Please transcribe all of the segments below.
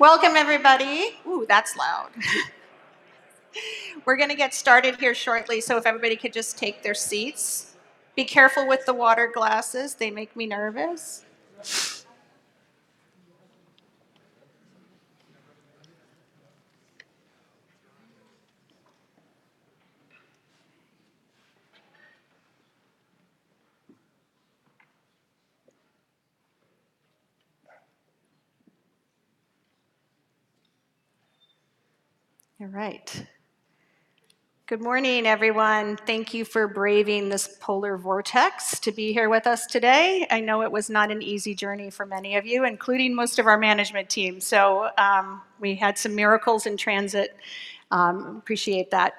Welcome, everybody. Ooh, that's loud. We're gonna get started here shortly, so if everybody could just take their seats. Be careful with the water glasses. They make me nervous. All right. Good morning, everyone. Thank you for braving this polar vortex to be here with us today. I know it was not an easy journey for many of you, including most of our management team. So, we had some miracles in transit, appreciate that.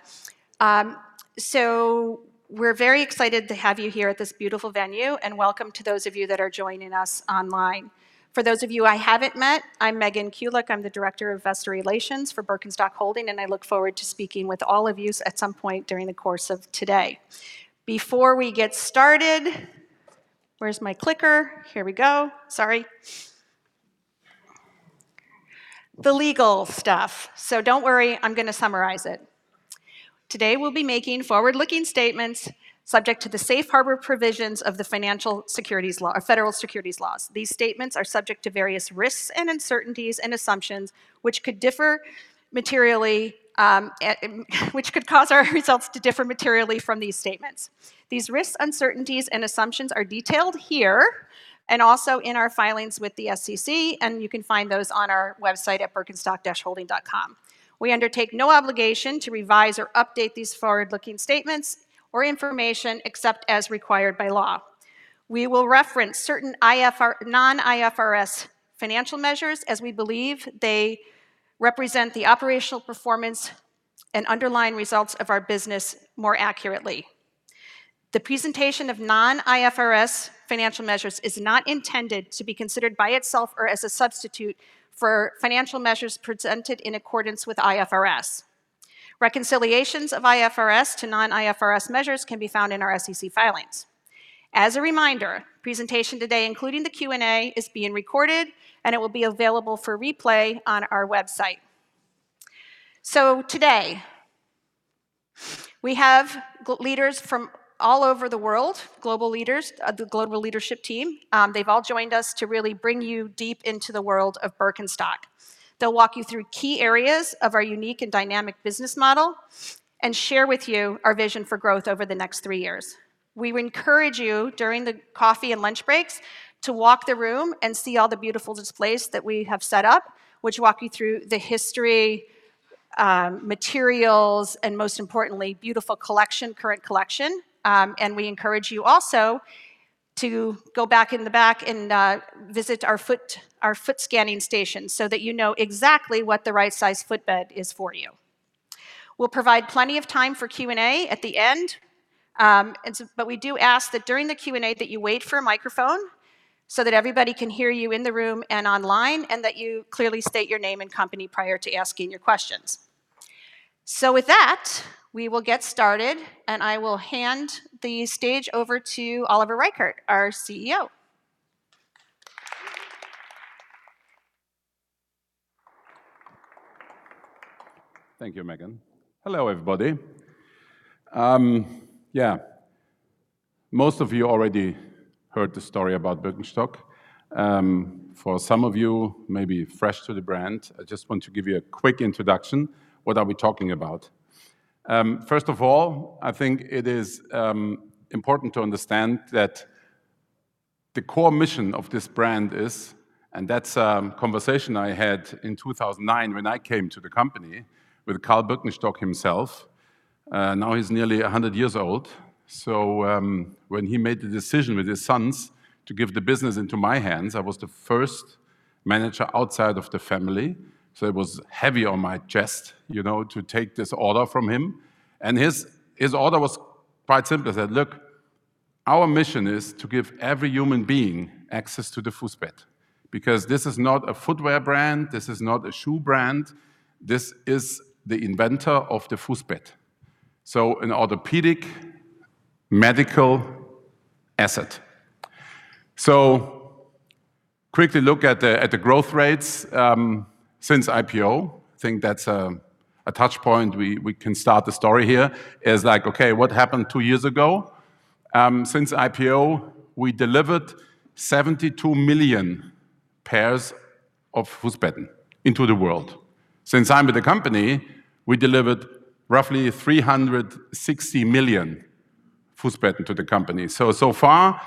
So we're very excited to have you here at this beautiful venue, and welcome to those of you that are joining us online. For those of you I haven't met, I'm Megan Kulick. I'm the Director of Investor Relations for Birkenstock Holding, and I look forward to speaking with all of yous at some point during the course of today. Before we get started... Where's my clicker? Here we go. Sorry. The legal stuff. So don't worry, I'm gonna summarize it. Today, we'll be making forward-looking statements subject to the safe harbor provisions of the financial securities law, or federal securities laws. These statements are subject to various risks and uncertainties and assumptions, which could differ materially, which could cause our results to differ materially from these statements. These risks, uncertainties, and assumptions are detailed here and also in our filings with the SEC, and you can find those on our website at birkenstock-holding.com. We undertake no obligation to revise or update these forward-looking statements or information, except as required by law. We will reference certain non-IFRS financial measures, as we believe they represent the operational performance and underlying results of our business more accurately. The presentation of non-IFRS financial measures is not intended to be considered by itself or as a substitute for financial measures presented in accordance with IFRS. Reconciliations of IFRS to non-IFRS measures can be found in our SEC filings. As a reminder, presentation today, including the Q&A, is being recorded, and it will be available for replay on our website. So today, we have leaders from all over the world, global leaders, the global leadership team. They've all joined us to really bring you deep into the world of Birkenstock. They'll walk you through key areas of our unique and dynamic business model, and share with you our vision for growth over the next three years. We encourage you, during the coffee and lunch breaks, to walk the room and see all the beautiful displays that we have set up, which walk you through the history, materials, and most importantly, beautiful collection, current collection. And we encourage you also to go back in the back and visit our foot scanning station so that you know exactly what the right size footbed is for you. We'll provide plenty of time for Q&A at the end, and so, but we do ask that during the Q&A, that you wait for a microphone so that everybody can hear you in the room and online, and that you clearly state your name and company prior to asking your questions. So with that, we will get started, and I will hand the stage over to Oliver Reichert, our CEO. Thank you, Megan. Hello, everybody. Yeah, most of you already heard the story about Birkenstock. For some of you, maybe fresh to the brand, I just want to give you a quick introduction. What are we talking about? First of all, I think it is important to understand that the core mission of this brand is... And that's a conversation I had in 2009 when I came to the company with Karl Birkenstock himself. Now he's nearly 100 years old. So, when he made the decision with his sons to give the business into my hands, I was the first manager outside of the family. So it was heavy on my chest, you know, to take this order from him, and his, his order was quite simple. He said: "Look, our mission is to give every human being access to the footbed," because this is not a footwear brand, this is not a shoe brand. This is the inventor of the footbed, so an orthopedic medical asset. So quickly look at the growth rates since IPO. I think that's a touch point. We can start the story here. It's like: Okay, what happened two years ago? Since IPO, we delivered 72 million pairs of footbeds into the world. Since I'm with the company, we delivered roughly 360 million footbed to the company. So, so far,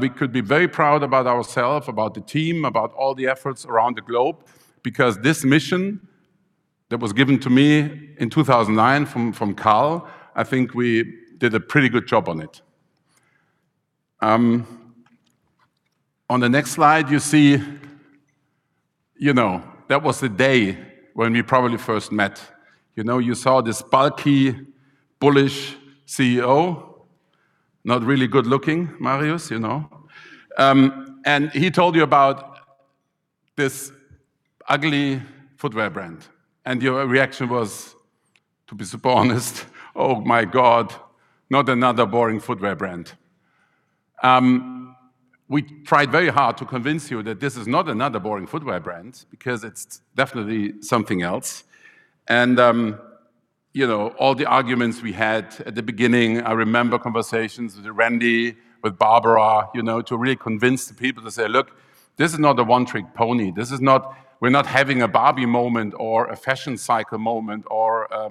we could be very proud about ourselves, about the team, about all the efforts around the globe, because this mission that was given to me in 2009 from Karl, I think we did a pretty good job on it. On the next slide, you see... You know, that was the day when we probably first met. You know, you saw this bulky, bullish CEO, not really good-looking, Marius, you know. And he told you about this ugly footwear brand, and your reaction was, to be super honest: "Oh, my God! Not another boring footwear brand."... we tried very hard to convince you that this is not another boring footwear brand, because it's definitely something else. And, you know, all the arguments we had at the beginning, I remember conversations with Randy, with Barbara, you know, to really convince the people to say, "Look, this is not a one-trick pony. This is not-- We're not having a Barbie moment, or a fashion cycle moment, or a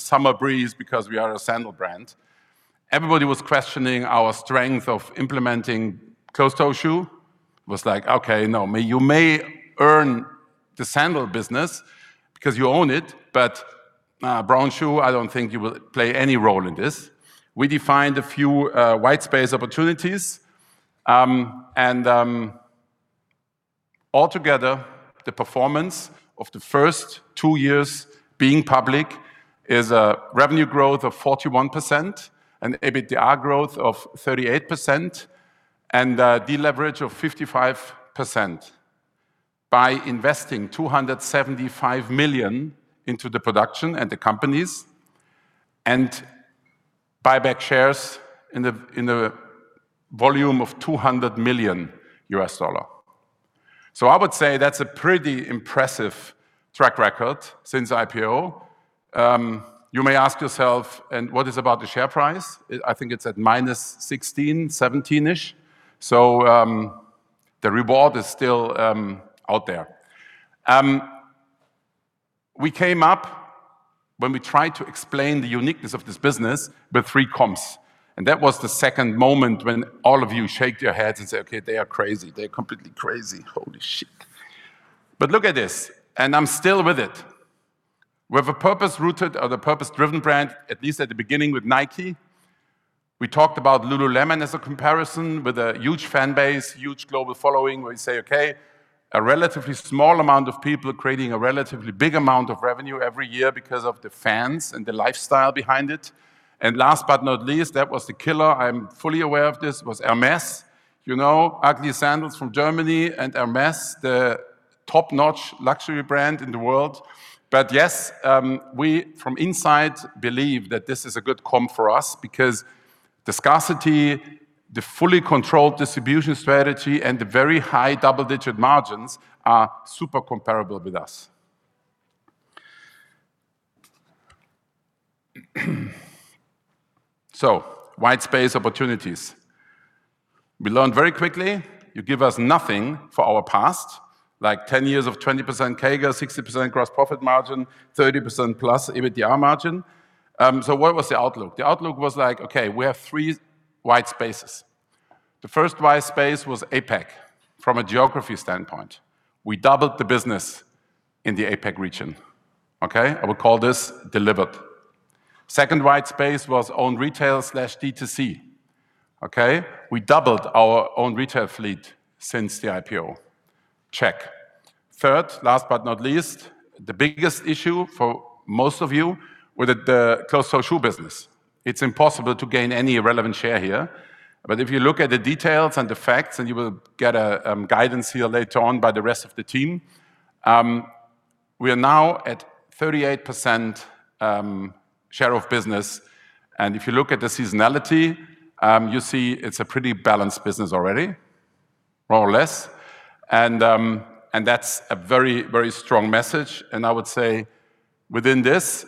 summer breeze because we are a sandal brand." Everybody was questioning our strength of implementing closed-toe shoe. It was like, "Okay, no, you may earn the sandal business because you own it, but brown shoe, I don't think you will play any role in this." We defined a few white space opportunities. Altogether, the performance of the first two years being public is a revenue growth of 41% and EBITDA growth of 38%, and deleverage of 55%, by investing 275 million into the production and the companies, and buyback shares in the volume of $200 million. So I would say that's a pretty impressive track record since IPO. You may ask yourself: What about the share price? I think it's at minus 16, 17-ish, so the reward is still out there. We came up, when we tried to explain the uniqueness of this business, with three comps, and that was the second moment when all of you shook your heads and said, "Okay, they are crazy. They're completely crazy. Holy shit!" But look at this, and I'm still with it. We have a purpose-rooted or a purpose-driven brand, at least at the beginning with Nike. We talked about Lululemon as a comparison with a huge fan base, huge global following, where you say, "Okay, a relatively small amount of people are creating a relatively big amount of revenue every year because of the fans and the lifestyle behind it." And last but not least, that was the killer, I'm fully aware of this, was Hermès. You know, ugly sandals from Germany and Hermès, the top-notch luxury brand in the world. But yes, we, from inside, believe that this is a good comp for us because the scarcity, the fully controlled distribution strategy, and the very high double-digit margins are super comparable with us. So white space opportunities. We learned very quickly, you give us nothing for our past, like 10 years of 20% CAGR, 60% gross profit margin, 30%+ EBITDA margin. So what was the outlook? The outlook was like, "Okay, we have three white spaces." The first white space was APAC, from a geography standpoint. We doubled the business in the APAC region. Okay? I would call this delivered. Second white space was own retail slash DTC. Okay? We doubled our own retail fleet since the IPO. Check. Third, last but not least, the biggest issue for most of you were the closed-toe shoe business. It's impossible to gain any relevant share here, but if you look at the details and the facts, and you will get a guidance here later on by the rest of the team, we are now at 38% share of business. If you look at the seasonality, you see it's a pretty balanced business already, more or less. That's a very, very strong message, and I would say within this,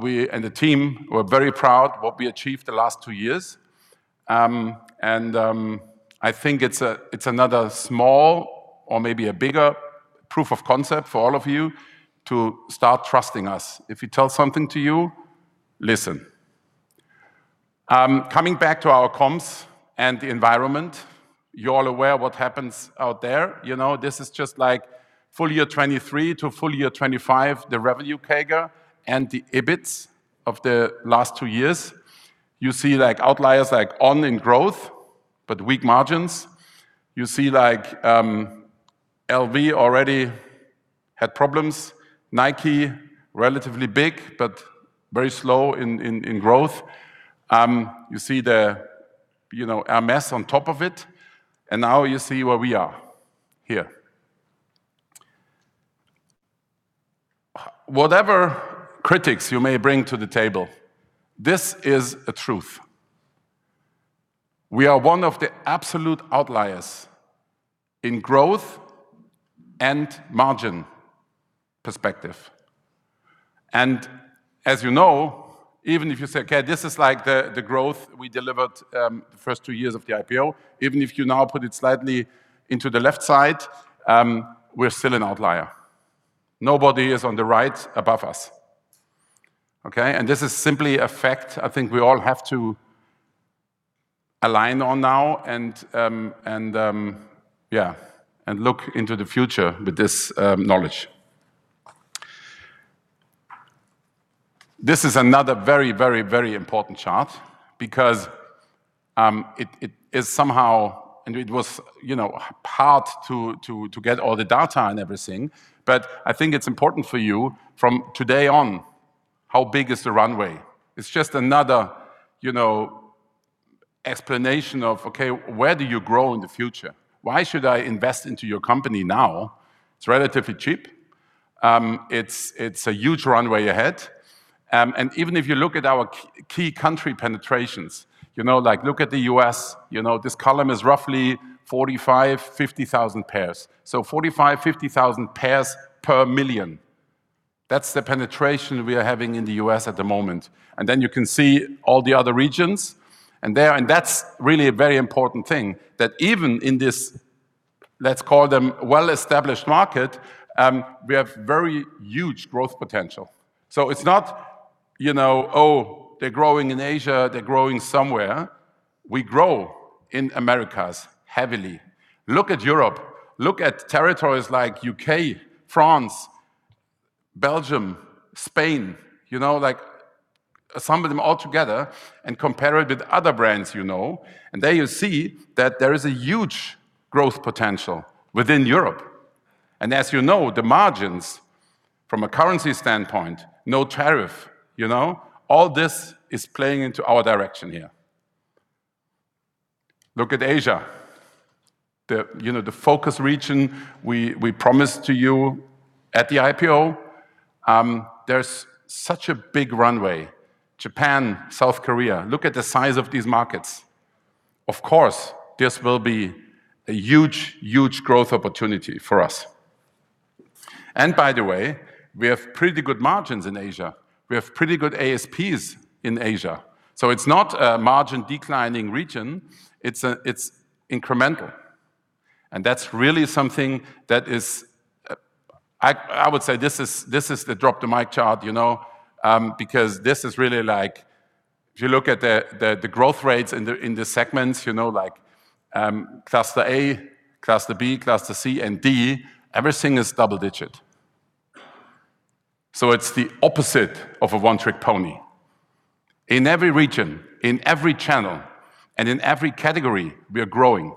we and the team, we're very proud what we achieved the last two years. I think it's a, it's another small or maybe a bigger proof of concept for all of you to start trusting us. If we tell something to you, listen. Coming back to our comps and the environment, you're all aware what happens out there. You know, this is just like full year 2023 to full year 2025, the revenue CAGR and the EBITs of the last two years. You see, like, outliers like On in growth, but weak margins. You see, like, LV already had problems. Nike, relatively big, but very slow in, in, in growth. You see the, you know, Hermès on top of it, and now you see where we are, here. Whatever critics you may bring to the table, this is a truth. We are one of the absolute outliers in growth and margin perspective. And as you know, even if you say: "Okay, this is like the growth we delivered, the first two years of the IPO," even if you now put it slightly into the left side, we're still an outlier. Nobody is on the right above us, okay? And this is simply a fact I think we all have to align on now, and, yeah, and look into the future with this knowledge. This is another very, very, very important chart because, it is somehow... And it was, you know, hard to get all the data and everything, but I think it's important for you, from today on, how big is the runway? It's just another, you know, explanation of, okay, where do you grow in the future? Why should I invest into your company now? It's relatively cheap.... It's a huge runway ahead. And even if you look at our key country penetrations, you know, like, look at the US, you know, this column is roughly 45,000-50,000 pairs. So 45,000-50,000 pairs per million. That's the penetration we are having in the US at the moment. And then you can see all the other regions, and that's really a very important thing, that even in this, let's call them, well-established market, we have very huge growth potential. So it's not, you know, "Oh, they're growing in Asia, they're growing somewhere." We grow in Americas heavily. Look at Europe, look at territories like U.K., France, Belgium, Spain, you know, like, sum them all together and compare it with other brands you know, and there you see that there is a huge growth potential within Europe. And as you know, the margins from a currency standpoint, no tariff, you know? All this is playing into our direction here. Look at Asia. The, you know, the focus region we promised to you at the IPO. There's such a big runway. Japan, South Korea, look at the size of these markets. Of course, this will be a huge, huge growth opportunity for us. And by the way, we have pretty good margins in Asia. We have pretty good ASPs in Asia. So it's not a margin-declining region, it's incremental, and that's really something that is. I would say this is the drop-the-mic chart, you know? Because this is really like, if you look at the growth rates in the segments, you know, like, cluster A, cluster B, cluster C and D, everything is double digit. So it's the opposite of a one-trick pony. In every region, in every channel, and in every category, we are growing.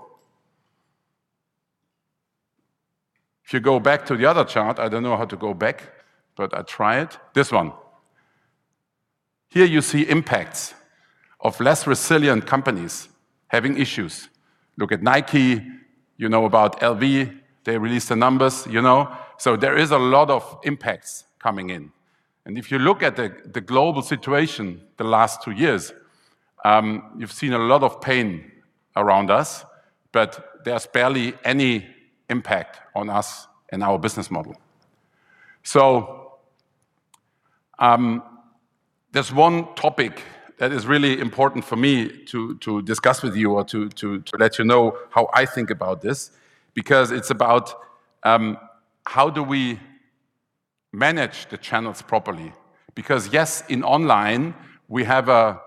If you go back to the other chart, I don't know how to go back, but I try it. This one. Here you see impacts of less resilient companies having issues. Look at Nike, you know about LV, they released the numbers, you know? So there is a lot of impacts coming in, and if you look at the global situation the last two years, you've seen a lot of pain around us, but there's barely any impact on us and our business model. So, there's one topic that is really important for me to discuss with you or to let you know how I think about this, because it's about how do we manage the channels properly? Because yes, in online, we have a,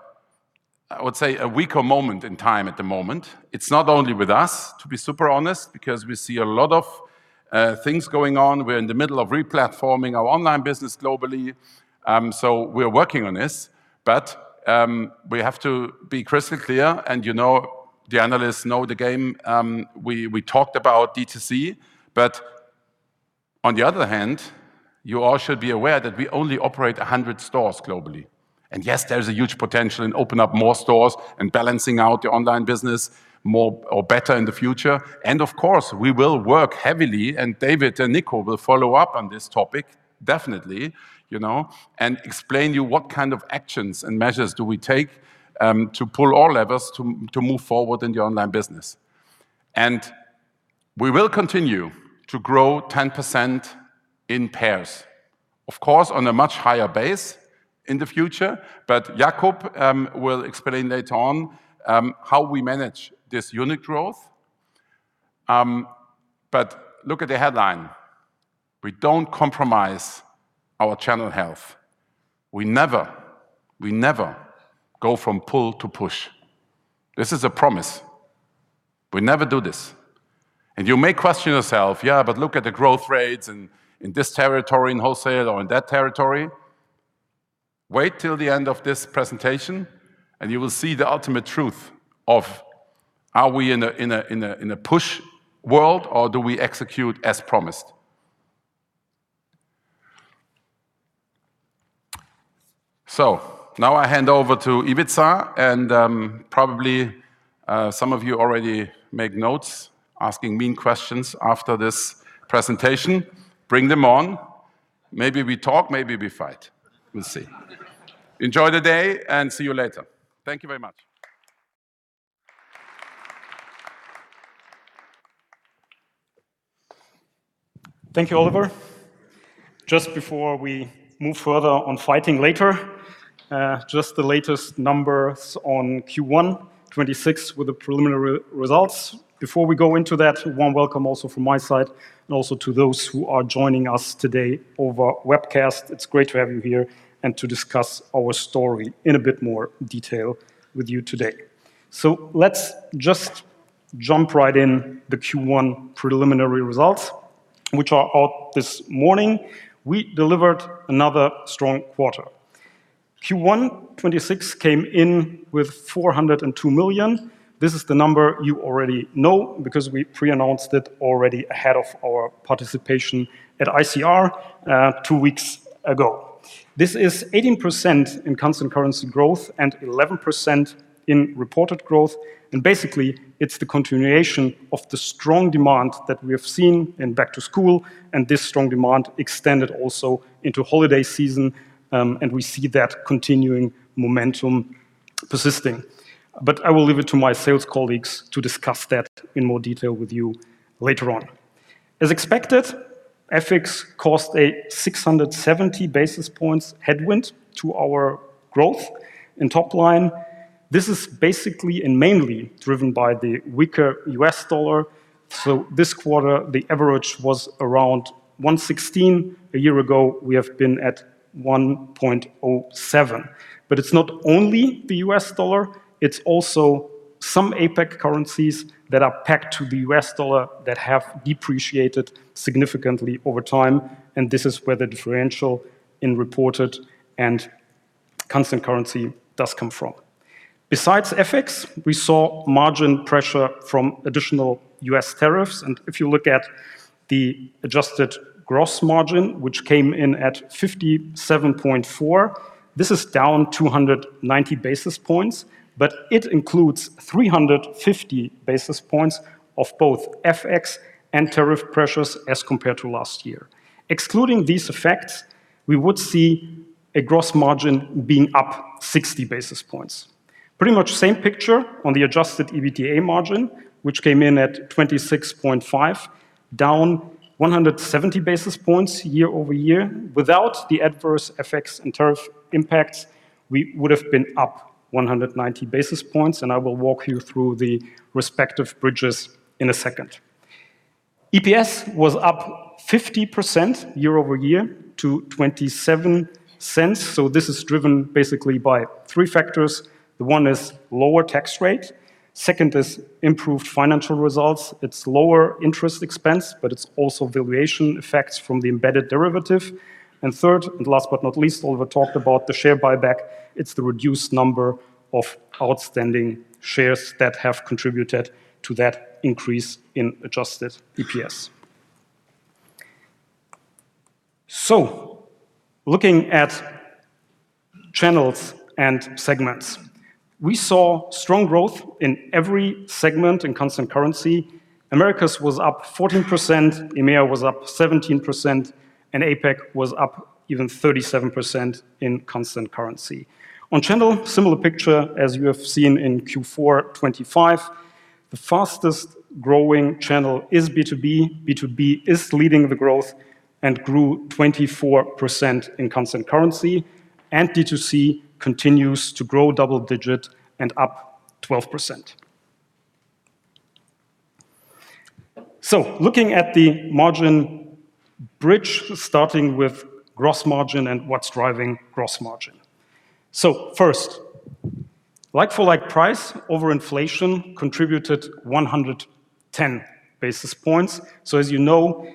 I would say, a weaker moment in time at the moment. It's not only with us, to be super honest, because we see a lot of things going on. We're in the middle of re-platforming our online business globally. So we're working on this, but we have to be crystal clear, and you know, the analysts know the game. We talked about DTC, but on the other hand, you all should be aware that we only operate 100 stores globally. And yes, there is a huge potential in open up more stores and balancing out the online business more or better in the future. And of course, we will work heavily, and David and Nico will follow up on this topic, definitely, you know, and explain you what kind of actions and measures do we take to pull all levers to move forward in the online business. And we will continue to grow 10% in pairs. Of course, on a much higher base in the future, but Jakob will explain later on how we manage this unit growth. But look at the headline. We don't compromise our channel health. We never go from pull to push. This is a promise. We never do this, and you may question yourself, "Yeah, but look at the growth rates in this territory, in wholesale or in that territory." Wait till the end of this presentation, and you will see the ultimate truth of, are we in a push world, or do we execute as promised? So now I hand over to Ivica, and probably some of you already make notes asking me questions after this presentation. Bring them on. Maybe we talk, maybe we fight. We'll see. Enjoy the day, and see you later. Thank you very much. Thank you, Oliver. Just before we move further on fighting later, just the latest numbers on Q1 2026 with the preliminary results. Before we go into that, warm welcome also from my side, and also to those who are joining us today over webcast. It's great to have you here and to discuss our story in a bit more detail with you today. So let's just jump right in the Q1 preliminary results, which are out this morning. We delivered another strong quarter. Q1 2026 came in with 402 million. This is the number you already know because we pre-announced it already ahead of our participation at ICR, two weeks ago. This is 18% in constant currency growth and 11% in reported growth, and basically, it's the continuation of the strong demand that we have seen in back to school, and this strong demand extended also into holiday season, and we see that continuing momentum persisting. But I will leave it to my sales colleagues to discuss that in more detail with you later on. As expected, FX caused a 670 basis points headwind to our growth in top line. This is basically and mainly driven by the weaker U.S. dollar. So this quarter, the average was around 1.16. A year ago, we have been at 1.07. But it's not only the U.S. dollar, it's also some APAC currencies that are pegged to the U.S. dollar that have depreciated significantly over time, and this is where the differential in reported and constant currency does come from. Besides FX, we saw margin pressure from additional U.S. tariffs, and if you look at the adjusted gross margin, which came in at 57.4, this is down 290 basis points, but it includes 350 basis points of both FX and tariff pressures as compared to last year. Excluding these effects, we would see a gross margin being up 60 basis points. Pretty much same picture on the adjusted EBITDA margin, which came in at 26.5, down 170 basis points year over year. Without the adverse FX and tariff impacts, we would've been up 190 basis points, and I will walk you through the respective bridges in a second. EPS was up 50% year over year to $0.27, so this is driven basically by three factors. The one is lower tax rate, second is improved financial results. It's lower interest expense, but it's also valuation effects from the embedded derivative. And third, and last but not least, Oliver talked about the share buyback. It's the reduced number of outstanding shares that have contributed to that increase in adjusted EPS. So looking at channels and segments, we saw strong growth in every segment in constant currency. Americas was up 14%, EMEA was up 17%, and APAC was up even 37% in constant currency. On channel, similar picture as you have seen in Q4 2025. The fastest growing channel is B2B. B2B is leading the growth and grew 24% in constant currency, and DTC continues to grow double digit and up 12%. So looking at the margin bridge, starting with gross margin and what's driving gross margin. So first, like-for-like price over inflation contributed 110 basis points. So as you know,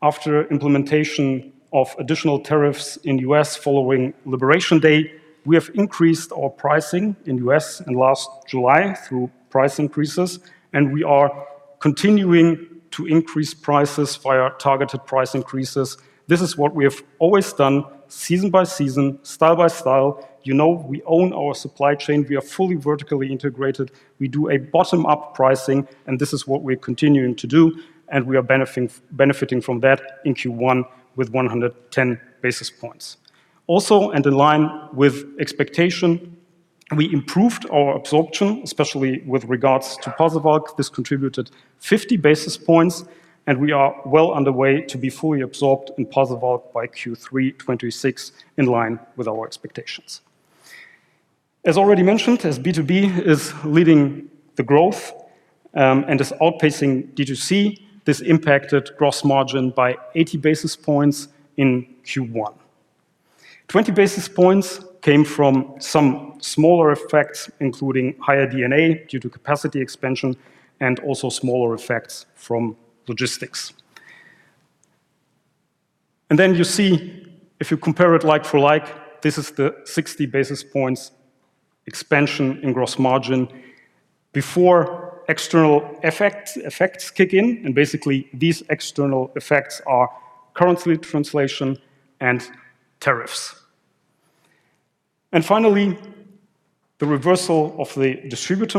after implementation of additional tariffs in U.S. following Liberation Day, we have increased our pricing in U.S. in last July through price increases, and we are continuing to increase prices via targeted price increases. This is what we have always done season by season, style by style. You know, we own our supply chain. We are fully vertically integrated. We do a bottom-up pricing, and this is what we're continuing to do, and we are benefiting from that in Q1 with 110 basis points. In line with expectation, we improved our absorption, especially with regards to Pasewalk. This contributed 50 basis points, and we are well underway to be fully absorbed in Pasewalk by Q3 2026, in line with our expectations. As already mentioned, as B2B is leading the growth, and is outpacing D2C, this impacted gross margin by 80 basis points in Q1. 20 basis points came from some smaller effects, including higher D&A due to capacity expansion, and also smaller effects from logistics. And then you see, if you compare it like for like, this is the 60 basis points expansion in gross margin before external effects kick in, and basically, these external effects are currency translation and tariffs. And finally, the reversal of the distributor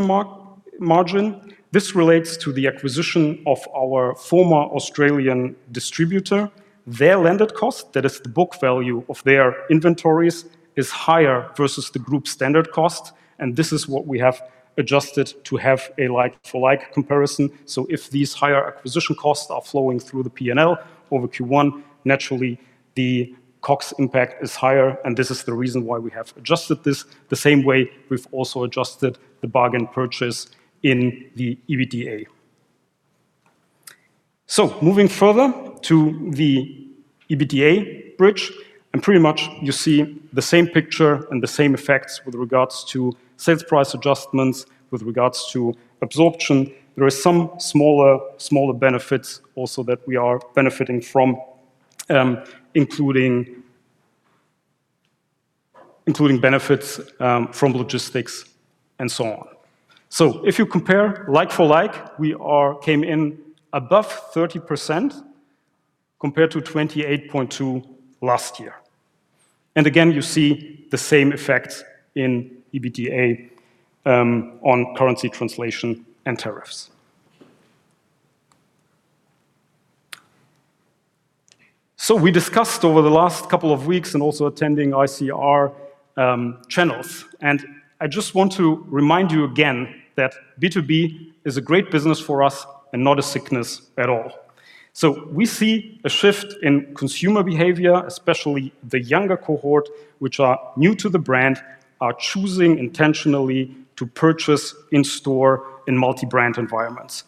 margin. This relates to the acquisition of our former Australian distributor. Their landed cost, that is the book value of their inventories, is higher versus the group standard cost, and this is what we have adjusted to have a like-for-like comparison. So if these higher acquisition costs are flowing through the P&L over Q1, naturally the COGS impact is higher, and this is the reason why we have adjusted this the same way we've also adjusted the bargain purchase in the EBITDA. So moving further to the EBITDA bridge, and pretty much you see the same picture and the same effects with regards to sales price adjustments, with regards to absorption. There are some smaller benefits also that we are benefiting from, including benefits from logistics and so on. So if you compare like for like, we came in above 30% compared to 28.2% last year. Again, you see the same effects in EBITDA on currency translation and tariffs. So we discussed over the last couple of weeks, and also attending ICR channels, and I just want to remind you again that B2B is a great business for us and not a sickness at all. So we see a shift in consumer behavior, especially the younger cohort, which are new to the brand, are choosing intentionally to purchase in-store in multi-brand environments.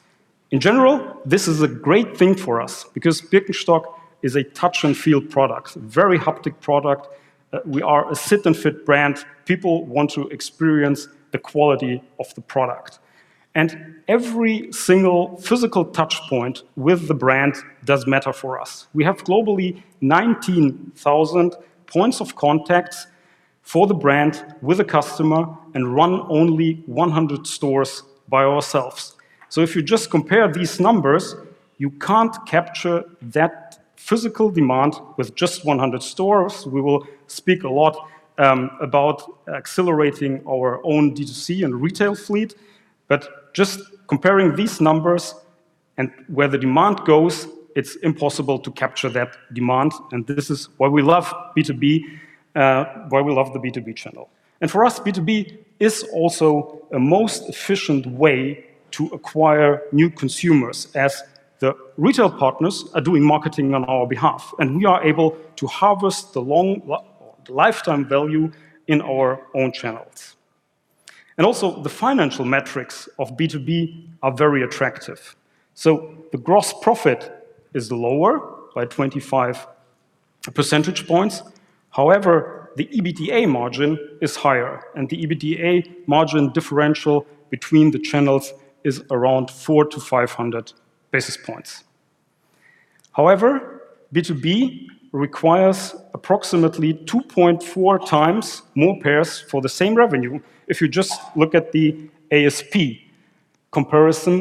In general, this is a great thing for us because Birkenstock is a touch-and-feel product, a very haptic product. We are a sit-and-fit brand. People want to experience the quality of the product, and every single physical touchpoint with the brand does matter for us. We have globally 19,000 points of contacts for the brand with a customer and run only 100 stores by ourselves. So if you just compare these numbers, you can't capture that physical demand with just 100 stores. We will speak a lot about accelerating our own D2C and retail fleet, but just comparing these numbers and where the demand goes, it's impossible to capture that demand, and this is why we love B2B, why we love the B2B channel. And for us, B2B is also a most efficient way to acquire new consumers, as the retail partners are doing marketing on our behalf, and we are able to harvest the lifetime value in our own channels. And also, the financial metrics of B2B are very attractive. So the gross profit is lower by 25 percentage points. However, the EBITDA margin is higher, and the EBITDA margin differential between the channels is around 400-500 basis points. However, B2B requires approximately 2.4 times more pairs for the same revenue. If you just look at the ASP comparison,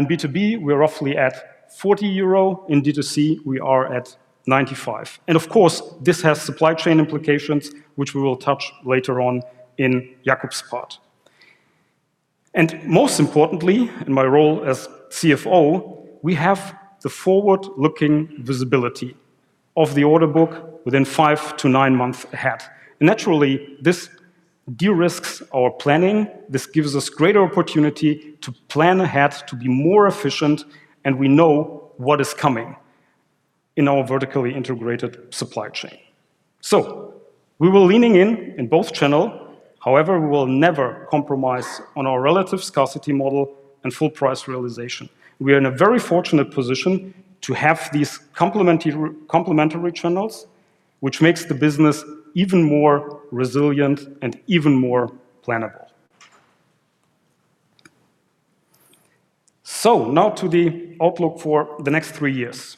in B2B, we're roughly at 40 euro, in D2C, we are at 95. And of course, this has supply chain implications, which we will touch later on in Jakob's part. And most importantly, in my role as CFO, we have the forward-looking visibility of the order book within 5-9 months ahead. And naturally, this de-risks our planning. This gives us greater opportunity to plan ahead, to be more efficient, and we know what is coming in our vertically integrated supply chain. So we were leaning in in both channel. However, we will never compromise on our relative scarcity model and full price realization. We are in a very fortunate position to have these complementary, complementary channels, which makes the business even more resilient and even more plannable. So now to the outlook for the next three years.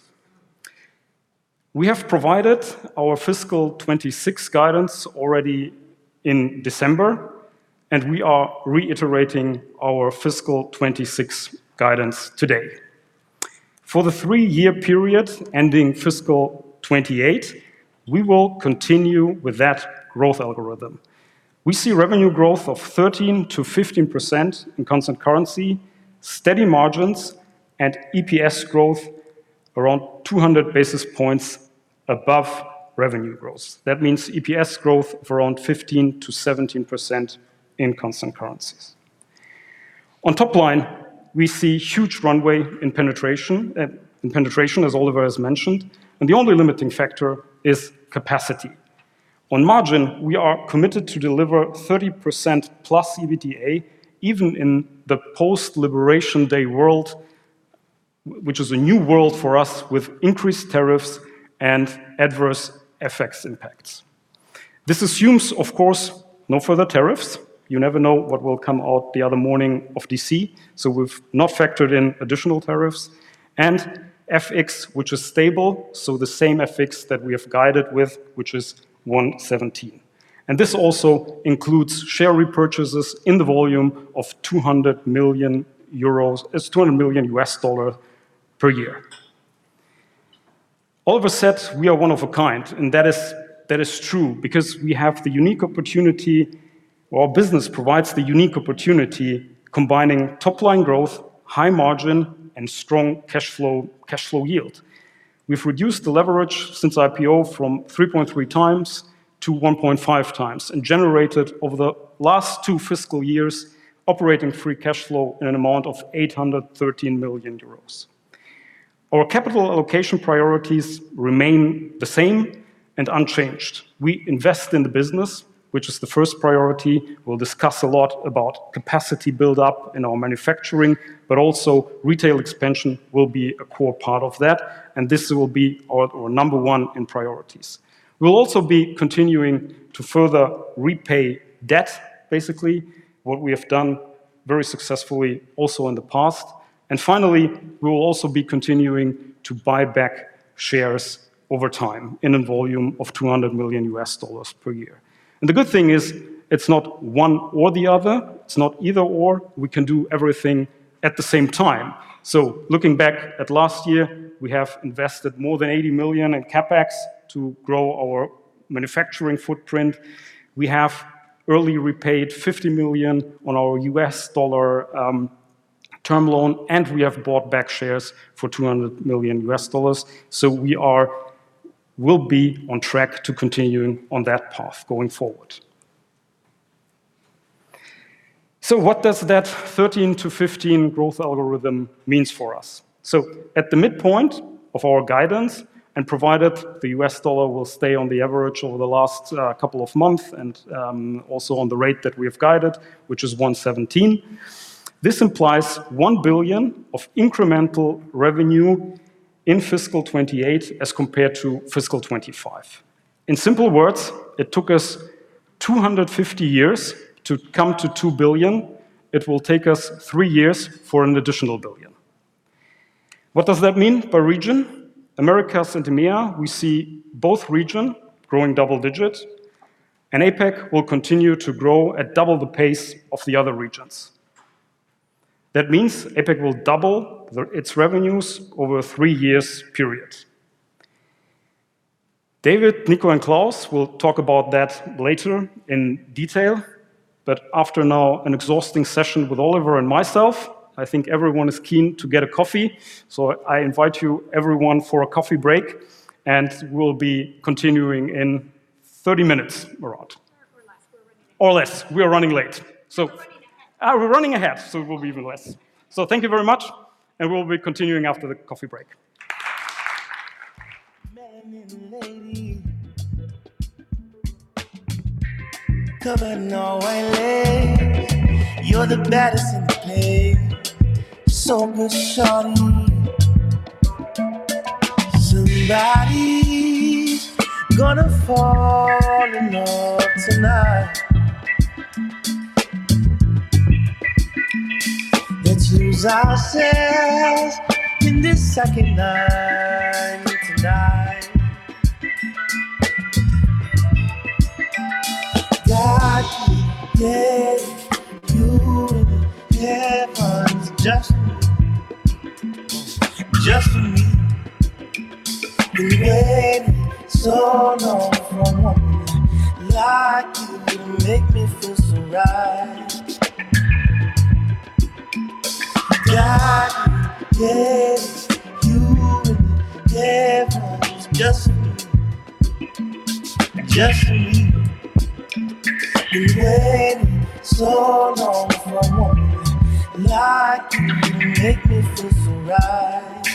We have provided our fiscal 2026 guidance already in December, and we are reiterating our fiscal 2026 guidance today. For the three-year period ending fiscal 2028, we will continue with that growth algorithm. We see revenue growth of 13%-15% in constant currency, steady margins, and EPS growth around 200 basis points above revenue growth. That means EPS growth of around 15%-17% in constant currencies. On top line, we see huge runway and penetration, and penetration, as Oliver has mentioned, and the only limiting factor is capacity. On margin, we are committed to deliver 30%+ EBITDA, even in the post-Liberation Day world, which is a new world for us, with increased tariffs and adverse FX impacts. This assumes, of course, no further tariffs. You never know what will come out the other morning of D.C., so we've not factored in additional tariffs. And FX, which is stable, so the same FX that we have guided with, which is 1.17. And this also includes share repurchases in the volume of 200 million euros. It's $200 million per year. Oliver said we are one of a kind, and that is, that is true because we have the unique opportunity, or our business provides the unique opportunity, combining top-line growth, high margin, and strong cash flow, cash flow yield. We've reduced the leverage since IPO from 3.3 times to 1.5 times and generated, over the last 2 fiscal years, operating free cash flow in an amount of 813 million euros. Our capital allocation priorities remain the same and unchanged. We invest in the business, which is the first priority. We'll discuss a lot about capacity build-up in our manufacturing, but also retail expansion will be a core part of that, and this will be our, our number one in priorities. We'll also be continuing to further repay debt, basically, what we have done very successfully also in the past. Finally, we will also be continuing to buy back shares over time in a volume of $200 million per year. The good thing is, it's not one or the other. It's not either/or. We can do everything at the same time. So looking back at last year, we have invested more than 80 million in CapEx to grow our manufacturing footprint. We have early repaid $50 million on our U.S. dollar term loan, and we have bought back shares for $200 million. So we are, will be on track to continuing on that path going forward. So what does that 13-15 growth algorithm means for us? So at the midpoint of our guidance, and provided the U.S. dollar will stay on the average over the last couple of months and also on the rate that we have guided, which is 1.17, this implies 1 billion of incremental revenue in fiscal 2028 as compared to fiscal 2025. In simple words, it took us 250 years to come to 2 billion. It will take us three years for an additional 1 billion. What does that mean by region? Americas and EMEA, we see both region growing double digits, and APAC will continue to grow at double the pace of the other regions. That means APAC will double its revenues over a three years period. David, Nico, and Klaus will talk about that later in detail, but after now, an exhausting session with Oliver and myself, I think everyone is keen to get a coffee. So I invite you, everyone, for a coffee break, and we'll be continuing in 30 minutes or out. Or less, we're running late. Or less. We are running late, so we're running ahead. Ah, we're running ahead, so it will be even less. So thank you very much, and we'll be continuing after the coffee break. Man and a lady. Covered in all white lace. You're the baddest in the place. So good, shorty. Somebody's gonna fall in love tonight. Let's lose ourselves in this second line tonight. God created you and the heavens just for me, just for me. Been waiting so long for a woman like you to make me feel so right.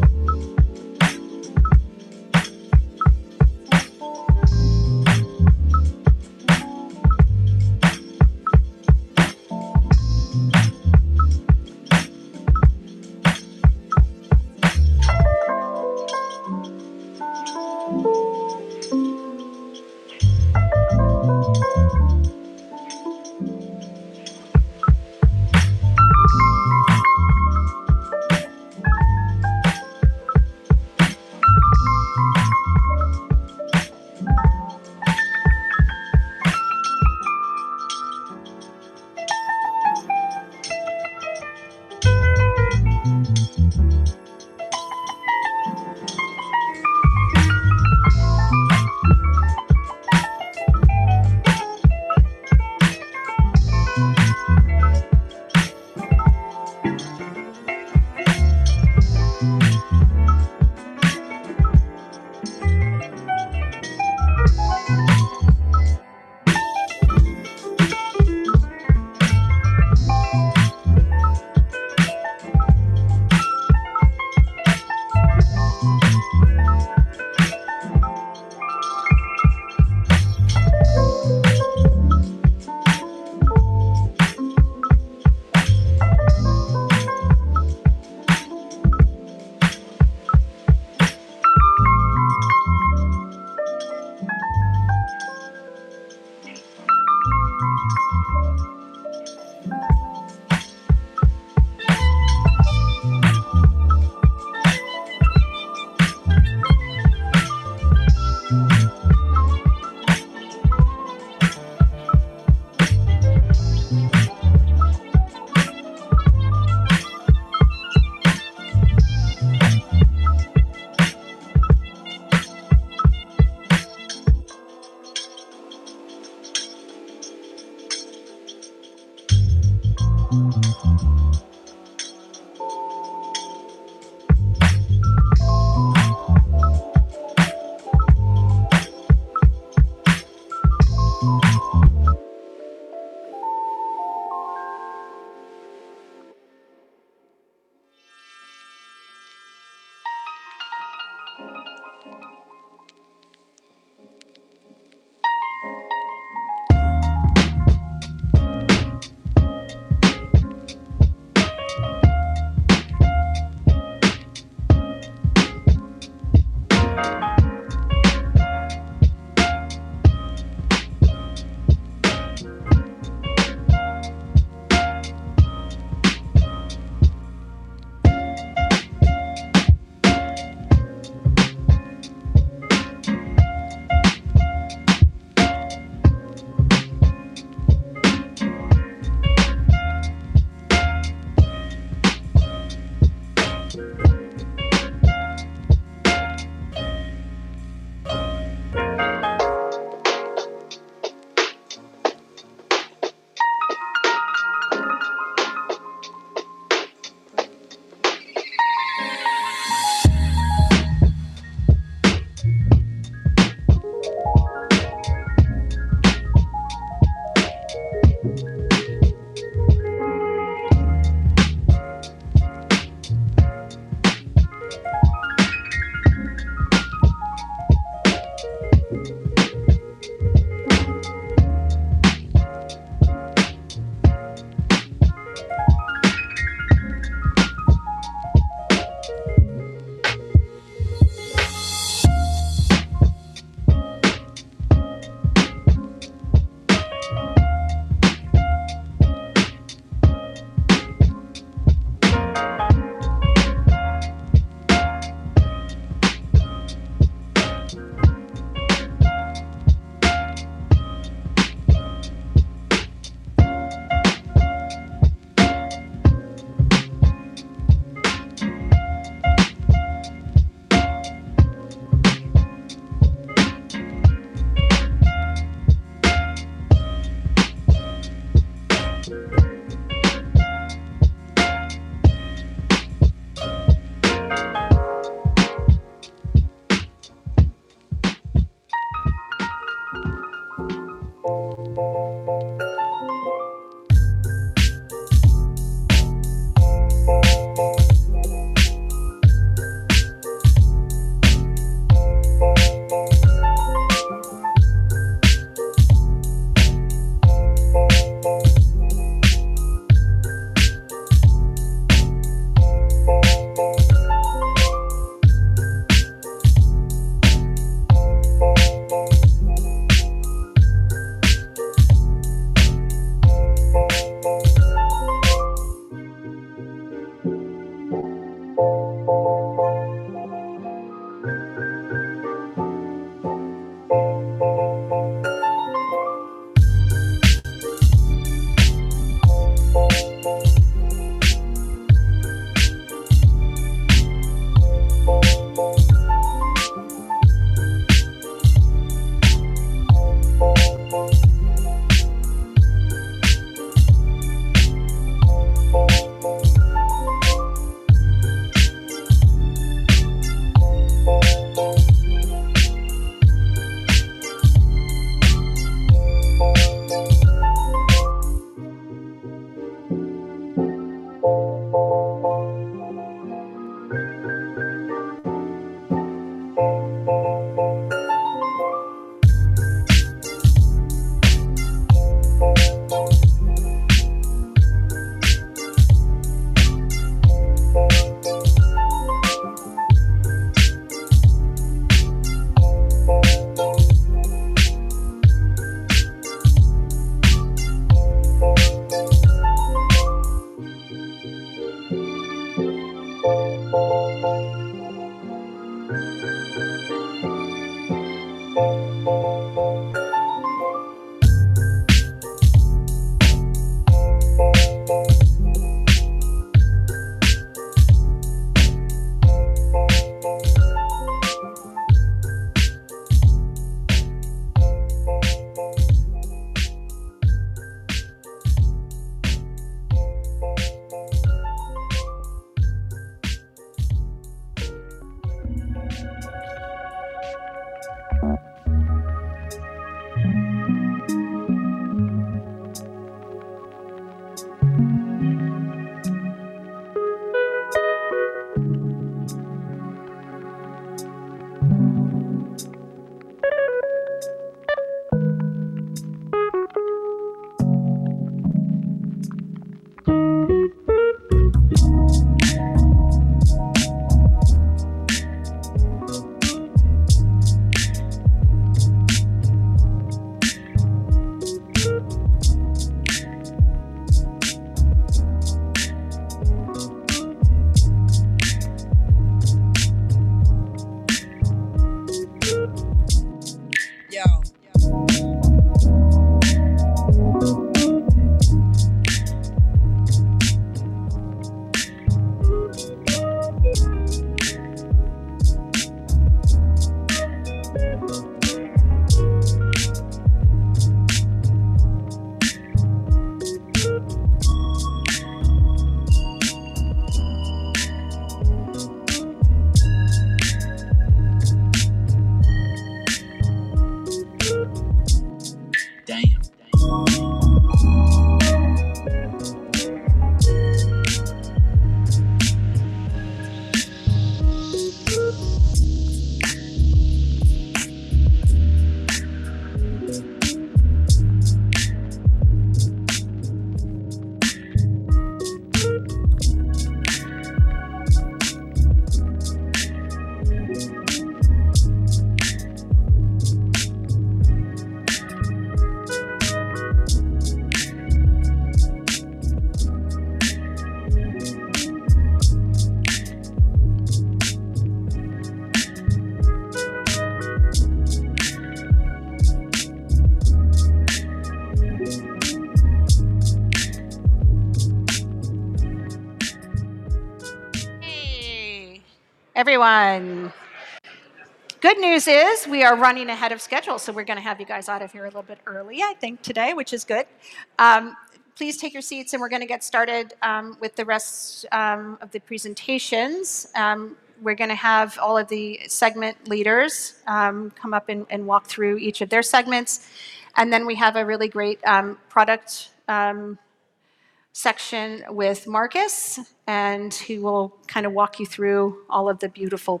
section with Marcus, and he will kind of walk you through all of the beautiful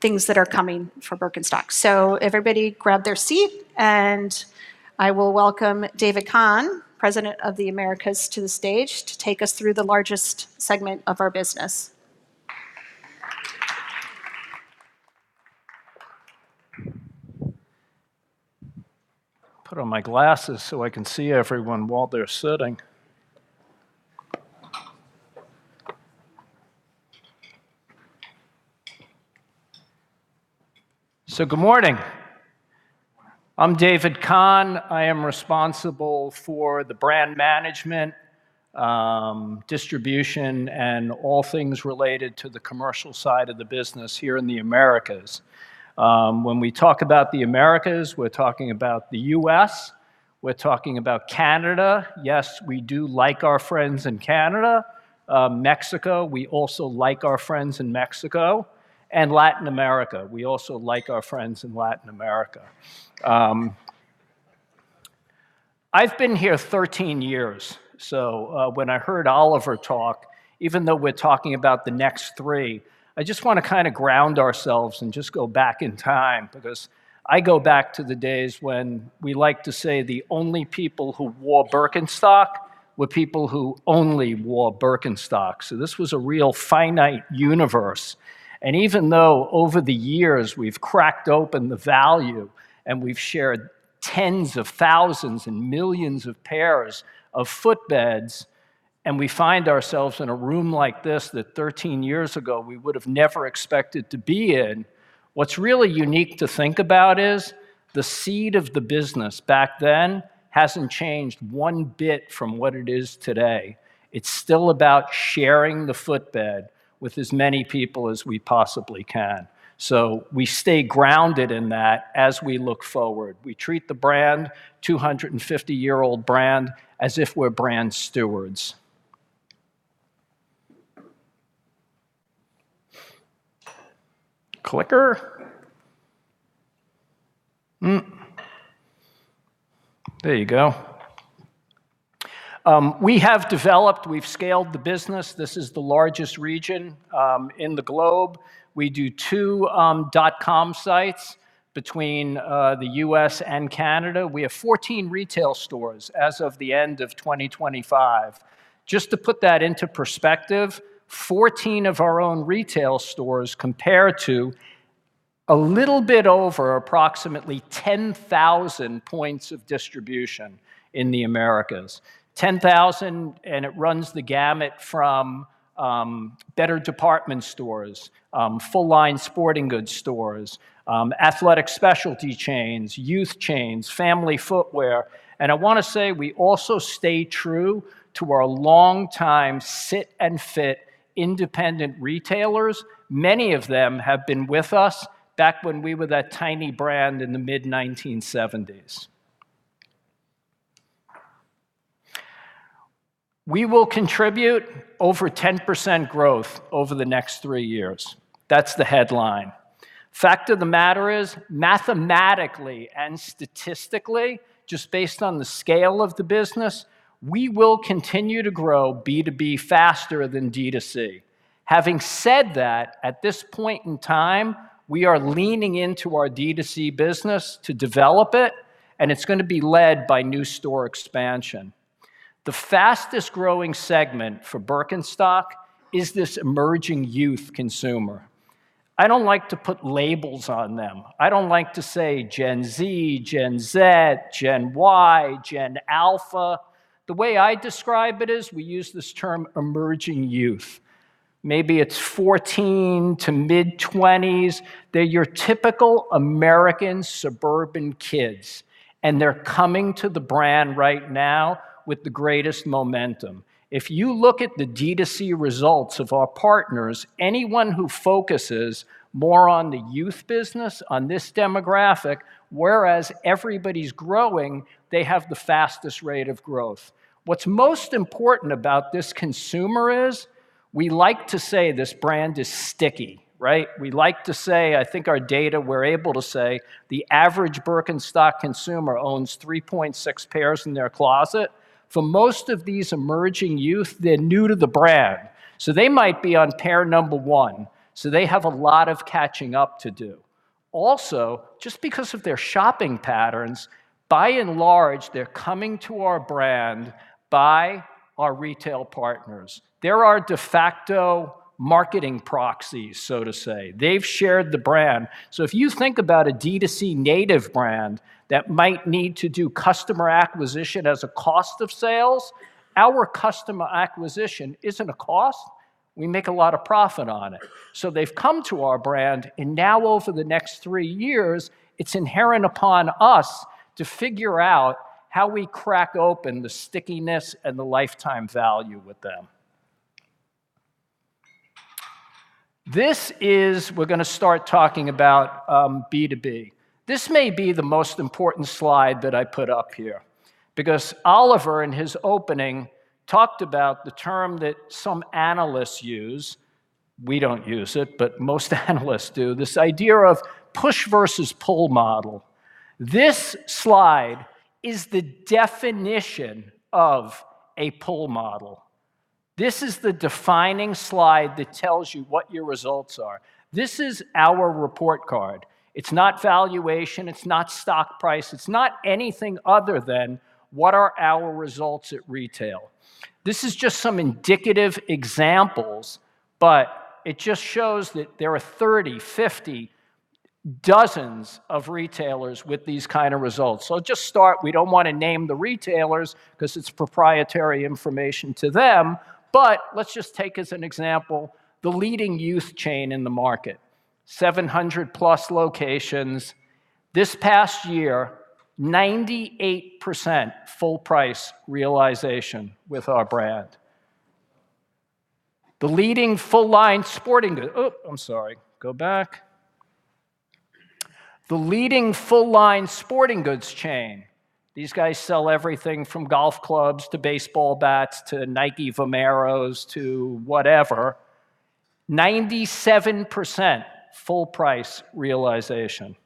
things that are coming for Birkenstock. So everybody grab their seat, and I will welcome David Kahan, President of the Americas, to the stage to take us through the largest segment of our business. Put on my glasses so I can see everyone while they're sitting. So good morning. I'm David Kahan. I am responsible for the brand management, distribution, and all things related to the commercial side of the business here in the Americas. When we talk about the Americas, we're talking about the U.S., we're talking about Canada. Yes, we do like our friends in Canada. Mexico, we also like our friends in Mexico, and Latin America, we also like our friends in Latin America. I've been here 13 years, so when I heard Oliver talk, even though we're talking about the next three, I just wanna kinda ground ourselves and just go back in time. Because I go back to the days when we like to say, the only people who wore Birkenstock were people who only wore Birkenstock, so this was a real finite universe. And even though over the years we've cracked open the value, and we've shared tens of thousands and millions of pairs of footbeds, and we find ourselves in a room like this, that 13 years ago we would've never expected to be in, what's really unique to think about is, the seed of the business back then hasn't changed one bit from what it is today. It's still about sharing the footbed with as many people as we possibly can. So we stay grounded in that as we look forward. We treat the brand, 250-year-old brand, as if we're brand stewards. Clicker? Mm. There you go. We have developed... We've scaled the business. This is the largest region in the globe. We do two dot-com sites between the U.S. and Canada. We have 14 retail stores as of the end of 2025. Just to put that into perspective, 14 of our own retail stores compare to a little bit over approximately 10,000 points of distribution in the Americas. 10,000, and it runs the gamut from better department stores, full-line sporting goods stores, athletic specialty chains, youth chains, family footwear. And I wanna say, we also stay true to our longtime sit-and-fit independent retailers. Many of them have been with us back when we were that tiny brand in the mid-1970s. We will contribute over 10% growth over the next 3 years. That's the headline. Fact of the matter is, mathematically and statistically, just based on the scale of the business, we will continue to grow B2B faster than D2C. Having said that, at this point in time, we are leaning into our DTC business to develop it, and it's gonna be led by new store expansion. The fastest growing segment for Birkenstock is this emerging youth consumer. I don't like to put labels on them. I don't like to say Gen Z, Gen Zed, Gen Y, Gen Alpha. The way I describe it is, we use this term, emerging youth. Maybe it's 14 to mid-20s. They're your typical American suburban kids, and they're coming to the brand right now with the greatest momentum. If you look at the DTC results of our partners, anyone who focuses more on the youth business, on this demographic, whereas everybody's growing, they have the fastest rate of growth. What's most important about this consumer is, we like to say, "This brand is sticky," right? We like to say... I think our data, we're able to say, the average Birkenstock consumer owns 3.6 pairs in their closet. For most of these emerging youth, they're new to the brand, so they might be on pair number 1, so they have a lot of catching up to do. Also, just because of their shopping patterns, by and large, they're coming to our brand by our retail partners. They're our de facto marketing proxies, so to say. They've shared the brand. So if you think about a DTC native brand that might need to do customer acquisition as a cost of sales, our customer acquisition isn't a cost, we make a lot of profit on it. So they've come to our brand, and now over the next 3 years, it's inherent upon us to figure out how we crack open the stickiness and the lifetime value with them. This is – we're gonna start talking about B2B. This may be the most important slide that I put up here, because Oliver, in his opening, talked about the term that some analysts use, we don't use it, but most analysts do, this idea of push versus pull model. This slide is the definition of a pull model. This is the defining slide that tells you what your results are. This is our report card. It's not valuation, it's not stock price, it's not anything other than: what are our results at retail? This is just some indicative examples, but it just shows that there are 30, 50, dozens of retailers with these kind of results. So I'll just start. We don't want to name the retailers, 'cause it's proprietary information to them, but let's just take, as an example, the leading youth chain in the market, 700+ locations. This past year, 98% full price realization with our brand. The leading full-line sporting goods... Oh, I'm sorry, go back. The leading full-line sporting goods chain, these guys sell everything from golf clubs, to baseball bats, to Nike Vomero, to whatever, 97% full price realization.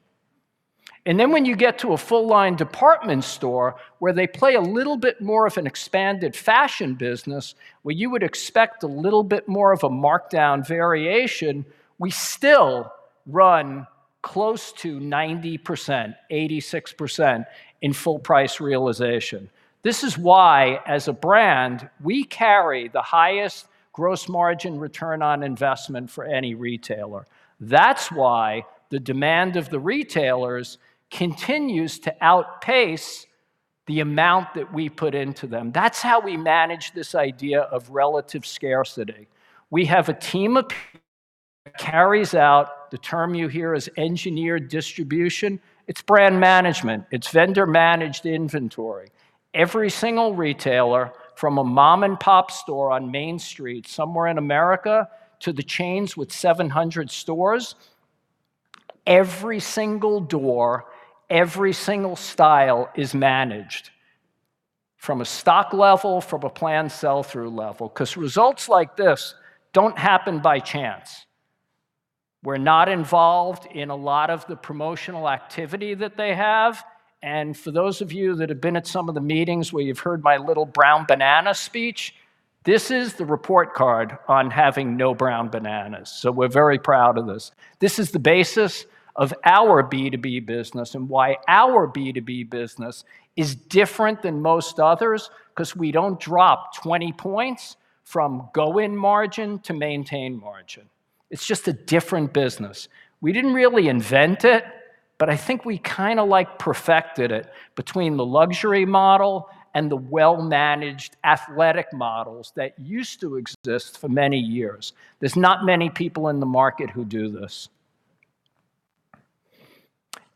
And then, when you get to a full-line department store, where they play a little bit more of an expanded fashion business, where you would expect a little bit more of a markdown variation, we still run close to 90%, 86% in full price realization. This is why, as a brand, we carry the highest gross margin return on investment for any retailer. That's why the demand of the retailers continues to outpace the amount that we put into them. That's how we manage this idea of Relative Scarcity. We have a team that carries out, the term you hear is Engineered Distribution. It's brand management, it's Vendor-managed Inventory. Every single retailer, from a mom-and-pop store on Main Street, somewhere in America, to the chains with 700 stores, every single door, every single style is managed from a stock level, from a planned sell-through level, 'cause results like this don't happen by chance. We're not involved in a lot of the promotional activity that they have. And for those of you that have been at some of the meetings where you've heard my little Brown Banana speech, this is the report card on having no Brown Bananas. So we're very proud of this. This is the basis of our B2B business, and why our B2B business is different than most others, 'cause we don't drop 20 points from go-in margin to maintain margin. It's just a different business. We didn't really invent it, but I think we kinda, like, perfected it between the luxury model and the well-managed athletic models that used to exist for many years. There's not many people in the market who do this.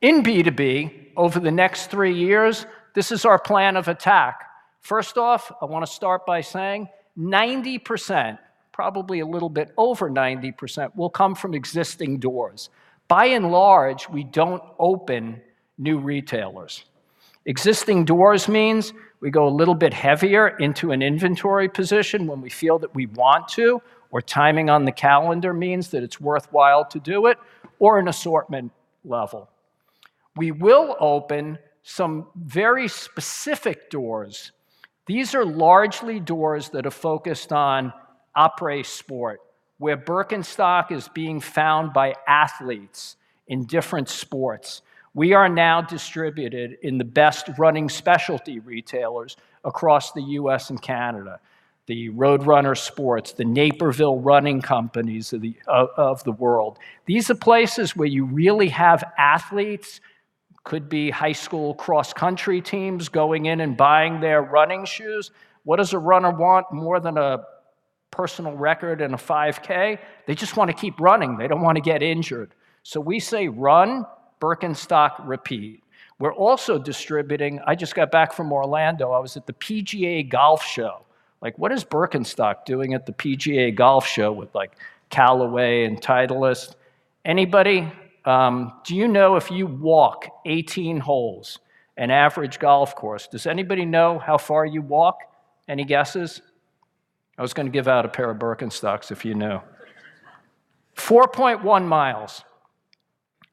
In B2B, over the next three years, this is our plan of attack. First off, I wanna start by saying 90%, probably a little bit over 90%, will come from existing doors. By and large, we don't open new retailers. Existing doors means we go a little bit heavier into an inventory position when we feel that we want to, or timing on the calendar means that it's worthwhile to do it, or an assortment level. We will open some very specific doors. These are largely doors that are focused on apres sport, where Birkenstock is being found by athletes in different sports. We are now distributed in the best running specialty retailers across the U.S. and Canada, the Road Runner Sports, the Naperville Running Company of the world. These are places where you really have athletes, could be high school cross country teams going in and buying their running shoes. What does a runner want more than a personal record in a 5K? They just want to keep running. They don't want to get injured. So we say, "Run, Birkenstock, repeat." We're also distributing... I just got back from Orlando. I was at the PGA Golf Show. Like, what is Birkenstock doing at the PGA Golf Show with, like, Callaway and Titleist? Anybody, do you know if you walk 18 holes, an average golf course, does anybody know how far you walk? Any guesses? I was gonna give out a pair of Birkenstocks, if you knew. 4.1 miles.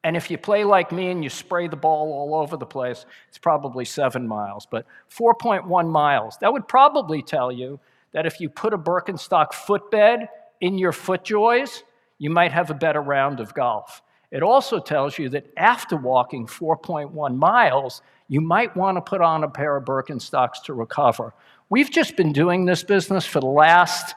And if you play like me, and you spray the ball all over the place, it's probably 7 miles. But 4.1 miles, that would probably tell you that if you put a Birkenstock footbed in your FootJoy... you might have a better round of golf. It also tells you that after walking 4.1 miles, you might wanna put on a pair of Birkenstocks to recover. We've just been doing this business for the last,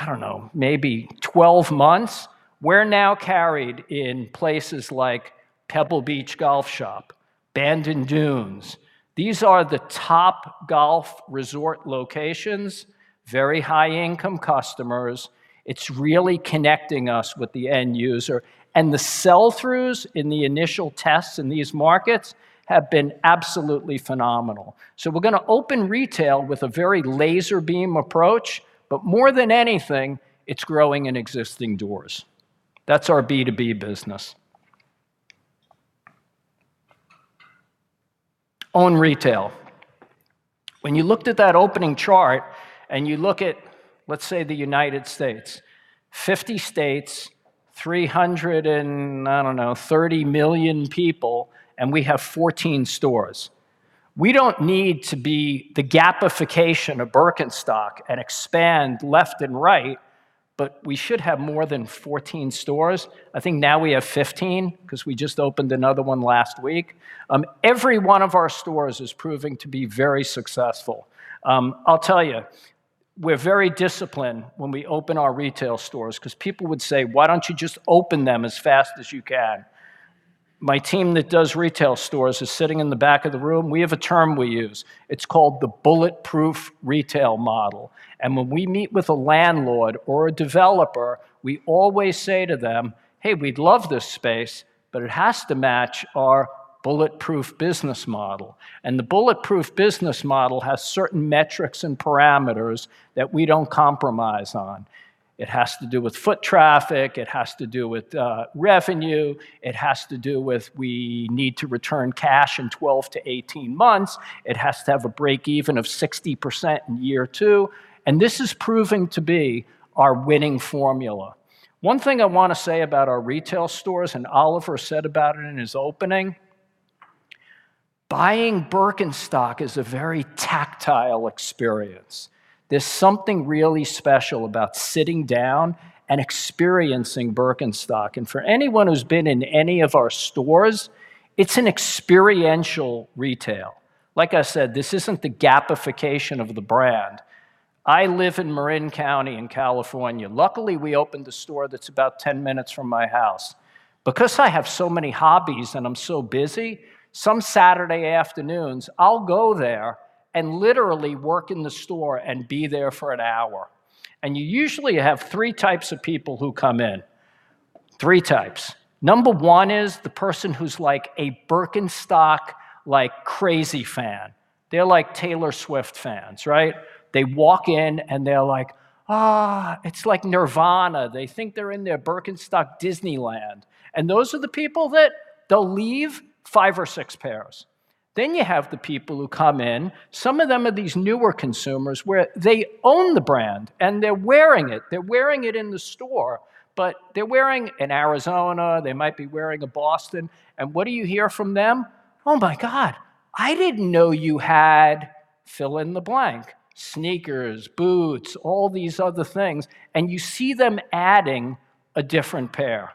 I don't know, maybe 12 months. We're now carried in places like Pebble Beach Golf Shop, Bandon Dunes. These are the top golf resort locations, very high-income customers. It's really connecting us with the end user, and the sell-throughs in the initial tests in these markets have been absolutely phenomenal. So we're gonna open retail with a very laser beam approach, but more than anything, it's growing in existing doors. That's our B2B business. Own retail. When you looked at that opening chart, and you look at, let's say, the United States, 50 states, 300 and, I don't know, 30 million people, and we have 14 stores. We don't need to be the Gapification of Birkenstock and expand left and right, but we should have more than 14 stores. I think now we have 15, 'cause we just opened another one last week. Every one of our stores is proving to be very successful. I'll tell you, we're very disciplined when we open our retail stores, 'cause people would say: "Why don't you just open them as fast as you can?" My team that does retail stores is sitting in the back of the room. We have a term we use. It's called the bulletproof retail model, and when we meet with a landlord or a developer, we always say to them: "Hey, we'd love this space, but it has to match our bulletproof business model." And the bulletproof business model has certain metrics and parameters that we don't compromise on. It has to do with foot traffic, it has to do with revenue, it has to do with we need to return cash in 12-18 months, it has to have a break-even of 60% in year two, and this is proving to be our winning formula. One thing I wanna say about our retail stores, and Oliver said about it in his opening, buying Birkenstock is a very tactile experience. There's something really special about sitting down and experiencing Birkenstock, and for anyone who's been in any of our stores, it's an experiential retail. Like I said, this isn't the Gapification of the brand. I live in Marin County in California. Luckily, we opened a store that's about 10 minutes from my house. Because I have so many hobbies and I'm so busy, some Saturday afternoons, I'll go there and literally work in the store and be there for an hour. You usually have three types of people who come in. Three types. Number one is the person who's, like, a Birkenstock, like, crazy fan. They're like Taylor Swift fans, right? They walk in, and they're like: "Ah!" It's like nirvana. They think they're in their Birkenstock Disneyland, and those are the people that they'll leave five or six pairs. Then you have the people who come in, some of them are these newer consumers, where they own the brand, and they're wearing it. They're wearing it in the store, but they're wearing an Arizona, they might be wearing a Boston, and what do you hear from them? "Oh, my God! I didn't know you had..." Fill in the blank. Sneakers, boots, all these other things, and you see them adding a different pair.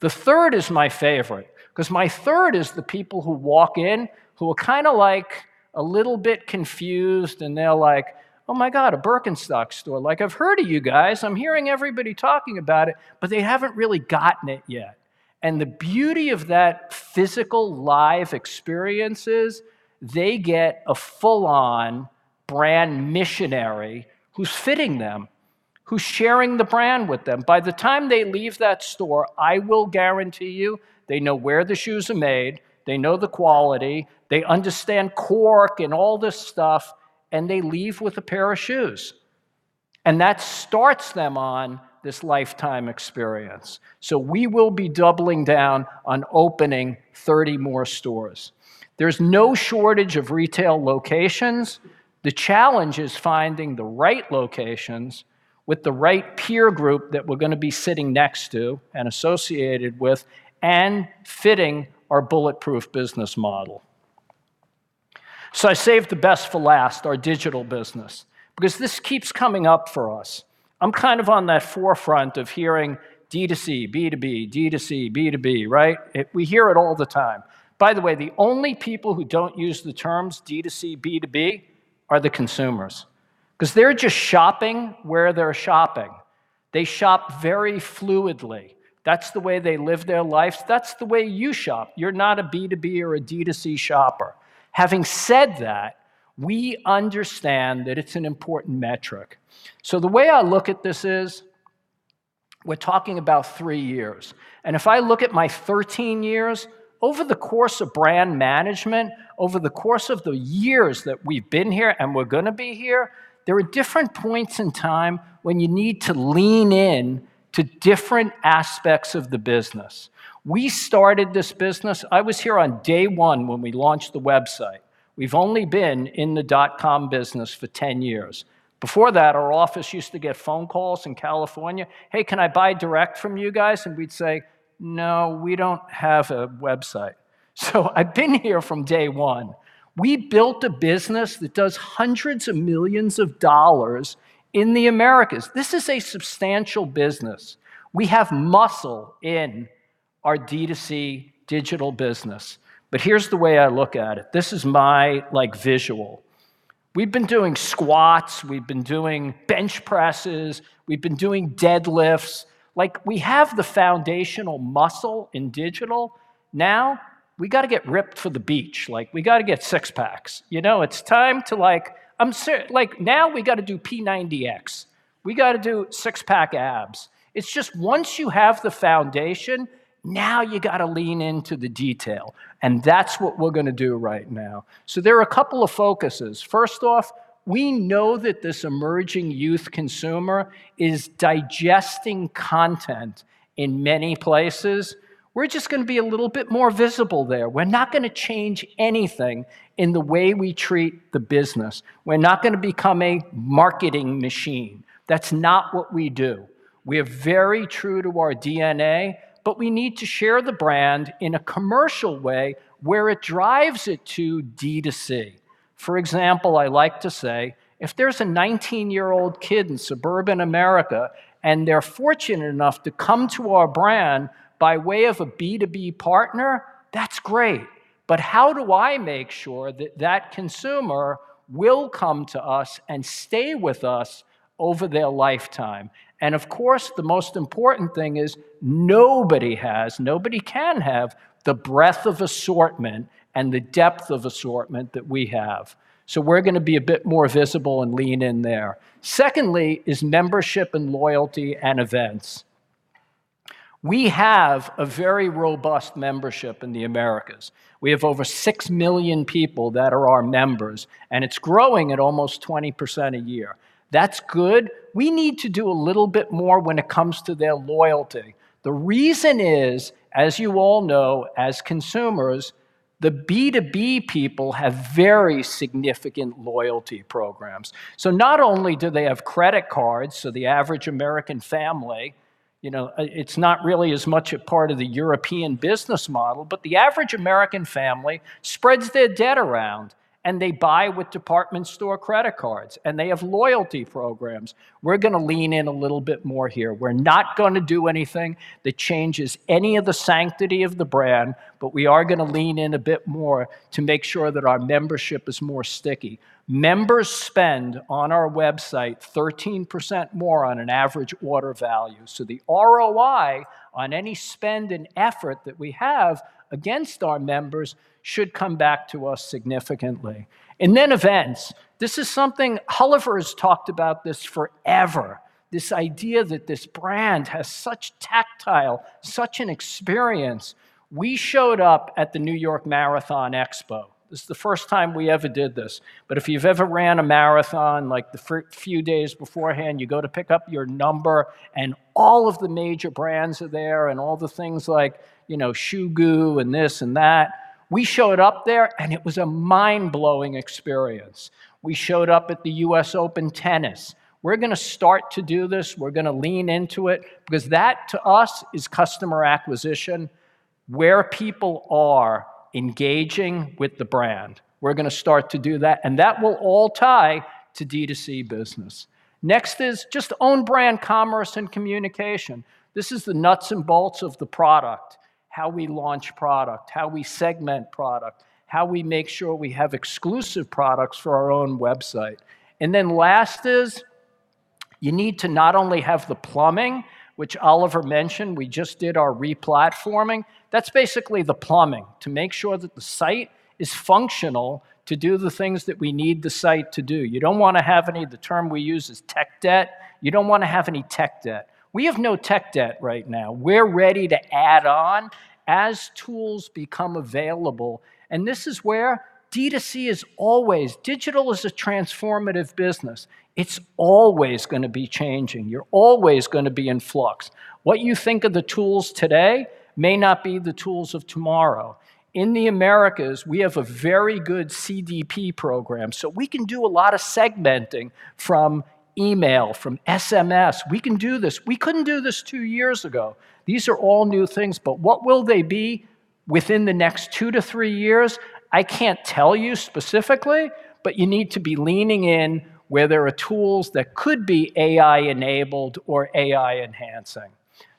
The third is my favorite, 'cause my third is the people who walk in, who are kinda like a little bit confused, and they're like: "Oh, my God, a Birkenstock store. Like, I've heard of you guys. I'm hearing everybody talking about it." But they haven't really gotten it yet, and the beauty of that physical, live experience is they get a full-on brand missionary who's fitting them, who's sharing the brand with them. By the time they leave that store, I will guarantee you, they know where the shoes are made, they know the quality, they understand cork and all this stuff, and they leave with a pair of shoes. And that starts them on this lifetime experience. So we will be doubling down on opening 30 more stores. There's no shortage of retail locations. The challenge is finding the right locations with the right peer group that we're gonna be sitting next to and associated with, and fitting our bulletproof business model. So I saved the best for last, our digital business, because this keeps coming up for us. I'm kind of on that forefront of hearing DTC, B2B, DTC, B2B, right? We hear it all the time. By the way, the only people who don't use the terms DTC, B2B are the consumers, 'cause they're just shopping where they're shopping. They shop very fluidly. That's the way they live their lives. That's the way you shop. You're not a B2B or a DTC shopper. Having said that, we understand that it's an important metric. So the way I look at this is, we're talking about three years, and if I look at my 13 years, over the course of brand management, over the course of the years that we've been here and we're gonna be here, there are different points in time when you need to lean in to different aspects of the business. We started this business... I was here on day one when we launched the website. We've only been in the dot-com business for 10 years. Before that, our office used to get phone calls in California, "Hey, can I buy direct from you guys?" And we'd say: "No, we don't have a website."... So I've been here from day one. We built a business that does $hundreds of millions in the Americas. This is a substantial business. We have muscle in our D2C digital business, but here's the way I look at it. This is my, like, visual. We've been doing squats, we've been doing bench presses, we've been doing deadlifts. Like, we have the foundational muscle in digital. Now, we got to get ripped for the beach, like, we got to get six packs. You know, it's time to like, now we got to do P90X. We got to do six-pack abs. It's just once you have the foundation, now you got to lean into the detail, and that's what we're going to do right now. So there are a couple of focuses. First off, we know that this emerging youth consumer is digesting content in many places. We're just going to be a little bit more visible there. We're not going to change anything in the way we treat the business. We're not going to become a marketing machine. That's not what we do. We are very true to our DNA, but we need to share the brand in a commercial way, where it drives it to D2C. For example, I like to say, if there's a 19-year-old kid in suburban America, and they're fortunate enough to come to our brand by way of a B2B partner, that's great. But how do I make sure that that consumer will come to us and stay with us over their lifetime? And of course, the most important thing is nobody has, nobody can have, the breadth of assortment and the depth of assortment that we have. So we're going to be a bit more visible and lean in there. Secondly, is membership, and loyalty, and events. We have a very robust membership in the Americas. We have over 6 million people that are our members, and it's growing at almost 20% a year. That's good. We need to do a little bit more when it comes to their loyalty. The reason is, as you all know, as consumers, the B2B people have very significant loyalty programs. So not only do they have credit cards, so the average American family, you know, it's not really as much a part of the European business model, but the average American family spreads their debt around, and they buy with department store credit cards, and they have loyalty programs. We're going to lean in a little bit more here. We're not going to do anything that changes any of the sanctity of the brand, but we are going to lean in a bit more to make sure that our membership is more sticky. Members spend on our website 13% more on an average order value, so the ROI on any spend and effort that we have against our members should come back to us significantly. And then events. This is something Oliver has talked about this forever, this idea that this brand has such tactile, such an experience. We showed up at the New York Marathon Expo. This is the first time we ever did this. But if you've ever ran a marathon, like, the few days beforehand, you go to pick up your number, and all of the major brands are there, and all the things like, you know, Shoe Goo, and this and that. We showed up there, and it was a mind-blowing experience. We showed up at the U.S. Open Tennis. We're going to start to do this. We're going to lean into it, because that, to us, is customer acquisition, where people are engaging with the brand. We're going to start to do that, and that will all tie to DTC business. Next is just own brand, commerce, and communication. This is the nuts and bolts of the product, how we launch product, how we segment product, how we make sure we have exclusive products for our own website. And then last is, you need to not only have the plumbing, which Oliver mentioned, we just did our re-platforming. That's basically the plumbing, to make sure that the site is functional, to do the things that we need the site to do. You don't want to have any... The term we use is tech debt. You don't want to have any tech debt. We have no tech debt right now. We're ready to add on as tools become available, and this is where DTC is always, digital is a transformative business. It's always going to be changing. You're always going to be in flux. What you think of the tools today may not be the tools of tomorrow. In the Americas, we have a very good CDP program, so we can do a lot of segmenting from email, from SMS. We can do this. We couldn't do this two years ago. These are all new things, but what will they be within the next two to three years? I can't tell you specifically, but you need to be leaning in where there are tools that could be AI-enabled or AI-enhancing.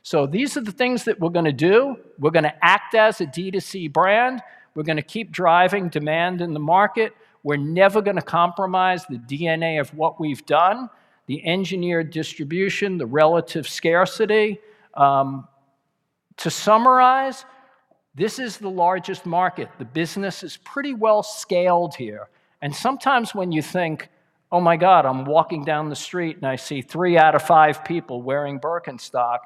So these are the things that we're going to do. We're going to act as a DTC brand. We're going to keep driving demand in the market. We're never going to compromise the DNA of what we've done, the engineered distribution, the relative scarcity. To summarize, this is the largest market. The business is pretty well scaled here, and sometimes when you think, "Oh, my God, I'm walking down the street, and I see three out of five people wearing Birkenstock,"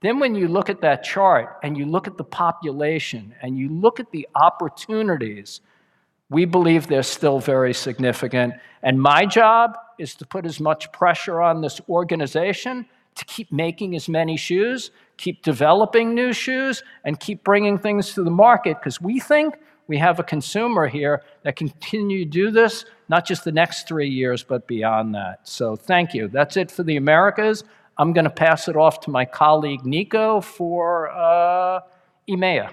then when you look at that chart, and you look at the population, and you look at the opportunities, we believe they're still very significant. And my job is to put as much pressure on this organization to keep making as many shoes, keep developing new shoes, and keep bringing things to the market, 'cause we think we have a consumer here that continue to do this, not just the next three years, but beyond that. So thank you. That's it for the Americas. I'm going to pass it off to my colleague, Nico, for EMEA.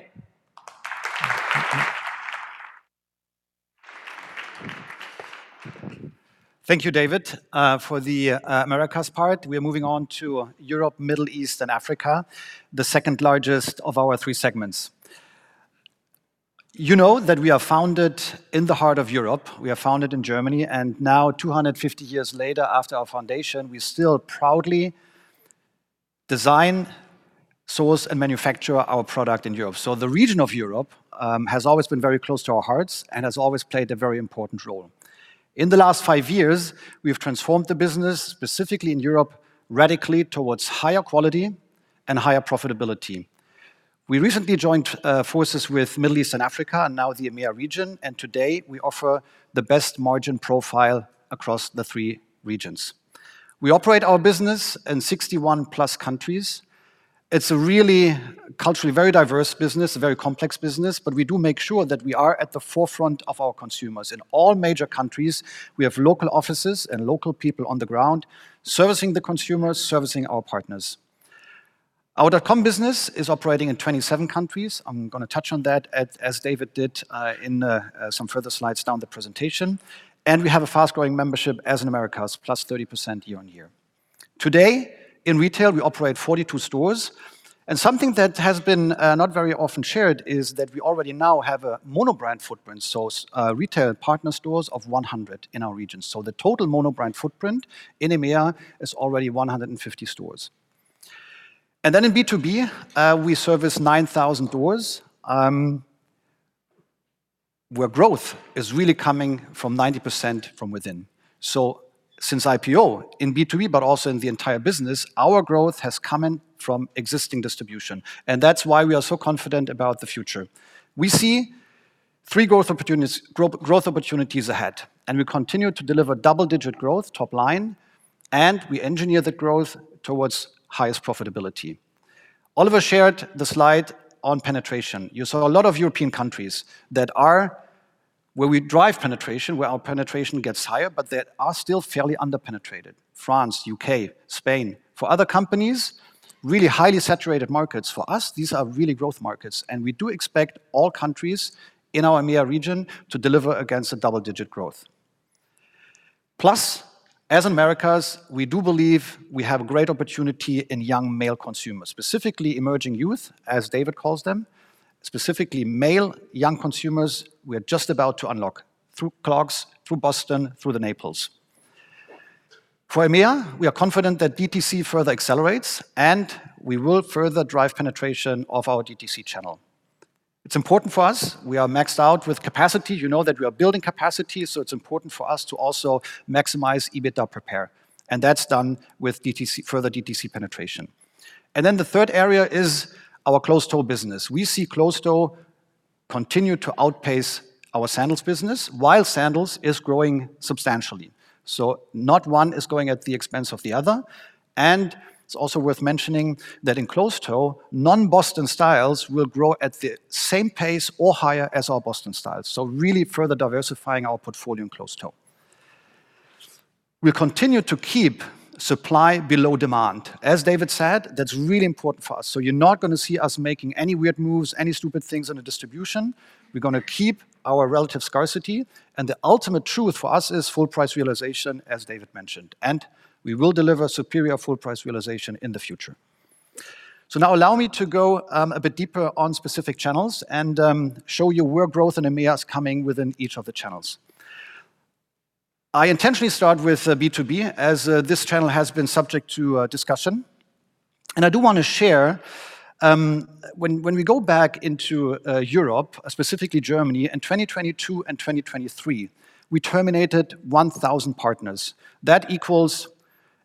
...Thank you, David. For the Americas part, we are moving on to Europe, Middle East, and Africa, the second-largest of our 3 segments. You know that we are founded in the heart of Europe. We are founded in Germany, and now, 250 years later, after our foundation, we still proudly design, source, and manufacture our product in Europe. So the region of Europe has always been very close to our hearts and has always played a very important role. In the last 5 years, we've transformed the business, specifically in Europe, radically towards higher quality and higher profitability. We recently joined forces with Middle East and Africa, and now the EMEA region, and today, we offer the best margin profile across the three regions. We operate our business in 61+ countries. It's a really culturally very diverse business, a very complex business, but we do make sure that we are at the forefront of our consumers. In all major countries, we have local offices and local people on the ground, servicing the consumers, servicing our partners. Our dot-com business is operating in 27 countries. I'm gonna touch on that, as, as David did, in some further slides down the presentation, and we have a fast-growing membership as in Americas, plus 30% year-over-year. Today, in retail, we operate 42 stores, and something that has been, not very often shared is that we already now have a mono-brand footprint across retail and partner stores of 100 in our region. So the total mono-brand footprint in EMEA is already 150 stores. And then in B2B, we service 9,000 doors, where growth is really coming from 90% from within. So since IPO, in B2B, but also in the entire business, our growth has come in from existing distribution, and that's why we are so confident about the future. We see 3 growth opportunities, growth opportunities ahead, and we continue to deliver double-digit growth top line, and we engineer the growth towards highest profitability. Oliver shared the slide on penetration. You saw a lot of European countries that are... where we drive penetration, where our penetration gets higher, but that are still fairly under-penetrated: France, U.K., Spain. For other companies, really highly saturated markets. For us, these are really growth markets, and we do expect all countries in our EMEA region to deliver against a double-digit growth. Plus, as Americas, we do believe we have great opportunity in young male consumers, specifically emerging youth, as David calls them, specifically male young consumers we are just about to unlock, through clogs, through Boston, through the Naples. For EMEA, we are confident that DTC further accelerates, and we will further drive penetration of our DTC channel. It's important for us. We are maxed out with capacity. You know that we are building capacity, so it's important for us to also maximize EBITDA prepare, and that's done with DTC, further DTC penetration. Then the third area is our closed-toe business. We see closed-toe continue to outpace our sandals business, while sandals is growing substantially. So not one is going at the expense of the other, and it's also worth mentioning that in closed-toe, non-Boston styles will grow at the same pace or higher as our Boston styles, so really further diversifying our portfolio in closed-toe. We continue to keep supply below demand. As David said, that's really important for us. So you're not gonna see us making any weird moves, any stupid things in the distribution. We're gonna keep our relative scarcity, and the ultimate truth for us is full price realization, as David mentioned, and we will deliver superior full price realization in the future. So now allow me to go, a bit deeper on specific channels and, show you where growth in EMEA is coming within each of the channels. I intentionally start with B2B, as this channel has been subject to discussion, and I do wanna share, when we go back into Europe, specifically Germany, in 2022 and 2023, we terminated 1,000 partners. That equals...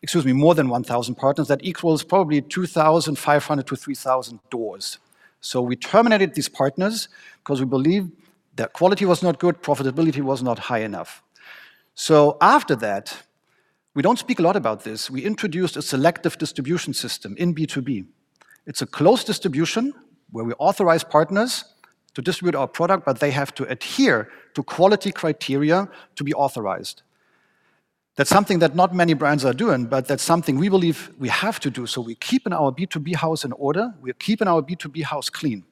Excuse me, more than 1,000 partners. That equals probably 2,500-3,000 doors. So we terminated these partners 'cause we believe their quality was not good, profitability was not high enough. So after that, we don't speak a lot about this, we introduced a selective distribution system in B2B. It's a closed distribution where we authorize partners to distribute our product, but they have to adhere to quality criteria to be authorized. That's something that not many brands are doing, but that's something we believe we have to do, so we keeping our B2B house in order. We are keeping our B2B house clean,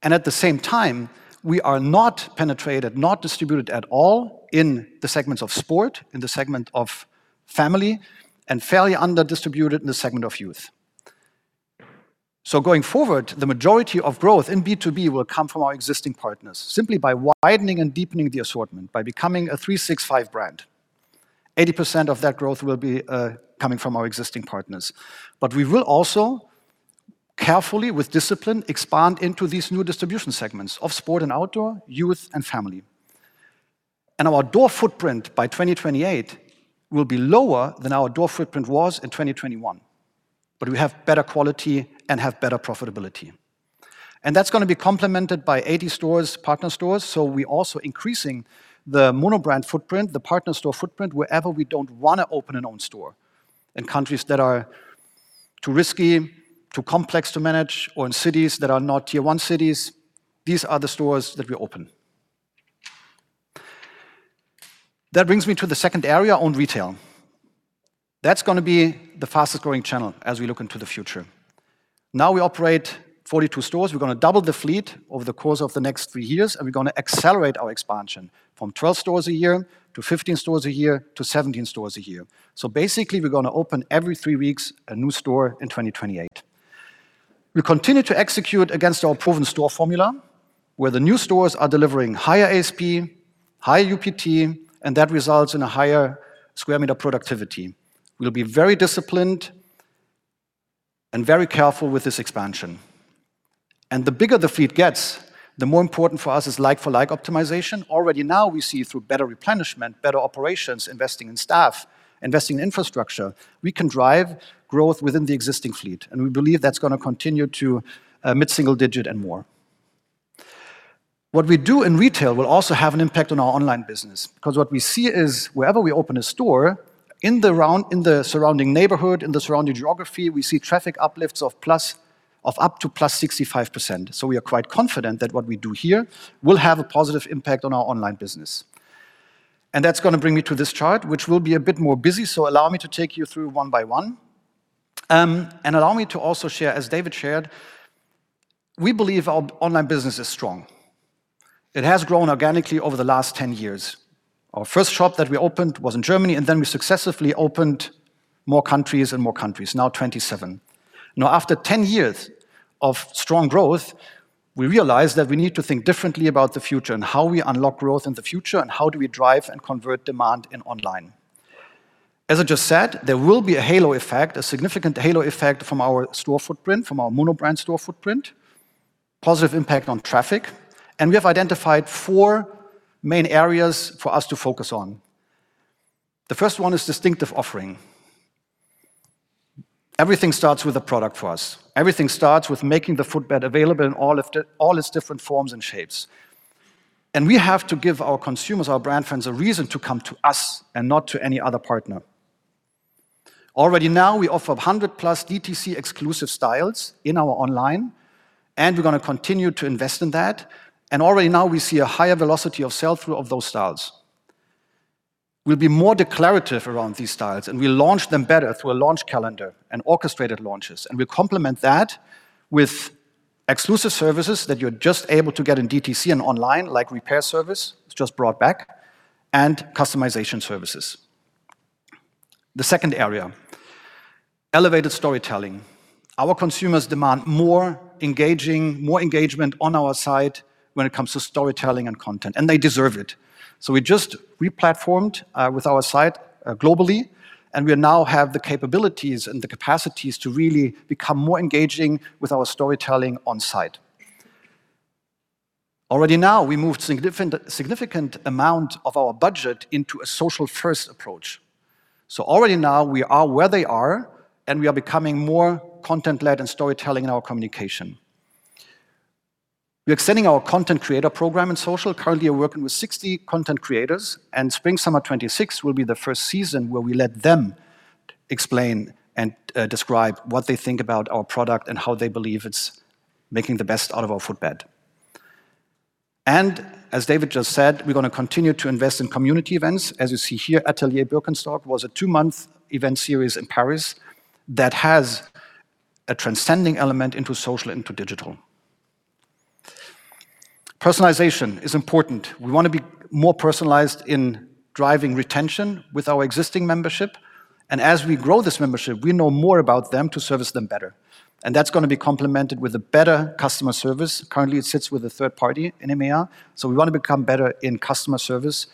and at the same time, we are not penetrated, not distributed at all in the segments of sport, in the segment of family, and fairly under-distributed in the segment of youth. So going forward, the majority of growth in B2B will come from our existing partners, simply by widening and deepening the assortment, by becoming a 365 brand. 80% of that growth will be, coming from our existing partners. But we will also carefully, with discipline, expand into these new distribution segments of sport and outdoor, youth, and family. Our door footprint by 2028 will be lower than our door footprint was in 2021, but we have better quality and have better profitability, and that's gonna be complemented by 80 stores, partner stores, so we also increasing the monobrand footprint, the partner store footprint, wherever we don't wanna open our own store. In countries that are too risky, too complex to manage, or in cities that are not tier-one cities, these are the stores that we open. That brings me to the second area, own retail. That's gonna be the fastest-growing channel as we look into the future. Now, we operate 42 stores. We're gonna double the fleet over the course of the next 3 years, and we're gonna accelerate our expansion from 12 stores a year, to 15 stores a year, to 17 stores a year. So basically, we're gonna open every three weeks a new store in 2028. We continue to execute against our proven store formula, where the new stores are delivering higher ASP, higher UPT, and that results in a higher square meter productivity. We'll be very disciplined and very careful with this expansion. And the bigger the fleet gets, the more important for us is like-for-like optimization. Already now, we see through better replenishment, better operations, investing in staff, investing in infrastructure, we can drive growth within the existing fleet, and we believe that's gonna continue to mid-single digit and more. What we do in retail will also have an impact on our online business, because what we see is wherever we open a store, in the surrounding neighborhood, in the surrounding geography, we see traffic uplifts of up to +65%. So we are quite confident that what we do here will have a positive impact on our online business. And that's gonna bring me to this chart, which will be a bit more busy, so allow me to take you through one by one. And allow me to also share, as David shared, we believe our online business is strong. It has grown organically over the last 10 years. Our first shop that we opened was in Germany, and then we successively opened more countries and more countries, now 27. Now, after 10 years of strong growth, we realize that we need to think differently about the future and how we unlock growth in the future, and how do we drive and convert demand in online. As I just said, there will be a halo effect, a significant halo effect from our store footprint, from our monobrand store footprint, positive impact on traffic, and we have identified four main areas for us to focus on. The first one is distinctive offering. Everything starts with a product for us. Everything starts with making the footbed available in all of its different forms and shapes. And we have to give our consumers, our brand friends, a reason to come to us and not to any other partner. Already now, we offer 100+ DTC exclusive styles in our online, and we're gonna continue to invest in that. And already now, we see a higher velocity of sell-through of those styles. We'll be more declarative around these styles, and we launch them better through a launch calendar and orchestrated launches. We complement that with exclusive services that you're just able to get in DTC and online, like repair service, just brought back, and customization services. The second area: elevated storytelling. Our consumers demand more engaging, more engagement on our site when it comes to storytelling and content, and they deserve it. So we just re-platformed with our site globally, and we now have the capabilities and the capacities to really become more engaging with our storytelling on site. Already now, we moved significant, significant amount of our budget into a social-first approach. So already now, we are where they are, and we are becoming more content-led and storytelling in our communication. We are extending our content creator program in social. Currently, we're working with 60 content creators, and spring/summer 2026 will be the first season where we let them explain and describe what they think about our product and how they believe it's making the best out of our footbed. And as David just said, we're gonna continue to invest in community events. As you see here, Atelier Birkenstock was a 2-month event series in Paris that has a transcending element into social, into digital. Personalization is important. We want to be more personalized in driving retention with our existing membership, and as we grow this membership, we know more about them to service them better, and that's gonna be complemented with a better customer service. Currently, it sits with a third party in EMEA, so we want to become better in customer service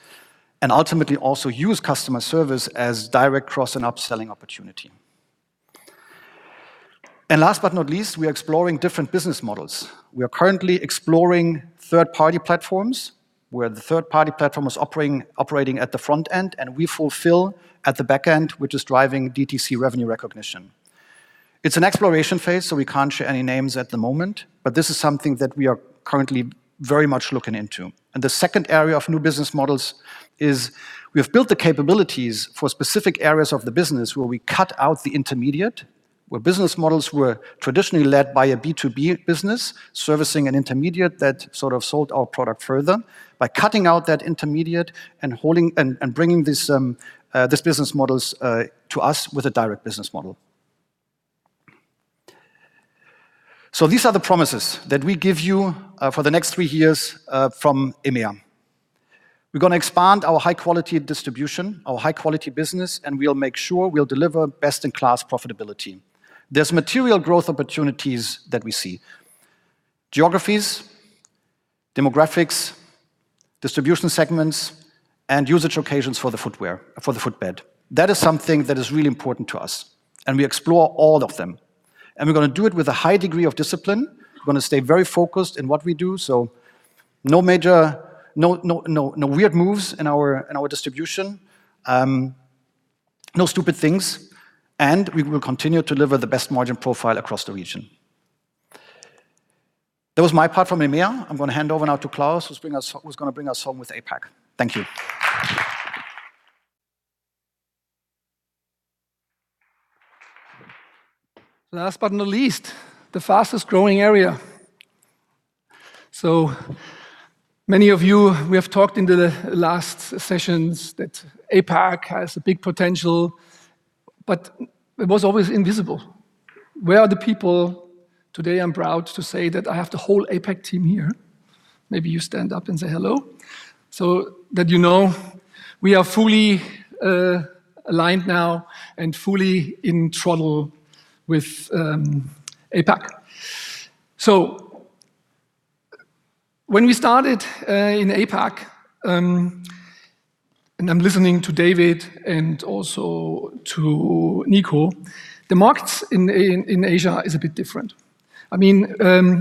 and ultimately also use customer service as direct cross- and upselling opportunity. Last but not least, we are exploring different business models. We are currently exploring third-party platforms, where the third-party platform is operating at the front end, and we fulfill at the back end, which is driving DTC revenue recognition. It's an exploration phase, so we can't share any names at the moment, but this is something that we are currently very much looking into. The second area of new business models is, we have built the capabilities for specific areas of the business where we cut out the intermediate, where business models were traditionally led by a B2B business, servicing an intermediate that sort of sold our product further, by cutting out that intermediate and bringing these business models to us with a direct business model. So these are the promises that we give you, for the next three years, from EMEA. We're gonna expand our high-quality distribution, our high-quality business, and we'll make sure we'll deliver best-in-class profitability. There's material growth opportunities that we see: geographies, demographics, distribution segments, and usage occasions for the footwear, for the footbed. That is something that is really important to us, and we explore all of them. And we're gonna do it with a high degree of discipline. We're gonna stay very focused in what we do, so no major... no, no, no, no weird moves in our, in our distribution, no stupid things, and we will continue to deliver the best margin profile across the region. That was my part from EMEA. I'm gonna hand over now to Klaus, who's bring us-- who's gonna bring us home with APAC. Thank you.... Last but not least, the fastest growing area. So, many of you, we have talked in the last sessions that APAC has a big potential, but it was always invisible. Where are the people? Today, I'm proud to say that I have the whole APAC team here. Maybe you stand up and say hello. So that you know, we are fully aligned now and fully in throttle with APAC. So when we started in APAC, and I'm listening to David and also to Nico, the markets in Asia is a bit different. I mean,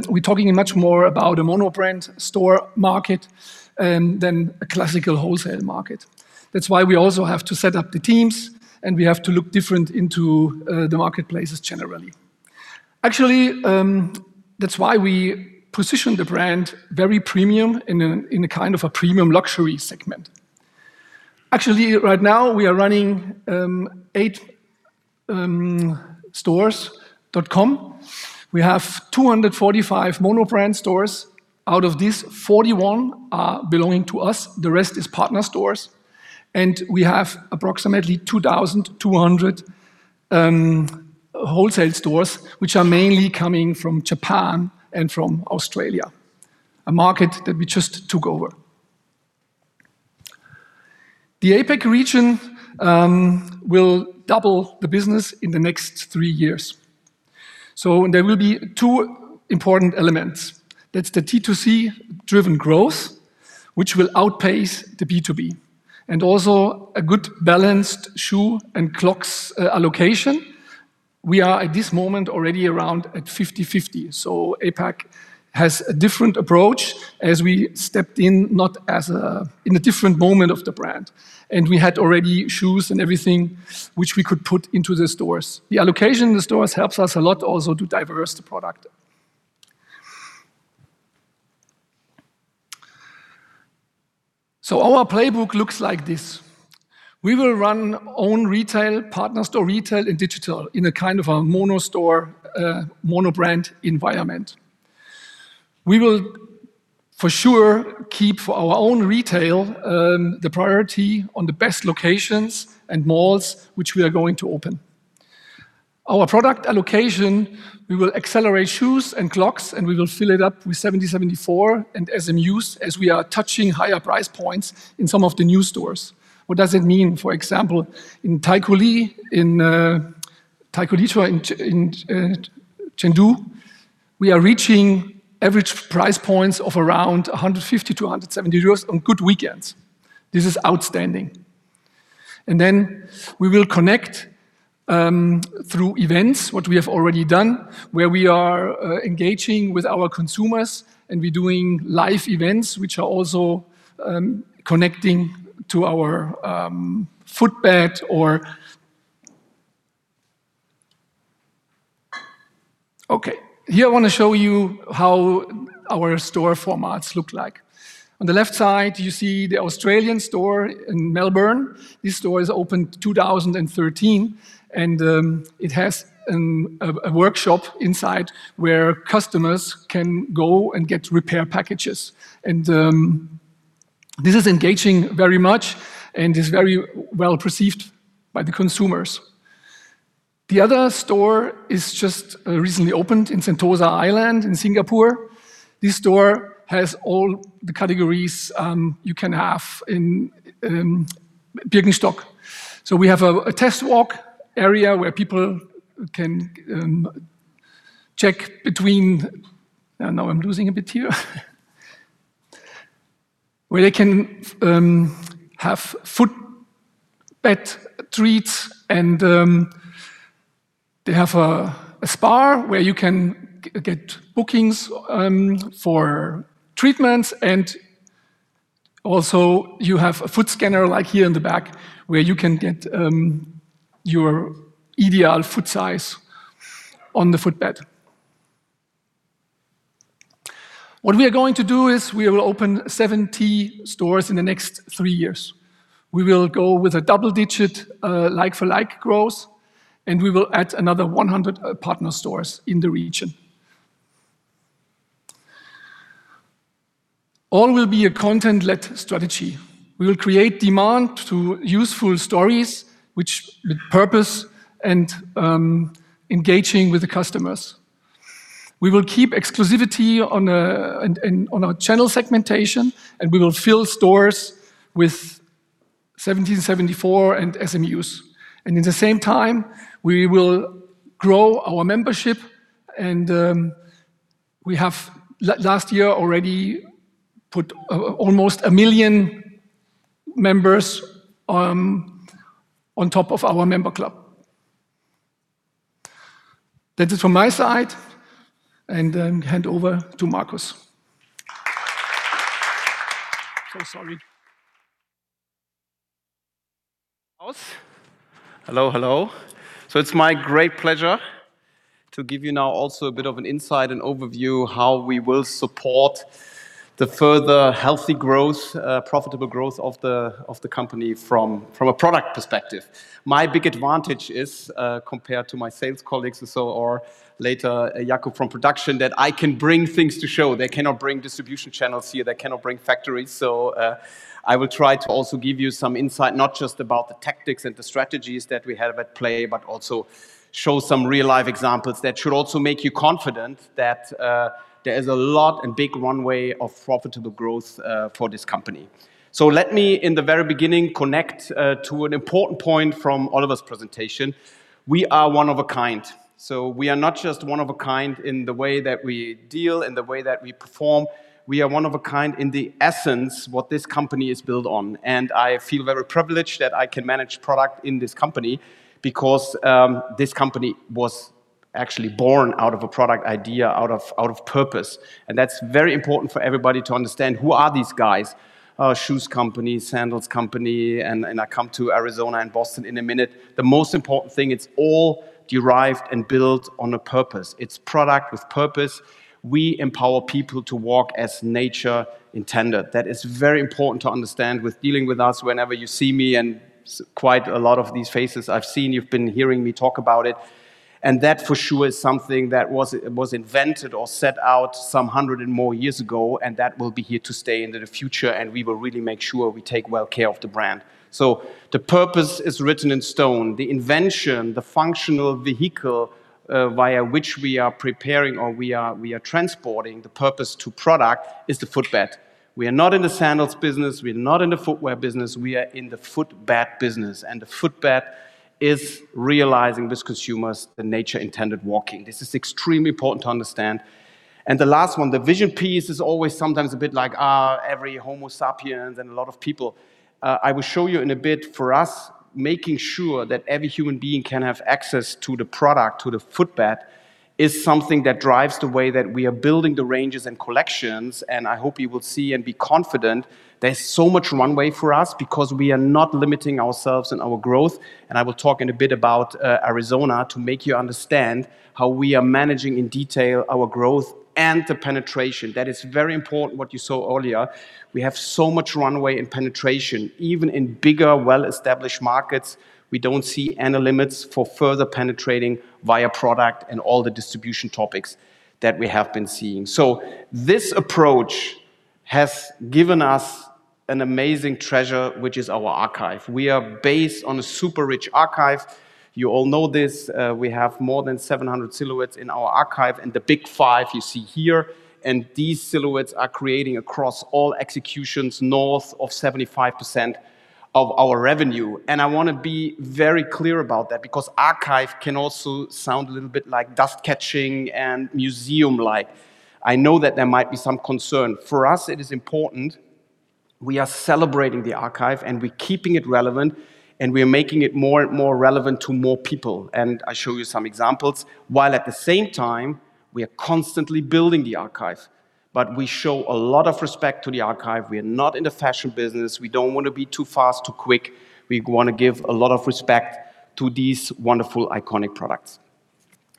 we're talking much more about a mono-brand store market than a classical wholesale market. That's why we also have to set up the teams, and we have to look different into the marketplaces generally. Actually, that's why we position the brand very premium in a, in a kind of a premium luxury segment. Actually, right now, we are running eight stores.com. We have 245 monobrand stores. Out of these, 41 are belonging to us. The rest is partner stores, and we have approximately 2,200 wholesale stores, which are mainly coming from Japan and from Australia, a market that we just took over. The APAC region will double the business in the next three years. So there will be two important elements. That's the D2C-driven growth, which will outpace the B2B, and also a good balanced shoe and clogs allocation. We are, at this moment, already around at 50/50, so APAC has a different approach as we stepped in, not as a... in a different moment of the brand, and we had already shoes and everything, which we could put into the stores. The allocation in the stores helps us a lot also to diversify the product. So our playbook looks like this: We will run own retail, partner store retail, and digital in a kind of a mono store, mono-brand environment. We will, for sure, keep our own retail, the priority on the best locations and malls which we are going to open. Our product allocation, we will accelerate shoes and clogs, and we will fill it up with 1774 and SMUs, as we are touching higher price points in some of the new stores. What does it mean? For example, in Taikoo Li, in Taikoo Li, in Chengdu, we are reaching average price points of around 150-170 euros on good weekends. This is outstanding. And then we will connect through events, what we have already done, where we are engaging with our consumers, and we're doing live events, which are also connecting to our footbed. Okay, here I want to show you how our store formats look like. On the left side, you see the Australian store in Melbourne. This store is opened 2013, and it has a workshop inside where customers can go and get repair packages. And this is engaging very much and is very well perceived by the consumers. The other store is just recently opened in Sentosa Island in Singapore. This store has all the categories you can have in Birkenstock. So we have a test walk area where people can check between... Where they can have footbed treatments, and they have a spa where you can get bookings for treatments, and also you have a foot scanner, like here in the back, where you can get your ideal foot size on the footbed. What we are going to do is we will open 70 stores in the next three years. We will go with a double-digit like-for-like growth, and we will add another 100 partner stores in the region. All will be a content-led strategy. We will create demand through useful stories, which with purpose and engaging with the customers. We will keep exclusivity on our channel segmentation, and we will fill stores with 1774 and SMUs. And at the same time, we will grow our membership, and we have last year already put almost 1 million members on top of our member club. That is from my side, and hand over to Marcus. So sorry. Marcus. Hello, hello. So it's my great pleasure to give you now also a bit of an insight and overview how we will support-... the further healthy growth, profitable growth of the, of the company from, from a product perspective. My big advantage is, compared to my sales colleagues and so, or later, Jakob from production, that I can bring things to show. They cannot bring distribution channels here, they cannot bring factories. So, I will try to also give you some insight, not just about the tactics and the strategies that we have at play, but also show some real-life examples that should also make you confident that, there is a lot and big runway of profitable growth, for this company. So let me, in the very beginning, connect, to an important point from Oliver's presentation. We are one of a kind, so we are not just one of a kind in the way that we deal, in the way that we perform. We are one of a kind in the essence, what this company is built on, and I feel very privileged that I can manage product in this company because this company was actually born out of a product idea, out of purpose, and that's very important for everybody to understand, who are these guys? A shoes company, sandals company, and I come to Arizona and Boston in a minute. The most important thing, it's all derived and built on a purpose. It's product with purpose. We empower people to walk as nature intended. That is very important to understand with dealing with us. Whenever you see me, and quite a lot of these faces I've seen, you've been hearing me talk about it, and that, for sure, is something that was was invented or set out some hundred and more years ago, and that will be here to stay into the future, and we will really make sure we take well care of the brand. So the purpose is written in stone. The invention, the functional vehicle via which we are preparing or we are, we are transporting the purpose to product, is the footbed. We are not in the sandals business, we are not in the footwear business, we are in the footbed business, and the footbed is realizing these consumers the nature intended walking. This is extremely important to understand. The last one, the vision piece, is always sometimes a bit like, every Homo sapiens and a lot of people. I will show you in a bit, for us, making sure that every human being can have access to the product, to the footbed, is something that drives the way that we are building the ranges and collections, and I hope you will see and be confident there's so much runway for us because we are not limiting ourselves and our growth. I will talk in a bit about Arizona to make you understand how we are managing, in detail, our growth and the penetration. That is very important, what you saw earlier. We have so much runway and penetration. Even in bigger, well-established markets, we don't see any limits for further penetrating via product and all the distribution topics that we have been seeing. This approach has given us an amazing treasure, which is our archive. We are based on a super rich archive. You all know this. We have more than 700 silhouettes in our archive, and the big five you see here, and these silhouettes are creating across all executions, north of 75% of our revenue. I wanna be very clear about that, because archive can also sound a little bit like dust catching and museum-like. I know that there might be some concern. For us, it is important we are celebrating the archive, and we're keeping it relevant, and we are making it more and more relevant to more people, and I show you some examples. While at the same time, we are constantly building the archive, but we show a lot of respect to the archive. We are not in the fashion business. We don't wanna be too fast, too quick. We wanna give a lot of respect to these wonderful, iconic products.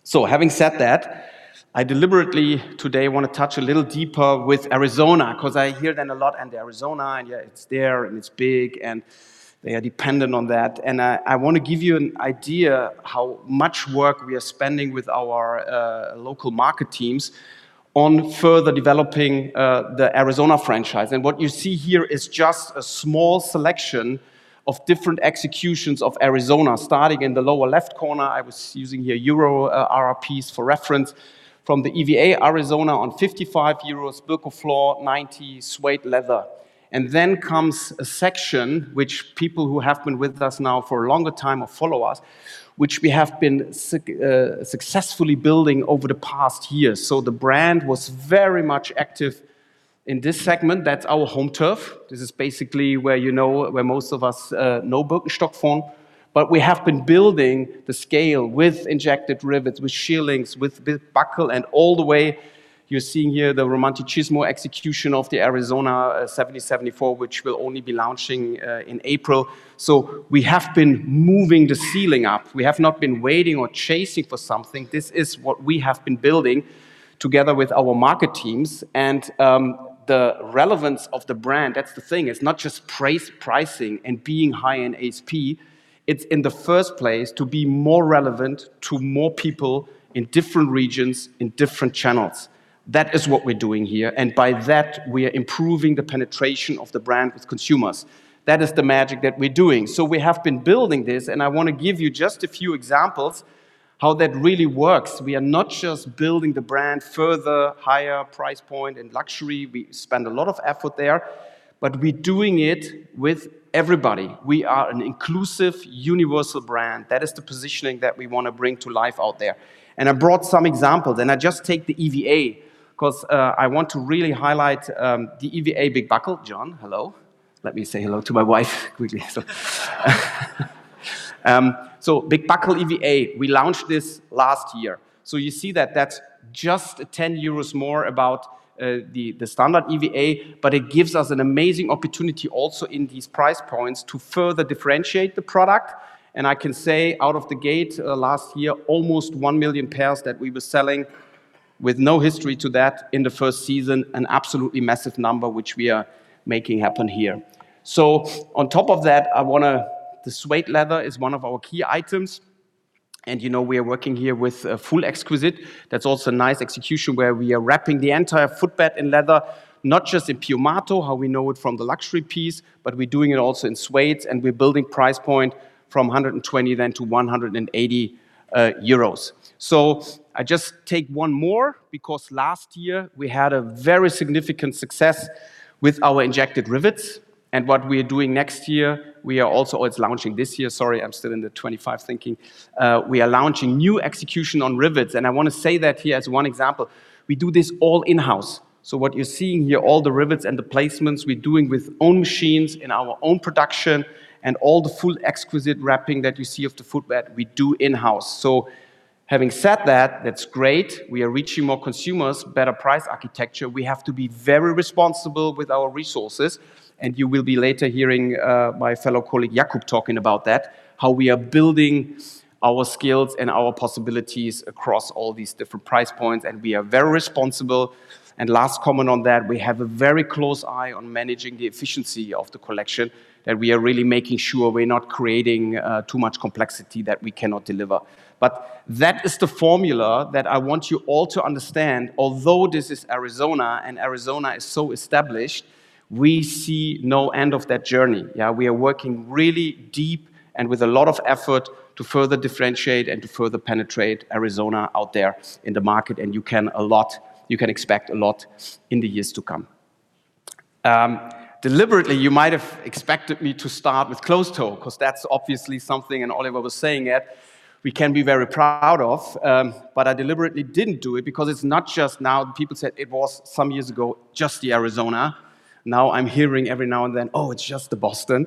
So having said that, I deliberately, today, wanna touch a little deeper with Arizona, 'cause I hear that a lot, "And the Arizona, and yeah, it's there, and it's big, and they are dependent on that." And I, I wanna give you an idea how much work we are spending with our local market teams on further developing the Arizona franchise. And what you see here is just a small selection of different executions of Arizona. Starting in the lower-left corner, I was using here EUR RRPs for reference. From the EVA Arizona on 55 euros, Birko-Flor 90, suede leather. Then comes a section which people who have been with us now for a longer time or follow us, which we have been successfully building over the past years. So the brand was very much active in this segment. That's our home turf. This is basically where, you know, where most of us know Birkenstock from. But we have been building the scale with injected rivets, with shearlings, with big buckle, and all the way, you're seeing here the Romanticismo execution of the Arizona, 1774, which will only be launching in April. So we have been moving the ceiling up. We have not been waiting or chasing for something. This is what we have been building together with our market teams and the relevance of the brand. That's the thing, it's not just price, pricing and being high in HP, it's in the first place to be more relevant to more people in different regions, in different channels. That is what we're doing here, and by that, we are improving the penetration of the brand with consumers. That is the magic that we're doing. So we have been building this, and I wanna give you just a few examples how that really works. We are not just building the brand further, higher price point and luxury. We spend a lot of effort there, but we're doing it with everybody. We are an inclusive, universal brand. That is the positioning that we wanna bring to life out there. And I brought some examples, and I just take the EVA, 'cause, I want to really highlight the EVA Big Buckle. John, hello. Let me say hello to my wife quickly. So Big Buckle EVA, we launched this last year. So you see that that's just 10 euros more about the standard EVA, but it gives us an amazing opportunity also in these price points to further differentiate the product. And I can say, out of the gate, last year, almost 1 million pairs that we were selling with no history to that in the first season, an absolutely massive number, which we are making happen here. So on top of that, I wanna the suede leather is one of our key items, and, you know, we are working here with full exquisite. That's also nice execution, where we are wrapping the entire footbed in leather, not just in Piumato, how we know it from the luxury piece, but we're doing it also in suedes, and we're building price point from 120 then to 180 euros. So I just take one more, because last year we had a very significant success with our injected rivets, and what we are doing next year, we are also... Oh, it's launching this year. Sorry, I'm still in the 2025 thinking. We are launching new execution on rivets, and I wanna say that here as one example. We do this all in-house. So what you're seeing here, all the rivets and the placements, we're doing with own machines in our own production, and all the full exquisite wrapping that you see of the footbed, we do in-house. So having said that, that's great. We are reaching more consumers, better price architecture. We have to be very responsible with our resources, and you will be later hearing, my fellow colleague, Jakob, talking about that, how we are building our skills and our possibilities across all these different price points, and we are very responsible. And last comment on that, we have a very close eye on managing the efficiency of the collection, that we are really making sure we're not creating, too much complexity that we cannot deliver. But that is the formula that I want you all to understand. Although this is Arizona, and Arizona is so established, we see no end of that journey. Yeah, we are working really deep and with a lot of effort to further differentiate and to further penetrate Arizona out there in the market, and you can a lot... You can expect a lot in the years to come. Deliberately, you might have expected me to start with closed-toe, 'cause that's obviously something, and Oliver was saying it, we can be very proud of. But I deliberately didn't do it, because it's not just now. People said it was, some years ago, just the Arizona. Now, I'm hearing every now and then, "Oh, it's just the Boston."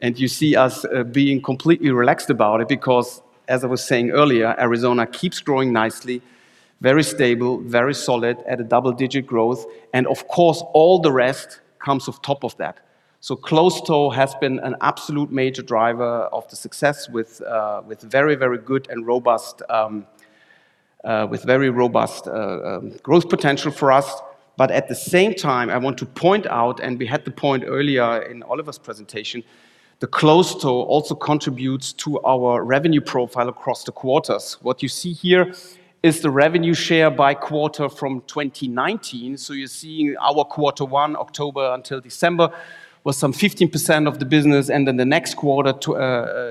And you see us being completely relaxed about it, because, as I was saying earlier, Arizona keeps growing nicely, very stable, very solid, at a double-digit growth, and of course, all the rest comes off top of that. So closed-toe has been an absolute major driver of the success with very robust growth potential for us. But at the same time, I want to point out, and we had the point earlier in Oliver's presentation, the closed-toe also contributes to our revenue profile across the quarters. What you see here is the revenue share by quarter from 2019. So you're seeing our quarter one, October until December, was some 15% of the business, and then the next quarter, to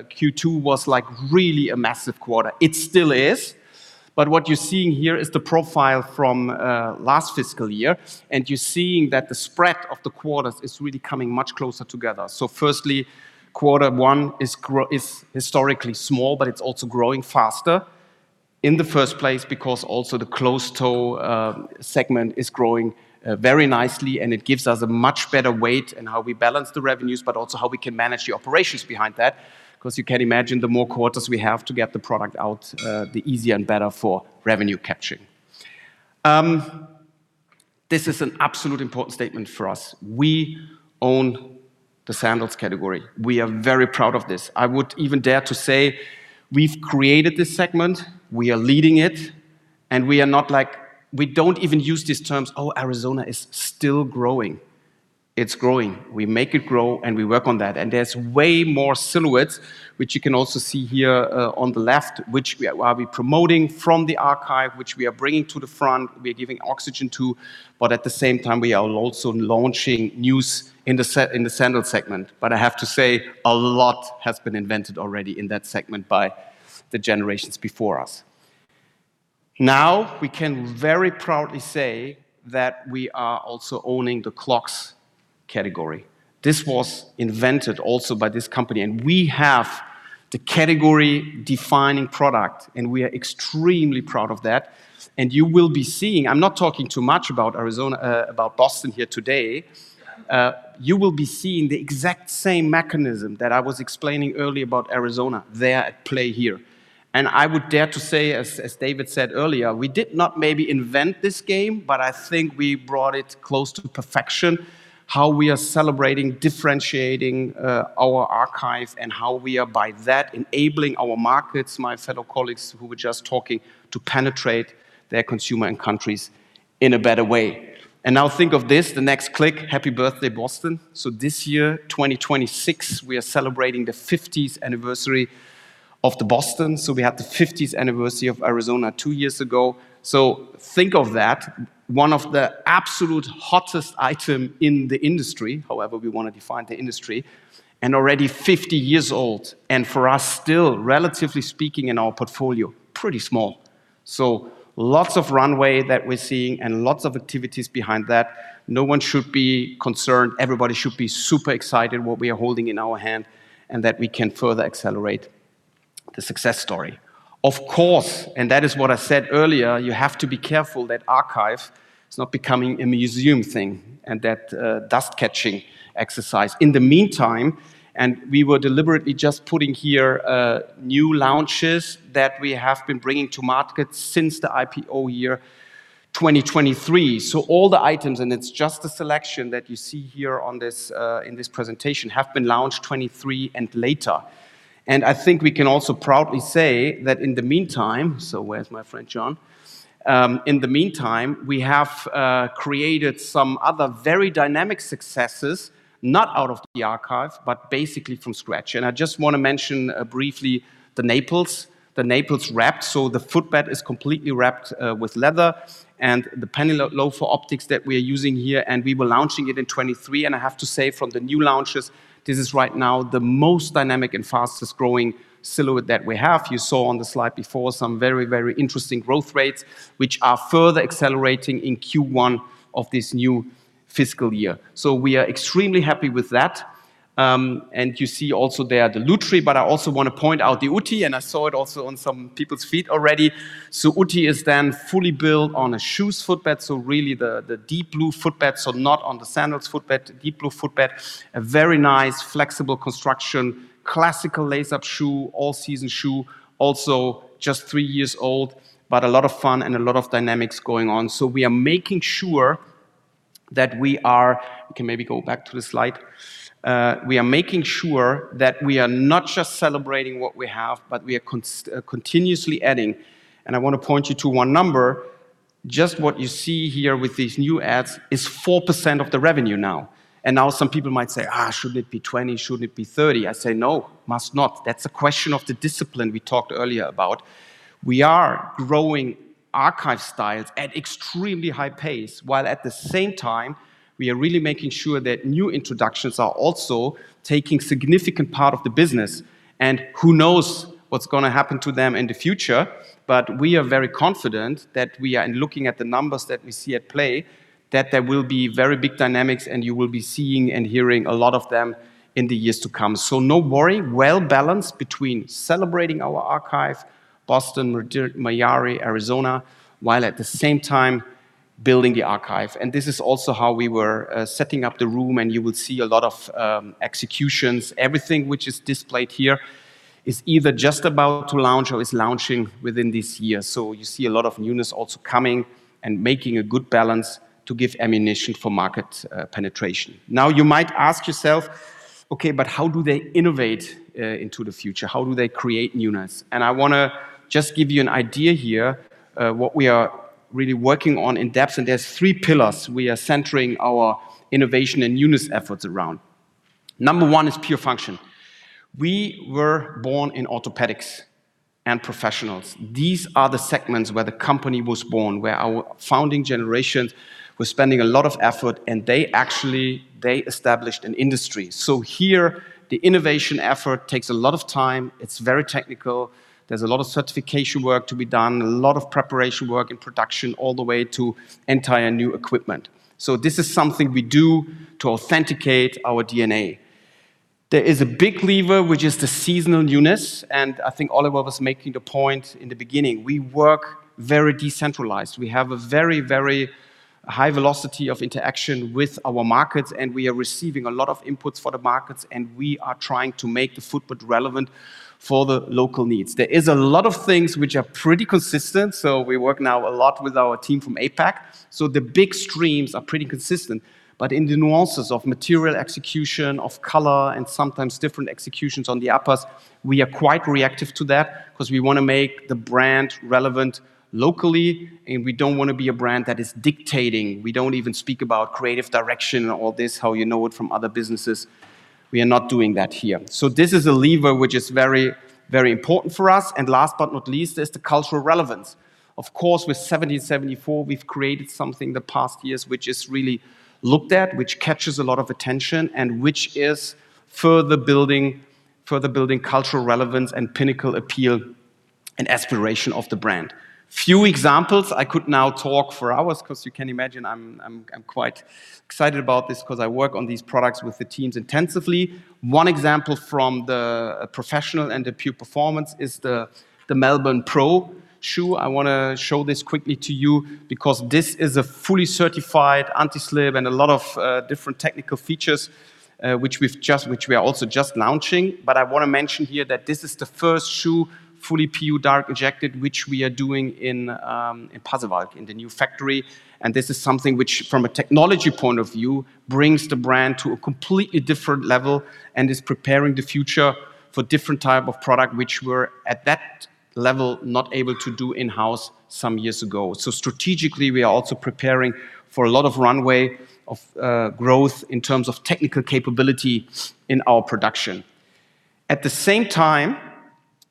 Q2, was, like, really a massive quarter. It still is, but what you're seeing here is the profile from last fiscal year, and you're seeing that the spread of the quarters is really coming much closer together. So firstly, quarter one is historically small, but it's also growing faster in the first place, because also the closed-toe segment is growing very nicely, and it gives us a much better weight in how we balance the revenues, but also how we can manage the operations behind that. 'Cause you can imagine, the more quarters we have to get the product out, the easier and better for revenue capturing. This is an absolute important statement for us. We own the sandals category. We are very proud of this. I would even dare to say we've created this segment, we are leading it, and we are not, like... We don't even use these terms, "Oh, Arizona is still growing." It's growing. We make it grow, and we work on that. There's way more silhouettes, which you can also see here on the left, which we are, we are promoting from the archive, which we are bringing to the front, we are giving oxygen to, but at the same time, we are also launching news in the sandal segment. I have to say, a lot has been invented already in that segment by the generations before us. Now, we can very proudly say that we are also owning the clogs category. This was invented also by this company, and we have the category-defining product, and we are extremely proud of that. You will be seeing... I'm not talking too much about Arizona - about Boston here today. You will be seeing the exact same mechanism that I was explaining earlier about Arizona there at play here. I would dare to say, as David said earlier, we did not maybe invent this game, but I think we brought it close to perfection, how we are celebrating, differentiating, our archive, and how we are, by that, enabling our markets, my fellow colleagues who were just talking, to penetrate their consumer and countries in a better way. Now think of this, the next click, happy birthday, Boston. This year, 2026, we are celebrating the 50th anniversary of the Boston. We had the 50th anniversary of Arizona 2 years ago. Think of that, one of the absolute hottest item in the industry, however we wanna define the industry, and already 50 years old. For us, still, relatively speaking in our portfolio, pretty small. Lots of runway that we're seeing and lots of activities behind that. No one should be concerned. Everybody should be super excited what we are holding in our hand, and that we can further accelerate the success story. Of course, and that is what I said earlier, you have to be careful that archive is not becoming a museum thing and that, dust-catching exercise. In the meantime, and we were deliberately just putting here, new launches that we have been bringing to market since the IPO year 2023. So all the items, and it's just a selection that you see here on this, in this presentation, have been launched 2023 and later. And I think we can also proudly say that in the meantime, so where's my friend John? In the meantime, we have, created some other very dynamic successes, not out of the archive, but basically from scratch. And I just wanna mention, briefly the Naples, the Naples Wrap. The footbed is completely wrapped with leather, and the penny loafer optics that we are using here, and we were launching it in 2023. I have to say, from the new launches, this is right now the most dynamic and fastest-growing silhouette that we have. You saw on the slide before some very, very interesting growth rates, which are further accelerating in Q1 of this new fiscal year. We are extremely happy with that. And you see also there, the Lutry, but I also wanna point out the Utti, and I saw it also on some people's feet already. Utti is then fully built on a shoes footbed, so really the Deep Blue Footbed, so not on the sandals footbed, Deep Blue Footbed. A very nice, flexible construction, classical lace-up shoe, all-season shoe, also just three years old, but a lot of fun and a lot of dynamics going on. So we are making sure that we are... You can maybe go back to the slide. We are making sure that we are not just celebrating what we have, but we are continuously adding. And I wanna point you to one number. Just what you see here with these new adds is 4% of the revenue now. And now some people might say, "Ah, shouldn't it be 20? Shouldn't it be 30?" I say, "No, must not." That's a question of the discipline we talked earlier about. We are growing archive styles at extremely high pace, while at the same time, we are really making sure that new introductions are also taking significant part of the business. And who knows what's gonna happen to them in the future? But we are very confident that we are, and looking at the numbers that we see at play, that there will be very big dynamics, and you will be seeing and hearing a lot of them in the years to come. So no worry, well-balanced between celebrating our archive, Boston, Mayari, Arizona, while at the same time building the archive. And this is also how we were setting up the room, and you will see a lot of executions. Everything which is displayed here is either just about to launch or is launching within this year. So you see a lot of newness also coming and making a good balance to give ammunition for market penetration. Now, you might ask yourself: "Okay, but how do they innovate into the future? How do they create newness?" And I wanna just give you an idea here, what we are really working on in depth, and there's three pillars we are centering our innovation and newness efforts around. Number one is pure function. We were born in orthopedics and professionals. These are the segments where the company was born, where our founding generations were spending a lot of effort, and they actually established an industry. So here, the innovation effort takes a lot of time. It's very technical. There's a lot of certification work to be done, a lot of preparation work and production, all the way to entire new equipment. So this is something we do to authenticate our DNA. There is a big lever, which is the seasonal newness, and I think Oliver was making the point in the beginning. We work very decentralized. We have a very, very high velocity of interaction with our markets, and we are receiving a lot of inputs for the markets, and we are trying to make the footprint relevant for the local needs. There is a lot of things which are pretty consistent, so we work now a lot with our team from APAC. So the big streams are pretty consistent, but in the nuances of material execution, of color, and sometimes different executions on the uppers, we are quite reactive to that 'cause we wanna make the brand relevant locally, and we don't wanna be a brand that is dictating. We don't even speak about creative direction or this, how you know it from other businesses. We are not doing that here. So this is a lever which is very, very important for us. And last but not least, is the cultural relevance. Of course, with 1774, we've created something the past years which is really looked at, which catches a lot of attention, and which is further building, further building cultural relevance and pinnacle appeal and aspiration of the brand. Few examples, I could now talk for hours 'cause you can imagine I'm quite excited about this, 'cause I work on these products with the teams intensively. One example from the professional and the pure performance is the Melbourne Pro shoe. I wanna show this quickly to you because this is a fully certified anti-slip and a lot of different technical features, which we've just—which we are also just launching. But I wanna mention here that this is the first shoe, fully PU dark injected, which we are doing in Pasewalk, in the new factory. This is something which, from a technology point of view, brings the brand to a completely different level and is preparing the future for different type of product, which we're, at that level, not able to do in-house some years ago. Strategically, we are also preparing for a lot of runway, of, growth in terms of technical capability in our production. At the same time,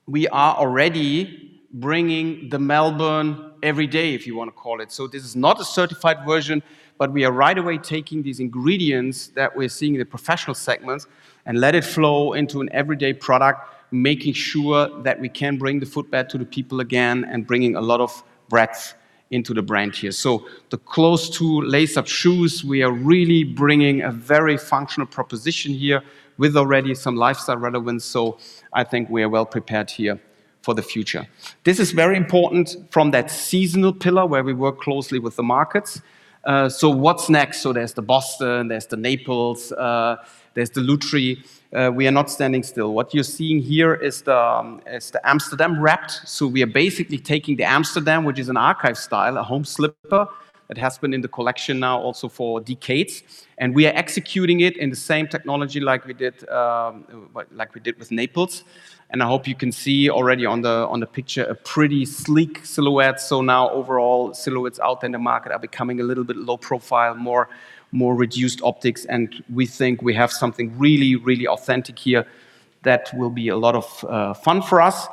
we are already bringing the Melbourne every day, if you wanna call it. This is not a certified version, but we are right away taking these ingredients that we're seeing in the professional segments and let it flow into an everyday product, making sure that we can bring the footbed to the people again and bringing a lot of breadth into the brand here. So the closed-toe lace-up shoes, we are really bringing a very functional proposition here with already some lifestyle relevance, so I think we are well prepared here for the future. This is very important from that seasonal pillar, where we work closely with the markets. So what's next? So there's the Boston, there's the Naples, there's the Lutry. We are not standing still. What you're seeing here is the Amsterdam wrapped. So we are basically taking the Amsterdam, which is an archive style, a home slipper, that has been in the collection now also for decades, and we are executing it in the same technology like we did with Naples. And I hope you can see already on the picture, a pretty sleek silhouette. So now overall, silhouettes out in the market are becoming a little bit low profile, more, more reduced optics, and we think we have something really, really authentic here that will be a lot of fun for us.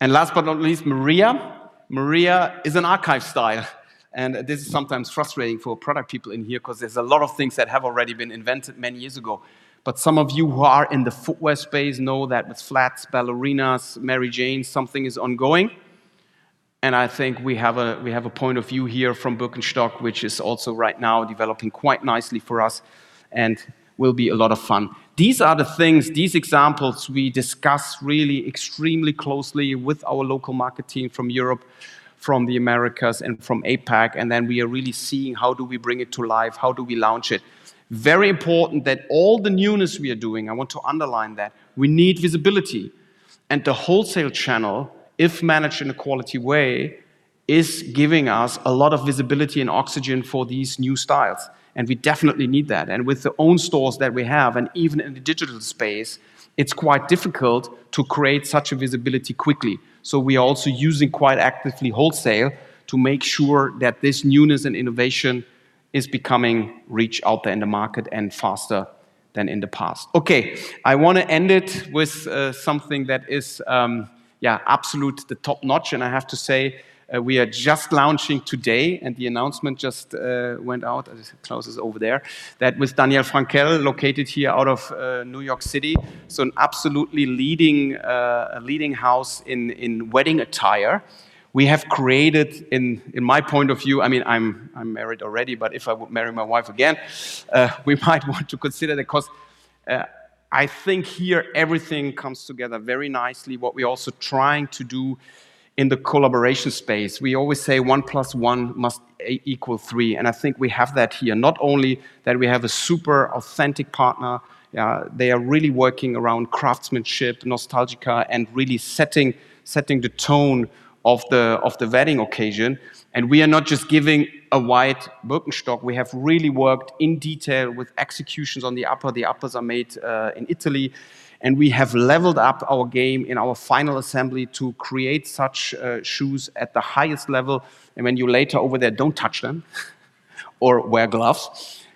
And last but not least, Maria. Maria is an archive style and this is sometimes frustrating for product people in here, 'cause there's a lot of things that have already been invented many years ago. But some of you who are in the footwear space know that with flats, ballerinas, Mary Janes, something is ongoing, and I think we have a, we have a point of view here from Birkenstock, which is also right now developing quite nicely for us and will be a lot of fun. These are the things, these examples we discuss really extremely closely with our local market team from Europe, from the Americas, and from APAC, and then we are really seeing how do we bring it to life? How do we launch it? Very important that all the newness we are doing, I want to underline that, we need visibility. And the wholesale channel, if managed in a quality way, is giving us a lot of visibility and oxygen for these new styles, and we definitely need that. And with the own stores that we have, and even in the digital space, it's quite difficult to create such a visibility quickly. So we are also using, quite actively, wholesale to make sure that this newness and innovation is becoming reachable out there in the market and faster than in the past. Okay, I wanna end it with something that is, yeah, absolute, the top-notch, and I have to say, we are just launching today, and the announcement just went out, as Klaus is over there, that with Danielle Frankel, located here out of New York City, so an absolutely leading, a leading house in wedding attire. We have created in my point of view, I mean, I'm married already, but if I would marry my wife again, we might want to consider that, 'cause I think here, everything comes together very nicely. What we're also trying to do in the collaboration space, we always say one plus one must equal three, and I think we have that here. Not only that we have a super authentic partner, they are really working around craftsmanship, nostalgia, and really setting the tone of the wedding occasion. And we are not just giving a white Birkenstock. We have really worked in detail with executions on the upper. The uppers are made in Italy, and we have leveled up our game in our final assembly to create such shoes at the highest level. And when you later... Over there, don't touch them or wear gloves,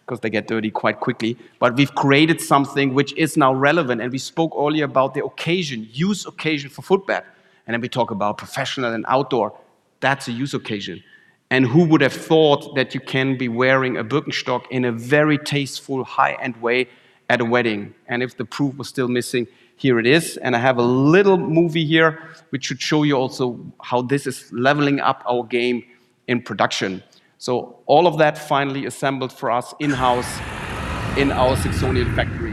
'cause they get dirty quite quickly. But we've created something which is now relevant, and we spoke earlier about the occasion, use occasion for footbed, and then we talk about professional and outdoor. That's a use occasion, and who would have thought that you can be wearing a Birkenstock in a very tasteful, high-end way at a wedding? And if the proof was still missing, here it is, and I have a little movie here, which should show you also how this is leveling up our game in production. So all of that finally assembled for us in-house in our Saxonian factories.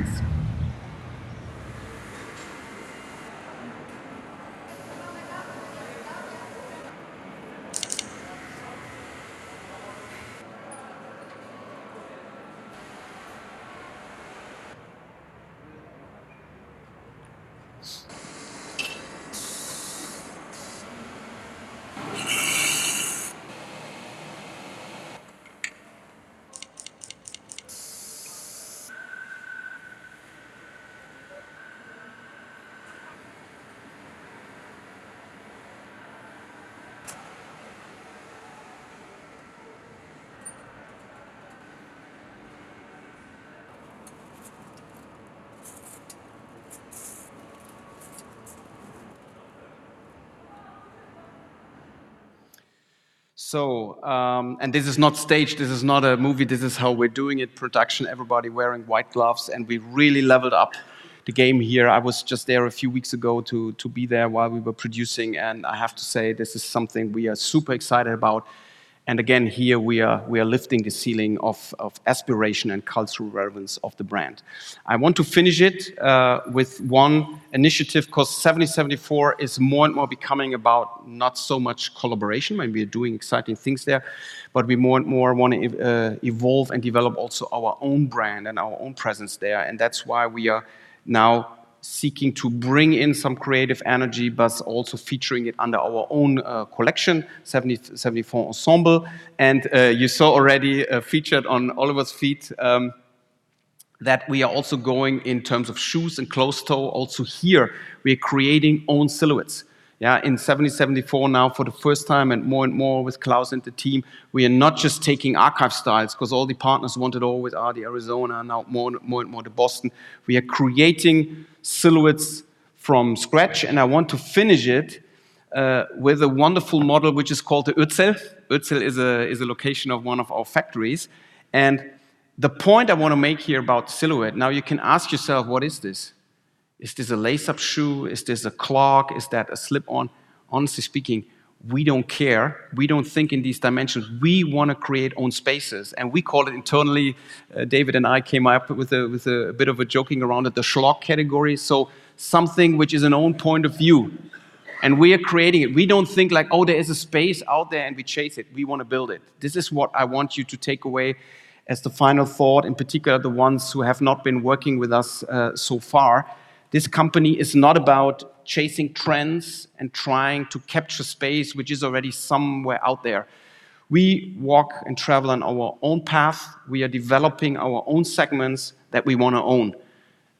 So, and this is not staged, this is not a movie, this is how we're doing it, production, everybody wearing white gloves, and we've really leveled up the game here. I was just there a few weeks ago to be there while we were producing, and I have to say, this is something we are super excited about. And again, here we are, we are lifting the ceiling of aspiration and cultural relevance of the brand. I want to finish it with one initiative, 'cause 1774 is more and more becoming about not so much collaboration. I mean, we're doing exciting things there, but we more and more wanna evolve and develop also our own brand and our own presence there, and that's why we are now seeking to bring in some creative energy, but also featuring it under our own collection, 1774 Ensemble. And you saw already featured on Oliver's feet that we are also going in terms of shoes and closed-toe. Also here, we're creating own silhouettes. Yeah, in 1774 now, for the first time, and more and more with Klaus and the team, we are not just taking archive styles, 'cause all the partners wanted always are the Arizona, now more and more the Boston. We are creating silhouettes from scratch, and I want to finish it with a wonderful model, which is called the Ötztal. Ötztal is a location of one of our factories, and the point I wanna make here about silhouette. Now, you can ask yourself, "What is this? Is this a lace-up shoe? Is this a clog? Is that a slip-on?" Honestly speaking... we don't care. We don't think in these dimensions. We want to create own spaces, and we call it internally, David and I came up with a bit of a joking around at the shlog category. So something which is an own point of view, and we are creating it. We don't think like: Oh, there is a space out there, and we chase it. We want to build it. This is what I want you to take away as the final thought, in particular, the ones who have not been working with us so far. This company is not about chasing trends and trying to capture space, which is already somewhere out there. We walk and travel on our own path. We are developing our own segments that we want to own.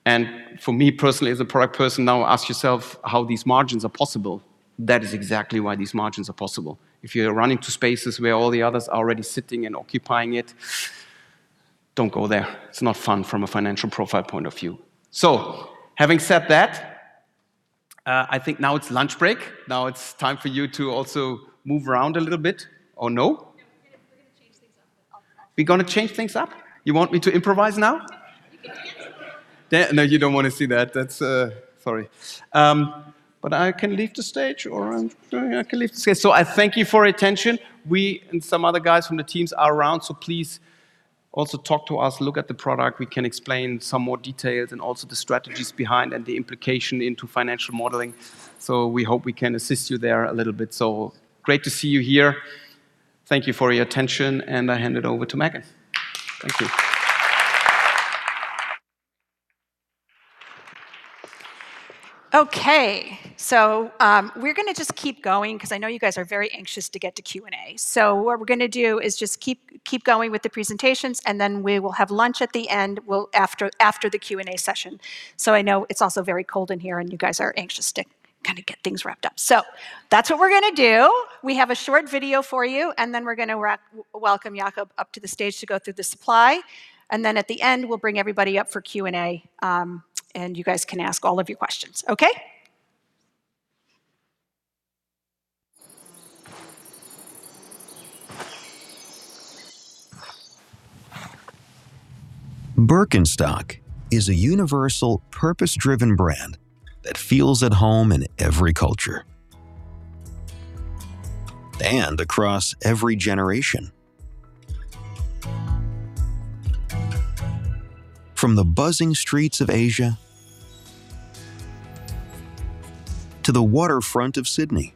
And for me personally, as a product person, now ask yourself how these margins are possible. That is exactly why these margins are possible. If you're running to spaces where all the others are already sitting and occupying it, don't go there. It's not fun from a financial profile point of view. So having said that, I think now it's lunch break. Now it's time for you to also move around a little bit, or no? No, we're gonna, we're gonna change things up a little. We're gonna change things up? You want me to improvise now? You can dance. No, you don't want to see that. That's... Sorry. But I can leave the stage. I can leave the stage. So I thank you for your attention. We and some other guys from the teams are around, so please also talk to us. Look at the product. We can explain some more details and also the strategies behind and the implication into financial modeling. So we hope we can assist you there a little bit. So great to see you here. Thank you for your attention, and I hand it over to Megan. Thank you. Okay, so we're gonna just keep going because I know you guys are very anxious to get to Q&A. So what we're gonna do is just keep going with the presentations, and then we will have lunch at the end, after the Q&A session. So I know it's also very cold in here, and you guys are anxious to kind of get things wrapped up. So that's what we're gonna do. We have a short video for you, and then we're gonna welcome Jakob up to the stage to go through the supply. And then at the end, we'll bring everybody up for Q&A, and you guys can ask all of your questions. Okay? Birkenstock is a universal, purpose-driven brand that feels at home in every culture and across every generation. From the buzzing streets of Asia to the waterfront of Sydney,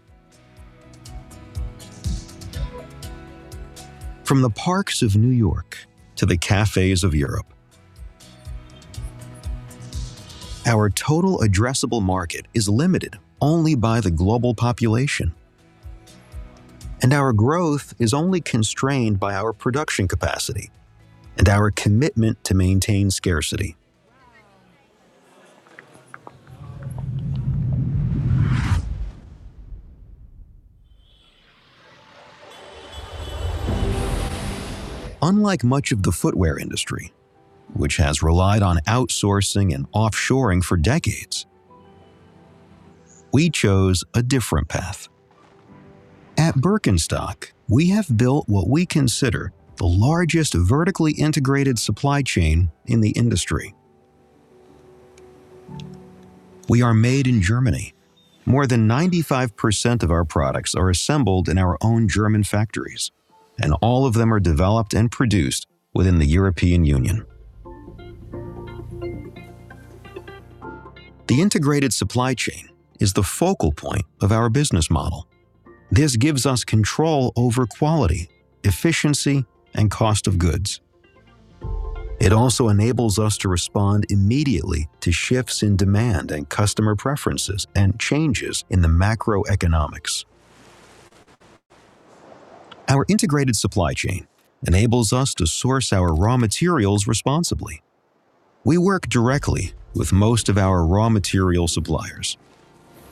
from the parks of New York to the cafes of Europe, our total addressable market is limited only by the global population, and our growth is only constrained by our production capacity and our commitment to maintain scarcity. Unlike much of the footwear industry, which has relied on outsourcing and offshoring for decades, we chose a different path. At Birkenstock, we have built what we consider the largest vertically integrated supply chain in the industry. We are made in Germany. More than 95% of our products are assembled in our own German factories, and all of them are developed and produced within the European Union. The integrated supply chain is the focal point of our business model. This gives us control over quality, efficiency, and cost of goods. It also enables us to respond immediately to shifts in demand and customer preferences and changes in the macroeconomics. Our integrated supply chain enables us to source our raw materials responsibly. We work directly with most of our raw material suppliers.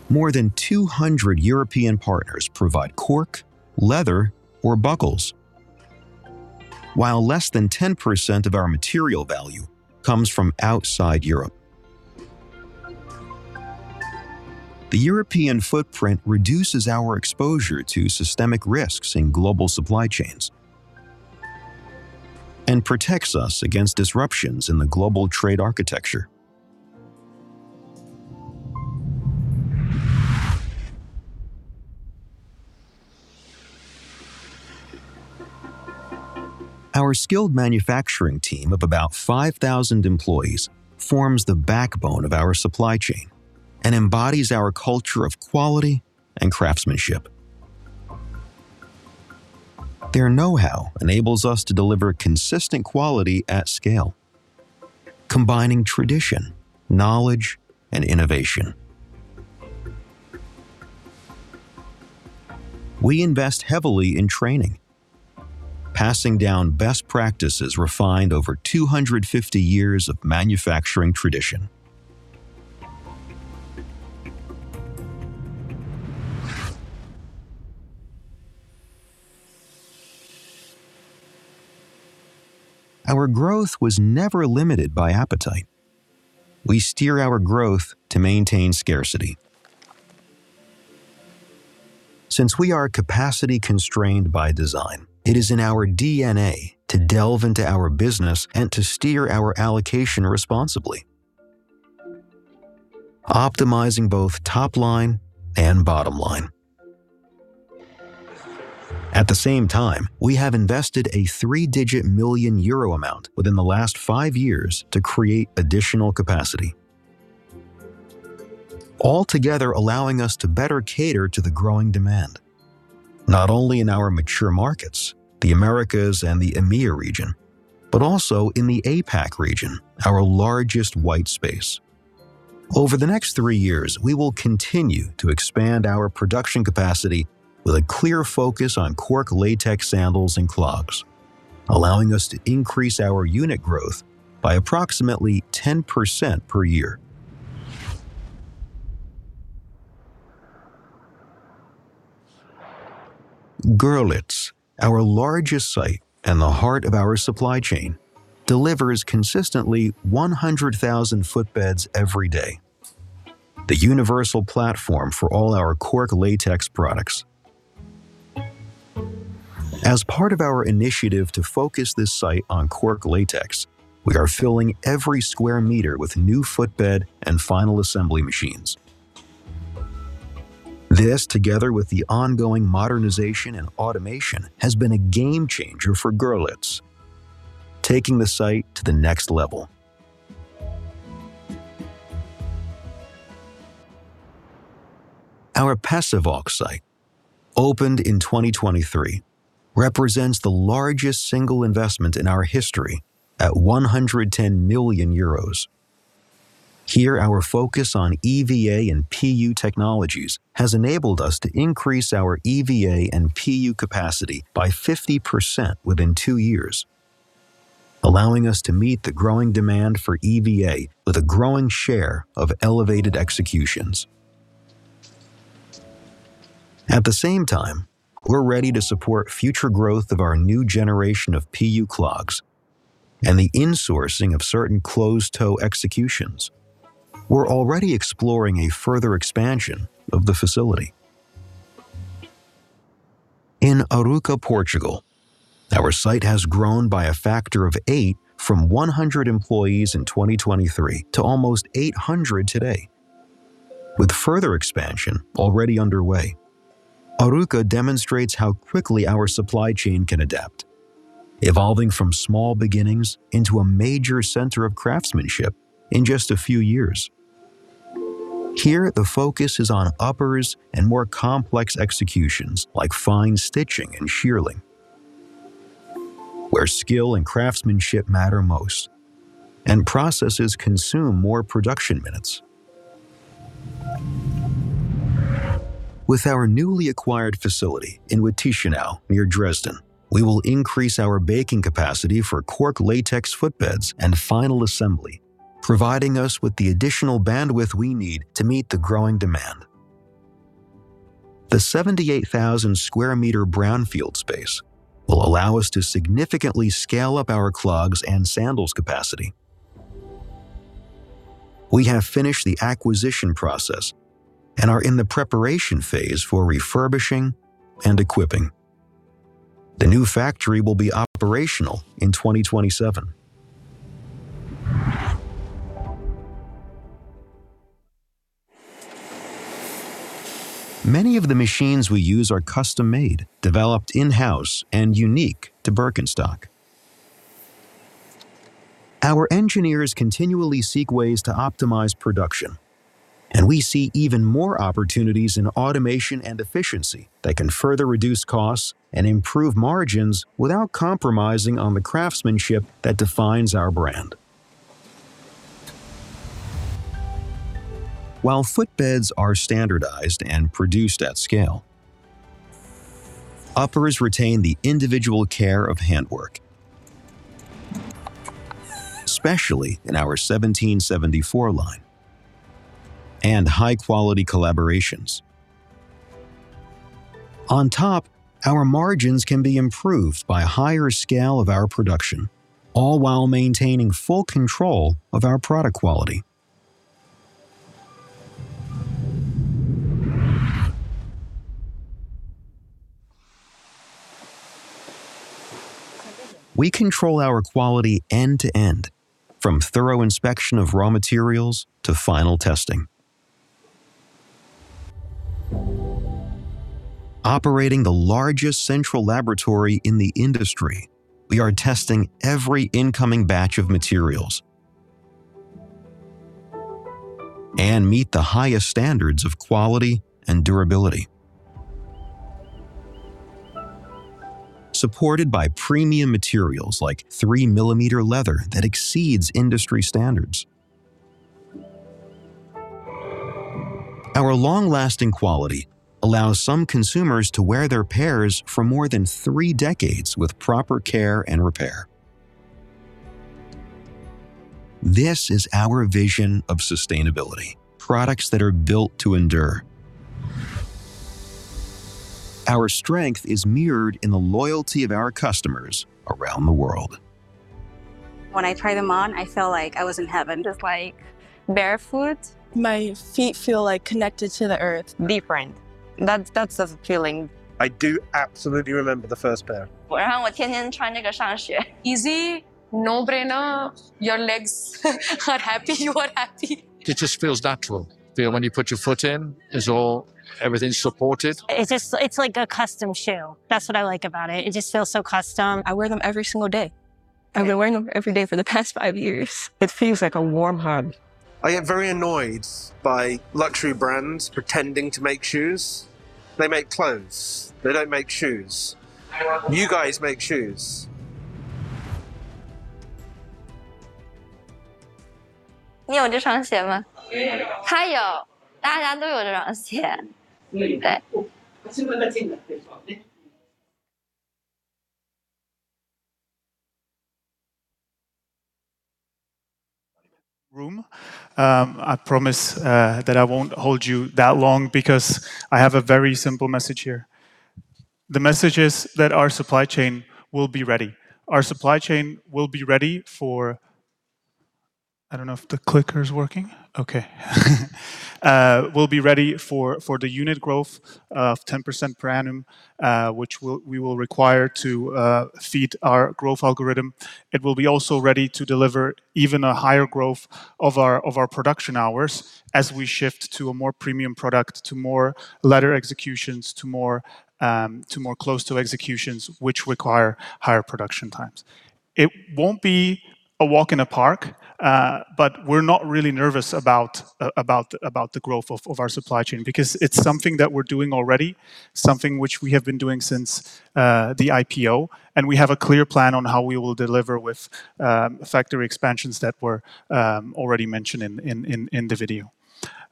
More than 200 European partners provide cork, leather, or buckles, while less than 10% of our material value comes from outside Europe. The European footprint reduces our exposure to systemic risks in global supply chains and protects us against disruptions in the global trade architecture. Our skilled manufacturing team of about 5,000 employees forms the backbone of our supply chain and embodies our culture of quality and craftsmanship. Their know-how enables us to deliver consistent quality at scale, combining tradition, knowledge, and innovation. We invest heavily in training, passing down best practices refined over 250 years of manufacturing tradition. Our growth was never limited by appetite. We steer our growth to maintain scarcity. Since we are capacity constrained by design, it is in our DNA to delve into our business and to steer our allocation responsibly, optimizing both top line and bottom line. At the same time, we have invested a three-digit million EUR amount within the last 5 years to create additional capacity, all together allowing us to better cater to the growing demand, not only in our mature markets, the Americas and the EMEA region, but also in the APAC region, our largest white space. Over the next three years, we will continue to expand our production capacity with a clear focus on cork latex sandals and clogs, allowing us to increase our unit growth by approximately 10% per year. Görlitz, our largest site and the heart of our supply chain, delivers consistently 100,000 footbeds every day, the universal platform for all our cork latex products. As part of our initiative to focus this site on cork latex, we are filling every square meter with new footbed and final assembly machines. This, together with the ongoing modernization and automation, has been a game changer for Görlitz, taking the site to the next level. Our Pasewalk site, opened in 2023, represents the largest single investment in our history at 110 million euros. Here, our focus on EVA and PU technologies has enabled us to increase our EVA and PU capacity by 50% within 2 years, allowing us to meet the growing demand for EVA with a growing share of elevated executions. At the same time, we're ready to support future growth of our new generation of PU clogs and the insourcing of certain closed-toe executions. We're already exploring a further expansion of the facility. In Arouca, Portugal, our site has grown by a factor of 8 from 100 employees in 2023 to almost 800 today, with further expansion already underway. Arouca demonstrates how quickly our supply chain can adapt, evolving from small beginnings into a major center of craftsmanship in just a few years. Here, the focus is on uppers and more complex executions, like fine stitching and shearling, where skill and craftsmanship matter most, and processes consume more production minutes. With our newly acquired facility in Wittichenau, near Dresden, we will increase our baking capacity for cork latex footbeds and final assembly, providing us with the additional bandwidth we need to meet the growing demand. The 78,000 square meter brownfield space will allow us to significantly scale up our clogs and sandals capacity. We have finished the acquisition process and are in the preparation phase for refurbishing and equipping. The new factory will be operational in 2027. Many of the machines we use are custom-made, developed in-house, and unique to Birkenstock. Our engineers continually seek ways to optimize production, and we see even more opportunities in automation and efficiency that can further reduce costs and improve margins without compromising on the craftsmanship that defines our brand. While footbeds are standardized and produced at scale, uppers retain the individual care of handwork, especially in our 1774 line and high-quality collaborations. On top, our margins can be improved by a higher scale of our production, all while maintaining full control of our product quality. We control our quality end to end, from thorough inspection of raw materials to final testing. Operating the largest central laboratory in the industry, we are testing every incoming batch of materials and meet the highest standards of quality and durability. Supported by premium materials like 3-millimeter leather that exceeds industry standards, our long-lasting quality allows some consumers to wear their pairs for more than 3 decades with proper care and repair. This is our vision of sustainability, products that are built to endure. Our strength is mirrored in the loyalty of our customers around the world. When I try them on, I feel like I was in heaven. Just like barefoot. My feet feel, like, connected to the earth. Different.... That, that's a feeling. I do absolutely remember the first pair. Easy, no-brainer. Your legs are happy, you are happy. It just feels natural. Feel when you put your foot in, it's all, everything's supported. It's like a custom shoe. That's what I like about it. It just feels so custom. I wear them every single day. I've been wearing them every day for the past five years. It feels like a warm hug. I get very annoyed by luxury brands pretending to make shoes. They make clothes, they don't make shoes. You guys make shoes. I promise that I won't hold you that long because I have a very simple message here. The message is that our supply chain will be ready. Our supply chain will be ready for... I don't know if the clicker is working. Will be ready for the unit growth of 10% per annum, which we will require to feed our growth algorithm. It will be also ready to deliver even a higher growth of our production hours as we shift to a more premium product, to more leather executions, to more closed-toe executions, which require higher production times. It won't be a walk in the park, but we're not really nervous about the growth of our supply chain, because it's something that we're doing already, something which we have been doing since the IPO, and we have a clear plan on how we will deliver with factory expansions that were already mentioned in the video.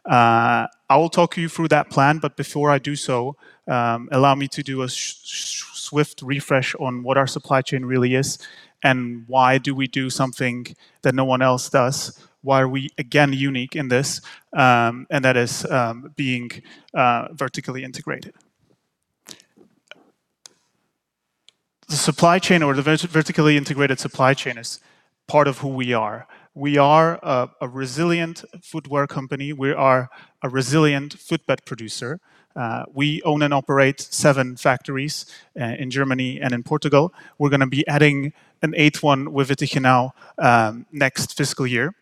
I will talk you through that plan, but before I do so, allow me to do a swift refresh on what our supply chain really is, and why do we do something that no one else does? Why are we, again, unique in this? And that is being vertically integrated. The supply chain or the vertically integrated supply chain is part of who we are. We are a resilient footwear company. We are a resilient footbed producer. We own and operate 7 factories in Germany and in Portugal. We're gonna be adding an 8th one with it now next fiscal year.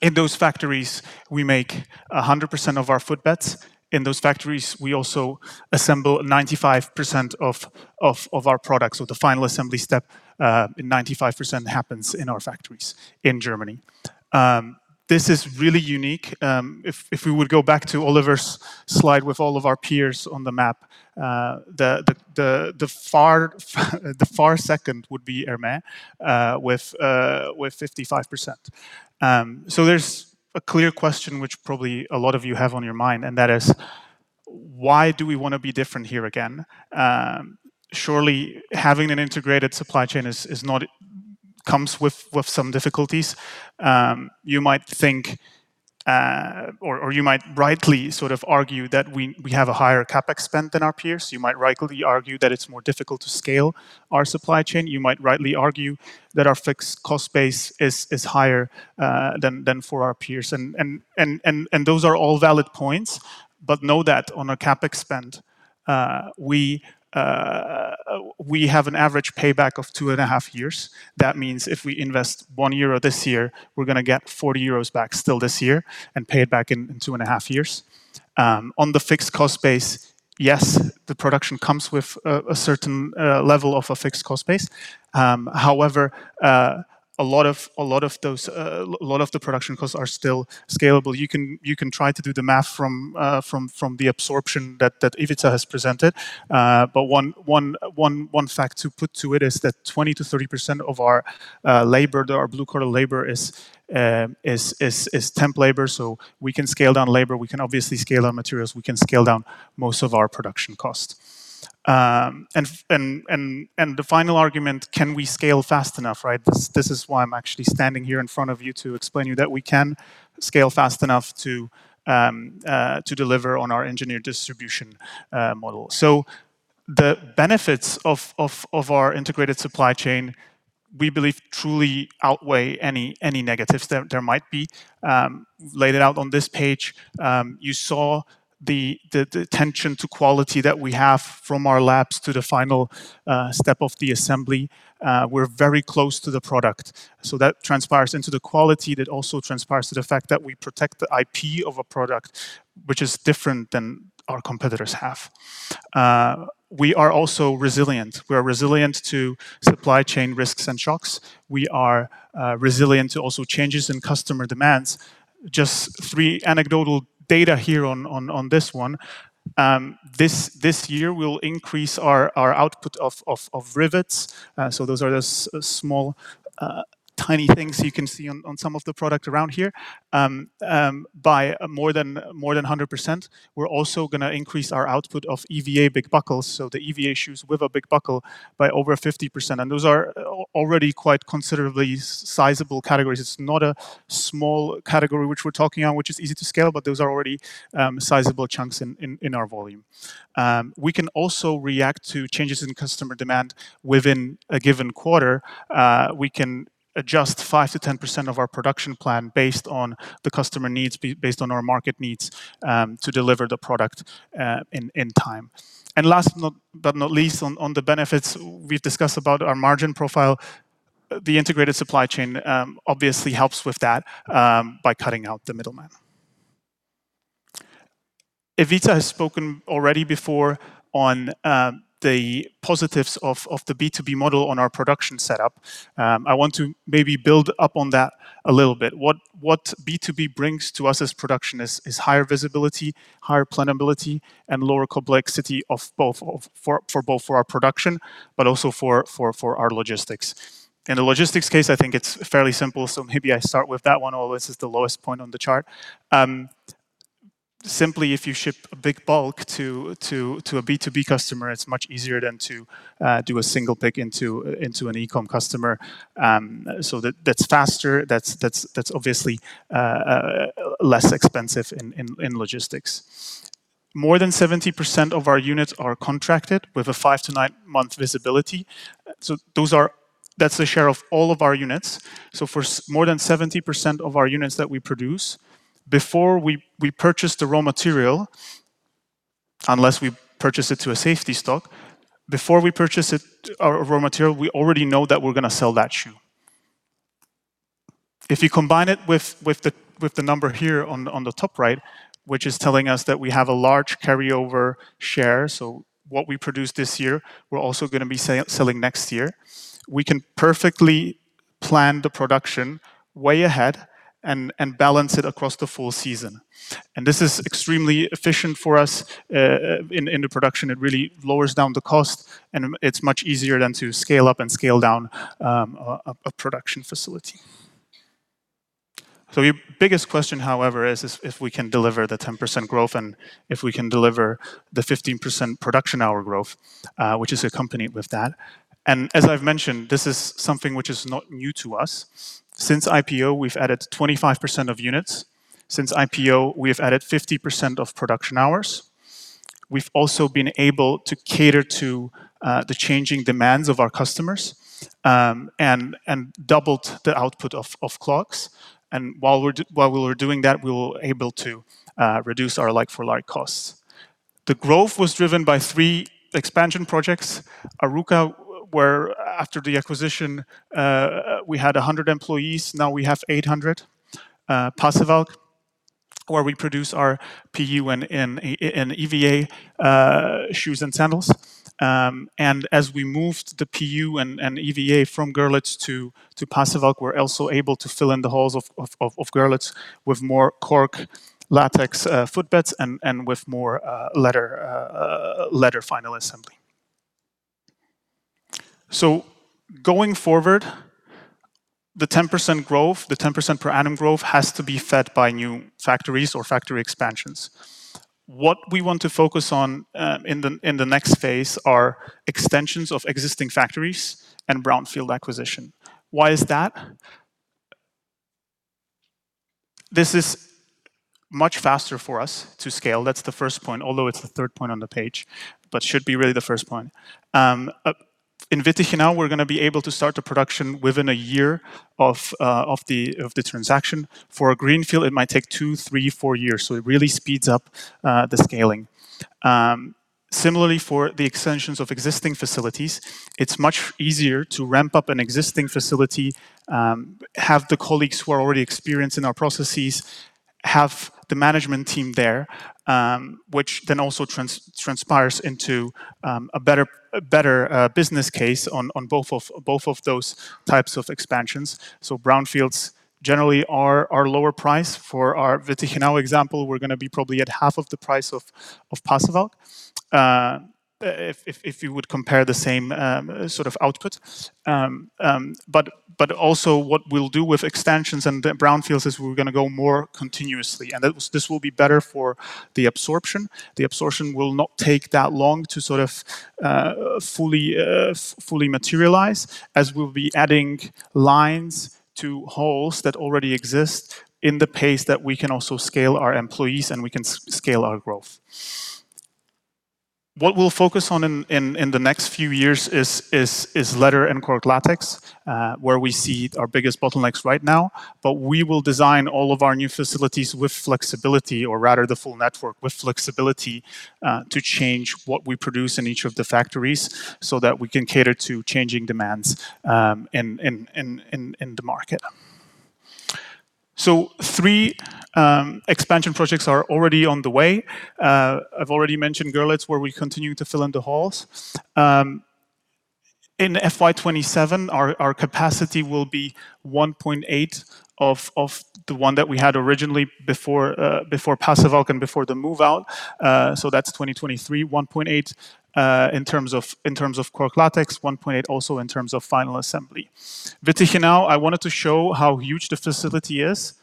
In those factories, we make 100% of our footbeds. In those factories, we also assemble 95% of our products, with the final assembly step 95% happens in our factories in Germany. This is really unique. If we would go back to Oliver's slide with all of our peers on the map, the far second would be Hermès with 55%. So there's a clear question which probably a lot of you have on your mind, and that is: Why do we wanna be different here again? Surely, having an integrated supply chain comes with some difficulties. You might think, or you might rightly sort of argue that we have a higher CapEx spend than our peers. You might rightly argue that it's more difficult to scale our supply chain. You might rightly argue that our fixed cost base is higher than for our peers. And those are all valid points, but know that on a CapEx spend, we have an average payback of two and a half years. That means if we invest 1 euro this year, we're gonna get 40 euros back still this year and pay it back in two and a half years. On the fixed cost base, yes, the production comes with a certain level of a fixed cost base. However, a lot of those production costs are still scalable. You can try to do the math from the absorption that Ivica has presented. But one fact to put to it is that 20%-30% of our labor, our blue-collar labor is temp labor, so we can scale down labor, we can obviously scale down materials, we can scale down most of our production cost. And the final argument, can we scale fast enough, right? This is why I'm actually standing here in front of you to explain to you that we can scale fast enough to deliver on our engineered distribution model. So the benefits of our integrated supply chain, we believe, truly outweigh any negatives that there might be. Laid it out on this page. You saw the attention to quality that we have from our labs to the final step of the assembly. We're very close to the product, so that transpires into the quality. That also transpires to the fact that we protect the IP of a product, which is different than our competitors have. We are also resilient. We are resilient to supply chain risks and shocks. We are resilient to also changes in customer demands. Just three anecdotal data here on this one. This year will increase our output of rivets. So those are the small, tiny things you can see on some of the products around here, by more than 100%. We're also gonna increase our output of EVA big buckles, so the EVA shoes with a big buckle by over 50%, and those are already quite considerably sizable categories. It's not a small category which we're talking on, which is easy to scale, but those are already sizable chunks in our volume. We can also react to changes in customer demand within a given quarter. We can adjust 5%-10% of our production plan based on the customer needs, based on our market needs, to deliver the product in time. And last but not least, on the benefits we've discussed about our margin profile, the integrated supply chain obviously helps with that by cutting out the middleman. Ivica has spoken already before on the positives of the B2B model on our production setup. I want to maybe build up on that a little bit. What B2B brings to us as production is higher visibility, higher planability, and lower complexity for both our production, but also for our logistics. In the logistics case, I think it's fairly simple, so maybe I start with that one, although this is the lowest point on the chart. Simply, if you ship a big bulk to a B2B customer, it's much easier than to do a single pick into an e-com customer. So that's faster, that's obviously less expensive in logistics. More than 70% of our units are contracted with a 5-9-month visibility. So that's the share of all of our units. So for more than 70% of our units that we produce, before we purchase the raw material, unless we purchase it to a safety stock, before we purchase it, our raw material, we already know that we're gonna sell that shoe. If you combine it with the number here on the top right, which is telling us that we have a large carryover share, so what we produce this year, we're also gonna be selling next year. We can perfectly plan the production way ahead and balance it across the full season. And this is extremely efficient for us in the production. It really lowers down the cost, and it's much easier to scale up and scale down a production facility. So your biggest question, however, is if we can deliver the 10% growth and if we can deliver the 15% production hour growth, which is accompanied with that. And as I've mentioned, this is something which is not new to us. Since IPO, we've added 25% of units. Since IPO, we have added 50% of production hours. We've also been able to cater to the changing demands of our customers, and doubled the output of Clogs. While we were doing that, we were able to reduce our like-for-like costs. The growth was driven by three expansion projects. Arouca, where after the acquisition, we had 100 employees, now we have 800. Pasewalk, where we produce our PU and EVA shoes and sandals. And as we moved the PU and EVA from Görlitz to Pasewalk, we're also able to fill in the halls of Görlitz with more cork, latex footbeds and with more leather final assembly. So going forward, the 10% growth, the 10% per annum growth has to be fed by new factories or factory expansions. What we want to focus on in the next phase are extensions of existing factories and brownfield acquisition. Why is that? This is much faster for us to scale. That's the first point, although it's the third point on the page, but should be really the first point. In Wittichenau, we're gonna be able to start the production within a year of the transaction. For a greenfield, it might take 2, 3, 4 years, so it really speeds up the scaling. Similarly, for the extensions of existing facilities, it's much easier to ramp up an existing facility, have the colleagues who are already experienced in our processes, have the management team there, which then also transpires into a better business case on both of those types of expansions. So brownfields generally are lower price. For our Wittichenau example, we're gonna be probably at half of the price of Pasewalk, if you would compare the same sort of output. But also what we'll do with extensions and brownfields is we're gonna go more continuously, and this will be better for the absorption. The absorption will not take that long to sort of fully materialize, as we'll be adding lines to holes that already exist in Pasewalk that we can also scale our employees, and we can scale our growth. What we'll focus on in the next few years is leather and cork latex, where we see our biggest bottlenecks right now. But we will design all of our new facilities with flexibility, or rather, the full network with flexibility, to change what we produce in each of the factories so that we can cater to changing demands in the market. So three expansion projects are already on the way. I've already mentioned Görlitz, where we continue to fill in the halls. In FY 2027, our capacity will be 1.8 of the one that we had originally before Pasewalk and before the move-out. So that's 2023, 1.8 in terms of cork latex, 1.8 also in terms of final assembly. Wittichenau, I wanted to show how huge the facility is,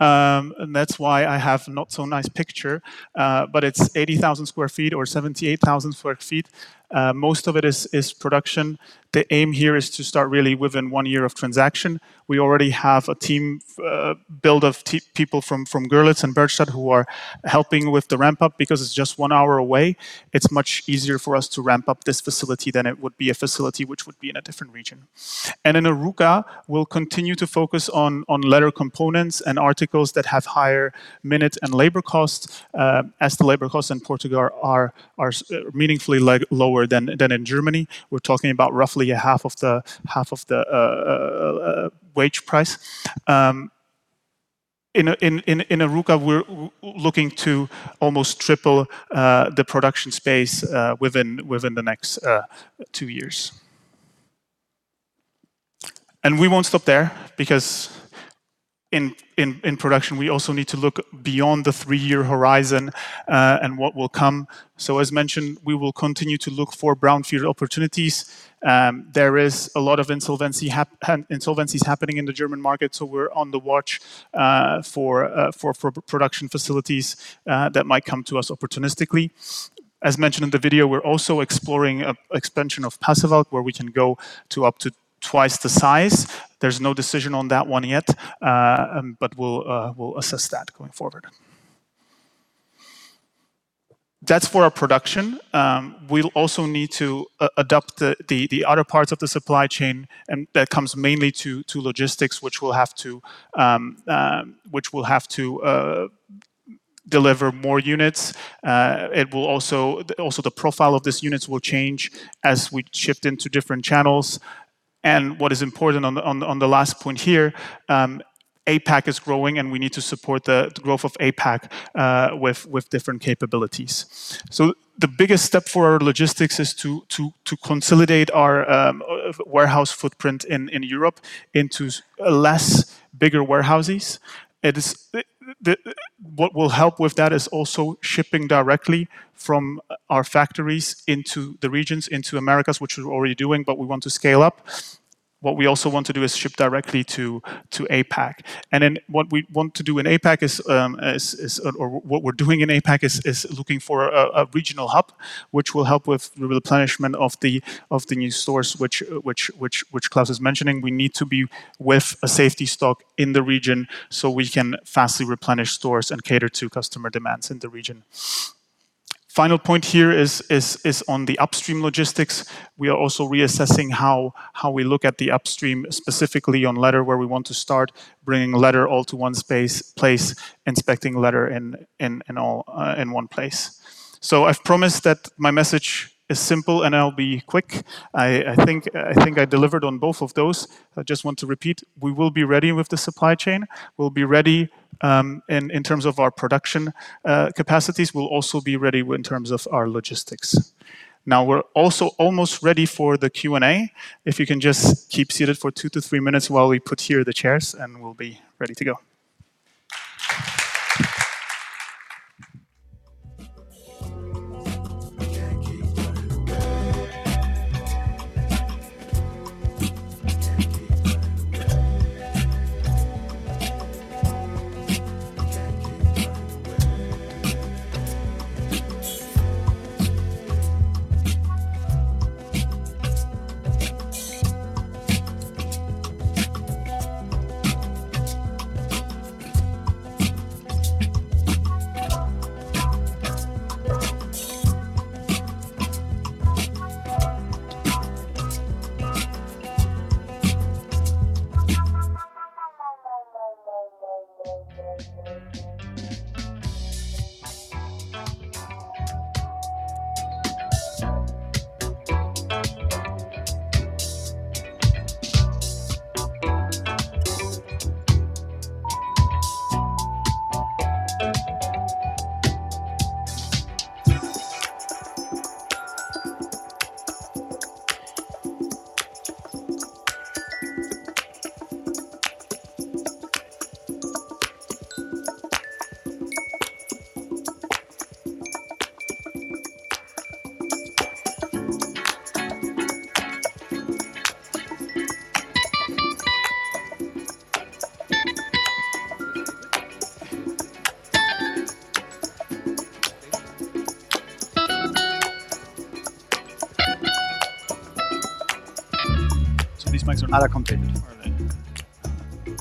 and that's why I have not so nice picture, but it's 80,000 sq ft or 78,000 sq ft. Most of it is production. The aim here is to start really within one year of transaction. We already have a team build of people from Görlitz and Bernstadt who are helping with the ramp-up. Because it's just one hour away, it's much easier for us to ramp up this facility than it would be a facility which would be in a different region. And in Arouca, we'll continue to focus on leather components and articles that have higher minute and labor costs, as the labor costs in Portugal are meaningfully lower than in Germany. We're talking about roughly a half of the wage price in Arouca. We're looking to almost triple the production space within the next two years. And we won't stop there because in production, we also need to look beyond the three-year horizon and what will come. So as mentioned, we will continue to look for brownfield opportunities. There is a lot of insolvencies happening in the German market, so we're on the watch for production facilities that might come to us opportunistically. As mentioned in the video, we're also exploring an expansion of Pasewalk, where we can go to up to twice the size. There's no decision on that one yet, but we'll assess that going forward. That's for our production. We'll also need to adapt the other parts of the supply chain, and that comes mainly to logistics, which will have to deliver more units. It will also. Also, the profile of these units will change as we shift into different channels. And what is important on the last point here, APAC is growing, and we need to support the growth of APAC with different capabilities. So the biggest step for our logistics is to consolidate our warehouse footprint in Europe into less bigger warehouses. What will help with that is also shipping directly from our factories into the regions, into Americas, which we're already doing, but we want to scale up. What we also want to do is ship directly to APAC. And then what we want to do in APAC is, or what we're doing in APAC is looking for a regional hub, which will help with the replenishment of the new stores, which Klaus is mentioning. We need to be with a safety stock in the region, so we can fastly replenish stores and cater to customer demands in the region. Final point here is on the upstream logistics. We are also reassessing how we look at the upstream, specifically on leather, where we want to start bringing leather all to one place, inspecting leather, all in one place. So I've promised that my message is simple, and I'll be quick. I think I delivered on both of those. I just want to repeat, we will be ready with the supply chain. We'll be ready in terms of our production capacities. We'll also be ready in terms of our logistics. Now, we're also almost ready for the Q&A. If you can just keep seated for 2-3 minutes while we put here the chairs, and we'll be ready to go. So these mics are not coming. Where are they?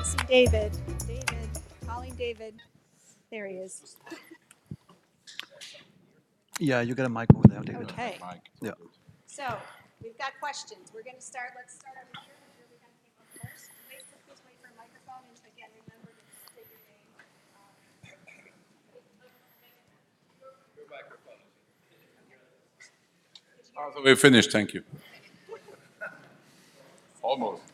I see David. David. Calling David. There he is. Yeah, you get a mic over there, David. Okay. Yeah. So we've got questions. We're gonna start... Let's start over here, because you were here first. Please just wait for a microphone, and again, remember to state your name. Your microphone. Oh, we're finished. Thank you. Almost. ...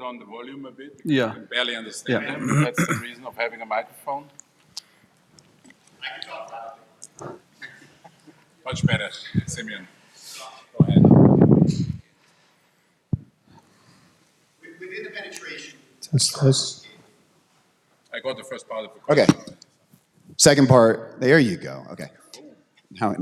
Thank you. Hi, guys. Simeon, like, thank you for all this. So just while we're thinking through that initial penetration slide that you guys made in the beginning, Do you know if I'm- Yeah. Just, does that think about the regions that are already sort of at the top of that penetration list? How do you think about the opportunity there? I don't know if this is follow-up or, but just curious, how do you think about now- Can you put on the volume a bit? Yeah. Because I can barely understand you. Yeah. Mm-hmm. That's the reason of having a microphone. I can talk louder. Much better, Simeon. Go ahead. Within the penetration- That's close. I got the first part of the question. Okay. Second part... There you go. Okay. Oh.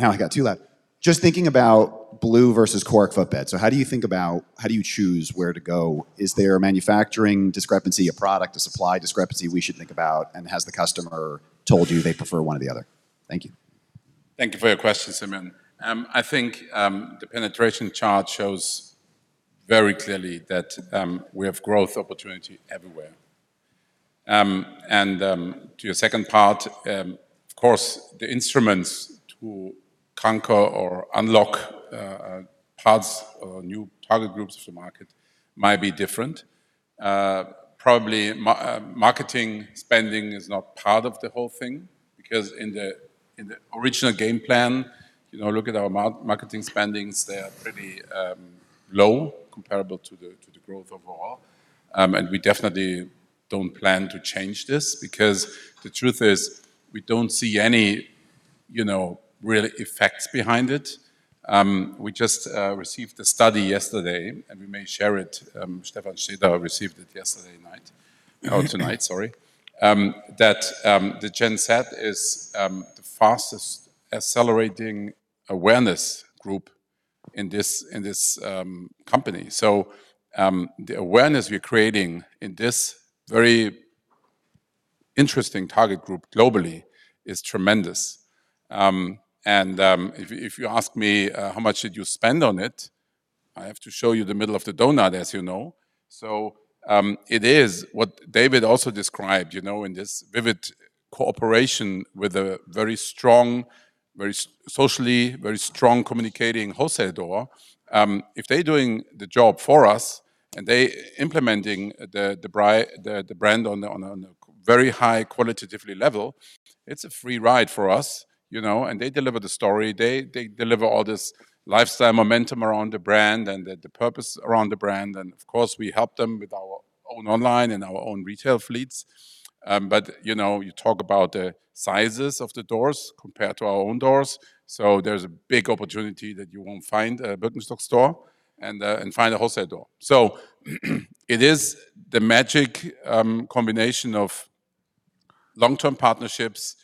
Just thinking about blue versus cork footbed. So how do you think about... How do you choose where to go? Is there a manufacturing discrepancy, a product, a supply discrepancy we should think about? And has the customer told you they prefer one or the other? Thank you.... Thank you for your question, Simeon. I think the penetration chart shows very clearly that we have growth opportunity everywhere. And to your second part, of course, the instruments to conquer or unlock parts or new target groups for market might be different. Probably marketing spending is not part of the whole thing, because in the original game plan, you know, look at our marketing spendings, they are pretty low comparable to the growth overall. And we definitely don't plan to change this, because the truth is, we don't see any, you know, real effects behind it. We just received a study yesterday, and we may share it. Stefan Schieder received it yesterday night, or tonight, sorry. That the Gen Z is the fastest accelerating awareness group in this, in this, company. So, the awareness we're creating in this very interesting target group globally is tremendous. And, if you, if you ask me, "How much did you spend on it?" I have to show you the middle of the donut, as you know. So, it is what David also described, you know, in this vivid cooperation with a very strong, very socially, very strong communicating wholesale door. If they're doing the job for us, and they implementing the, the bri- the, the brand on a, on a, on a very high qualitatively level, it's a free ride for us, you know. They deliver the story, they deliver all this lifestyle momentum around the brand and the purpose around the brand, and of course, we help them with our own online and our own retail fleets. But, you know, you talk about the sizes of the doors compared to our own doors, so there's a big opportunity that you won't find a Birkenstock store and find a wholesale door. So it is the magic combination of long-term partnerships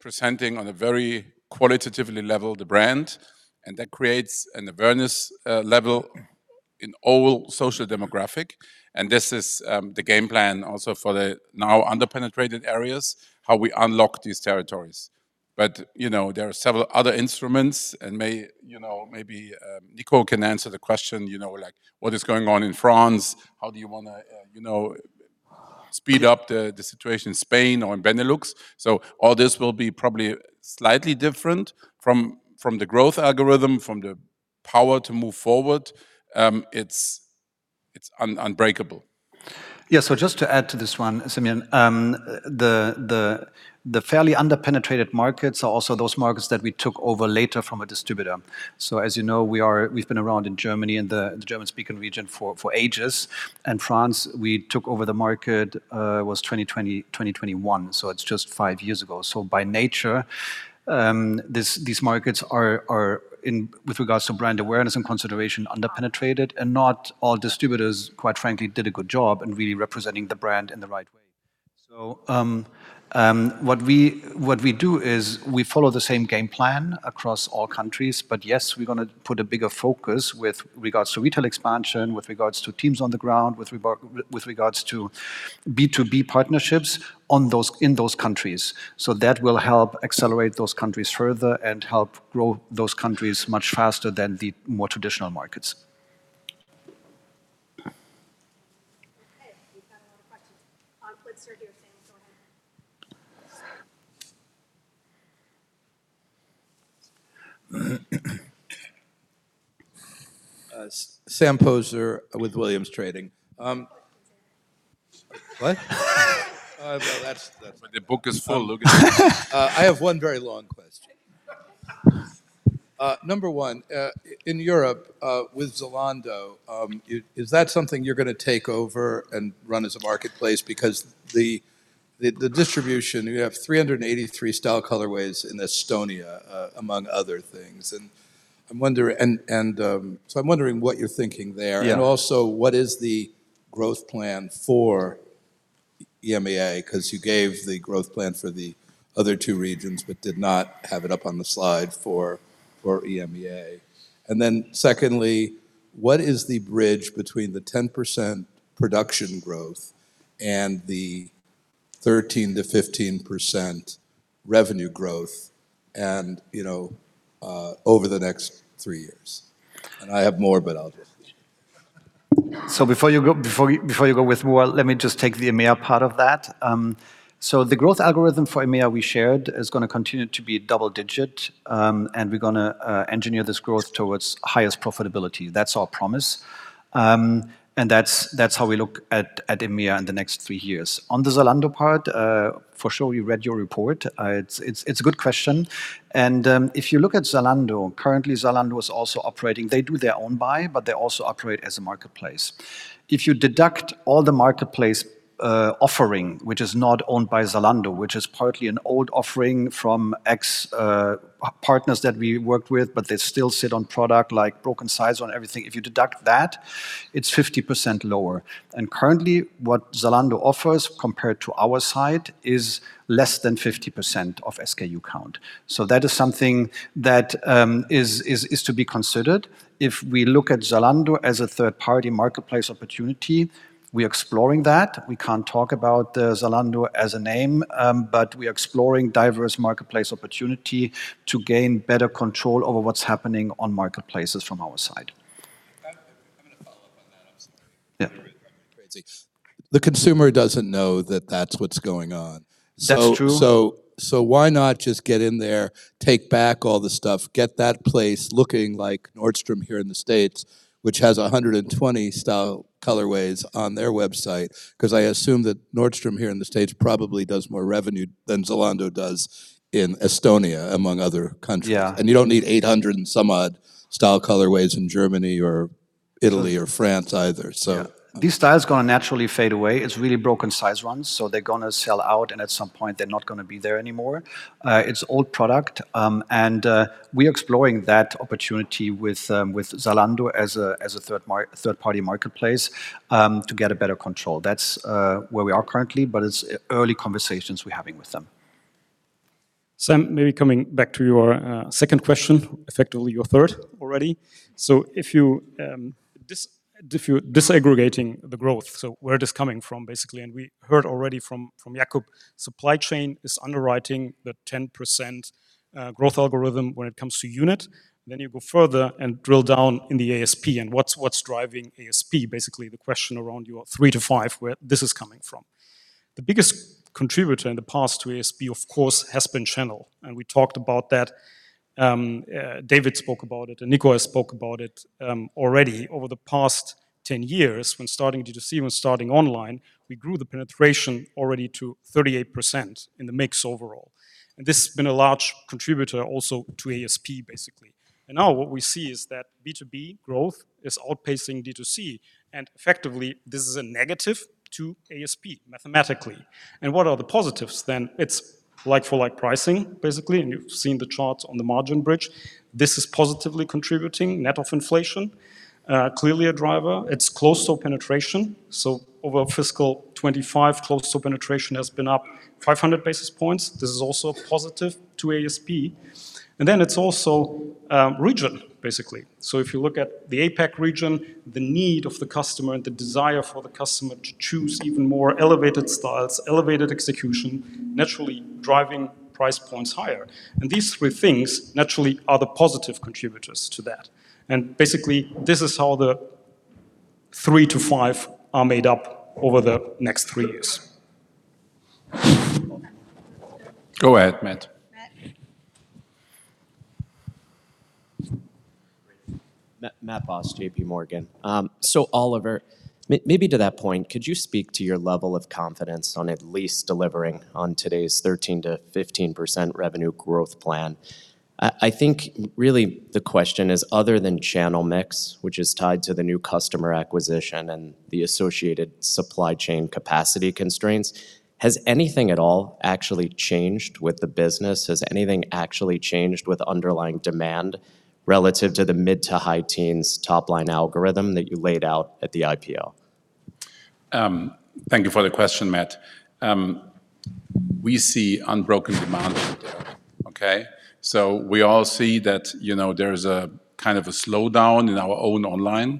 presenting on a very qualitatively level, the brand, and that creates an awareness level in all social demographic. And this is the game plan also for the now under-penetrated areas, how we unlock these territories. But, you know, there are several other instruments and, you know, maybe Nico can answer the question, you know, like, what is going on in France? How do you wanna, you know, speed up the situation in Spain or in Benelux? So all this will be probably slightly different from the growth algorithm, from the power to move forward. It's unbreakable. Yeah. So just to add to this one, Simeon, the fairly under-penetrated markets are also those markets that we took over later from a distributor. So as you know, we've been around in Germany and the German-speaking region for ages. And France, we took over the market was 2020, 2021, so it's just five years ago. So by nature, these markets are in... with regards to brand awareness and consideration, under-penetrated, and not all distributors, quite frankly, did a good job in really representing the brand in the right way. So, what we do is we follow the same game plan across all countries. But yes, we're gonna put a bigger focus with regards to retail expansion, with regards to teams on the ground, with regards to B2B partnerships in those countries. So that will help accelerate those countries further and help grow those countries much faster than the more traditional markets. Okay, we've got a lot of questions with Sam, go ahead. Sam Poser with Williams Trading. What? No, that's, that's- The book is full. Look at it. I have one very long question. Number one, in Europe, with Zalando, is that something you're gonna take over and run as a marketplace? Because the distribution, you have 383 style colorways in Estonia, among other things, and so I'm wondering what you're thinking there. Yeah. And also, what is the growth plan for EMEA? 'Cause you gave the growth plan for the other two regions, but did not have it up on the slide for, for EMEA. And then secondly, what is the bridge between the 10% production growth and the 13%-15% revenue growth, and, you know, over the next three years? And I have more, but I'll just... So before you go with more, let me just take the EMEA part of that. So the growth algorithm for EMEA we shared is gonna continue to be double digit, and we're gonna engineer this growth towards highest profitability. That's our promise. And that's how we look at EMEA in the next three years. On the Zalando part, for sure, you read your report. It's a good question. And if you look at Zalando, currently, Zalando is also operating. They do their own buy, but they also operate as a marketplace. If you deduct all the marketplace offering, which is not owned by Zalando, which is partly an old offering from ex partners that we worked with, but they still sit on product, like broken size on everything. If you deduct that, it's 50% lower. And currently, what Zalando offers compared to our side, is less than 50% of SKU count. So that is something that is to be considered. If we look at Zalando as a third-party marketplace opportunity, we're exploring that. We can't talk about Zalando as a name, but we are exploring diverse marketplace opportunity to gain better control over what's happening on marketplaces from our side.... The consumer doesn't know that that's what's going on. That's true. Why not just get in there, take back all the stuff, get that place looking like Nordstrom here in the States, which has 120 style colorways on their website? 'Cause I assume that Nordstrom here in the States probably does more revenue than Zalando does in Estonia, among other countries. Yeah. You don't need 800 and some odd style colorways in Germany or Italy or France either, so- Yeah. These styles are gonna naturally fade away. It's really broken size runs, so they're gonna sell out, and at some point they're not gonna be there anymore. It's old product, and we're exploring that opportunity with Zalando as a third-party marketplace to get a better control. That's where we are currently, but it's early conversations we're having with them. Sam, maybe coming back to your second question, effectively your third already. So if you're disaggregating the growth, so where it is coming from, basically, and we heard already from Jakob, supply chain is underwriting the 10% growth algorithm when it comes to unit. Then you go further and drill down in the ASP and what's driving ASP, basically, the question around your 3-5, where this is coming from. The biggest contributor in the past to ASP, of course, has been channel, and we talked about that. David spoke about it, and Nico has spoke about it already. Over the past 10 years, when starting D2C, when starting online, we grew the penetration already to 38% in the mix overall. And this has been a large contributor also to ASP, basically. And now what we see is that B2B growth is outpacing D2C, and effectively, this is a negative to ASP, mathematically. And what are the positives then? It's like-for-like pricing, basically, and you've seen the charts on the margin bridge. This is positively contributing, net of inflation. Clearly a driver. It's closed-toe penetration. So over fiscal 2025, closed-toe penetration has been up 500 basis points. This is also positive to ASP. And then it's also, region, basically. So if you look at the APAC region, the need of the customer and the desire for the customer to choose even more elevated styles, elevated execution, naturally driving price points higher. And these three things, naturally, are the positive contributors to that. And basically, this is how the 3-5 are made up over the next three years. Go ahead, Matt. Matt. Matthew Boss, JPMorgan. So, Oliver, maybe to that point, could you speak to your level of confidence on at least delivering on today's 13%-15% revenue growth plan? I think really the question is, other than channel mix, which is tied to the new customer acquisition and the associated supply chain capacity constraints, has anything at all actually changed with the business? Has anything actually changed with underlying demand relative to the mid- to high-teens top-line algorithm that you laid out at the IPO? Thank you for the question, Matt. We see unbroken demand out there, okay? So we all see that, you know, there is a kind of a slowdown in our own online,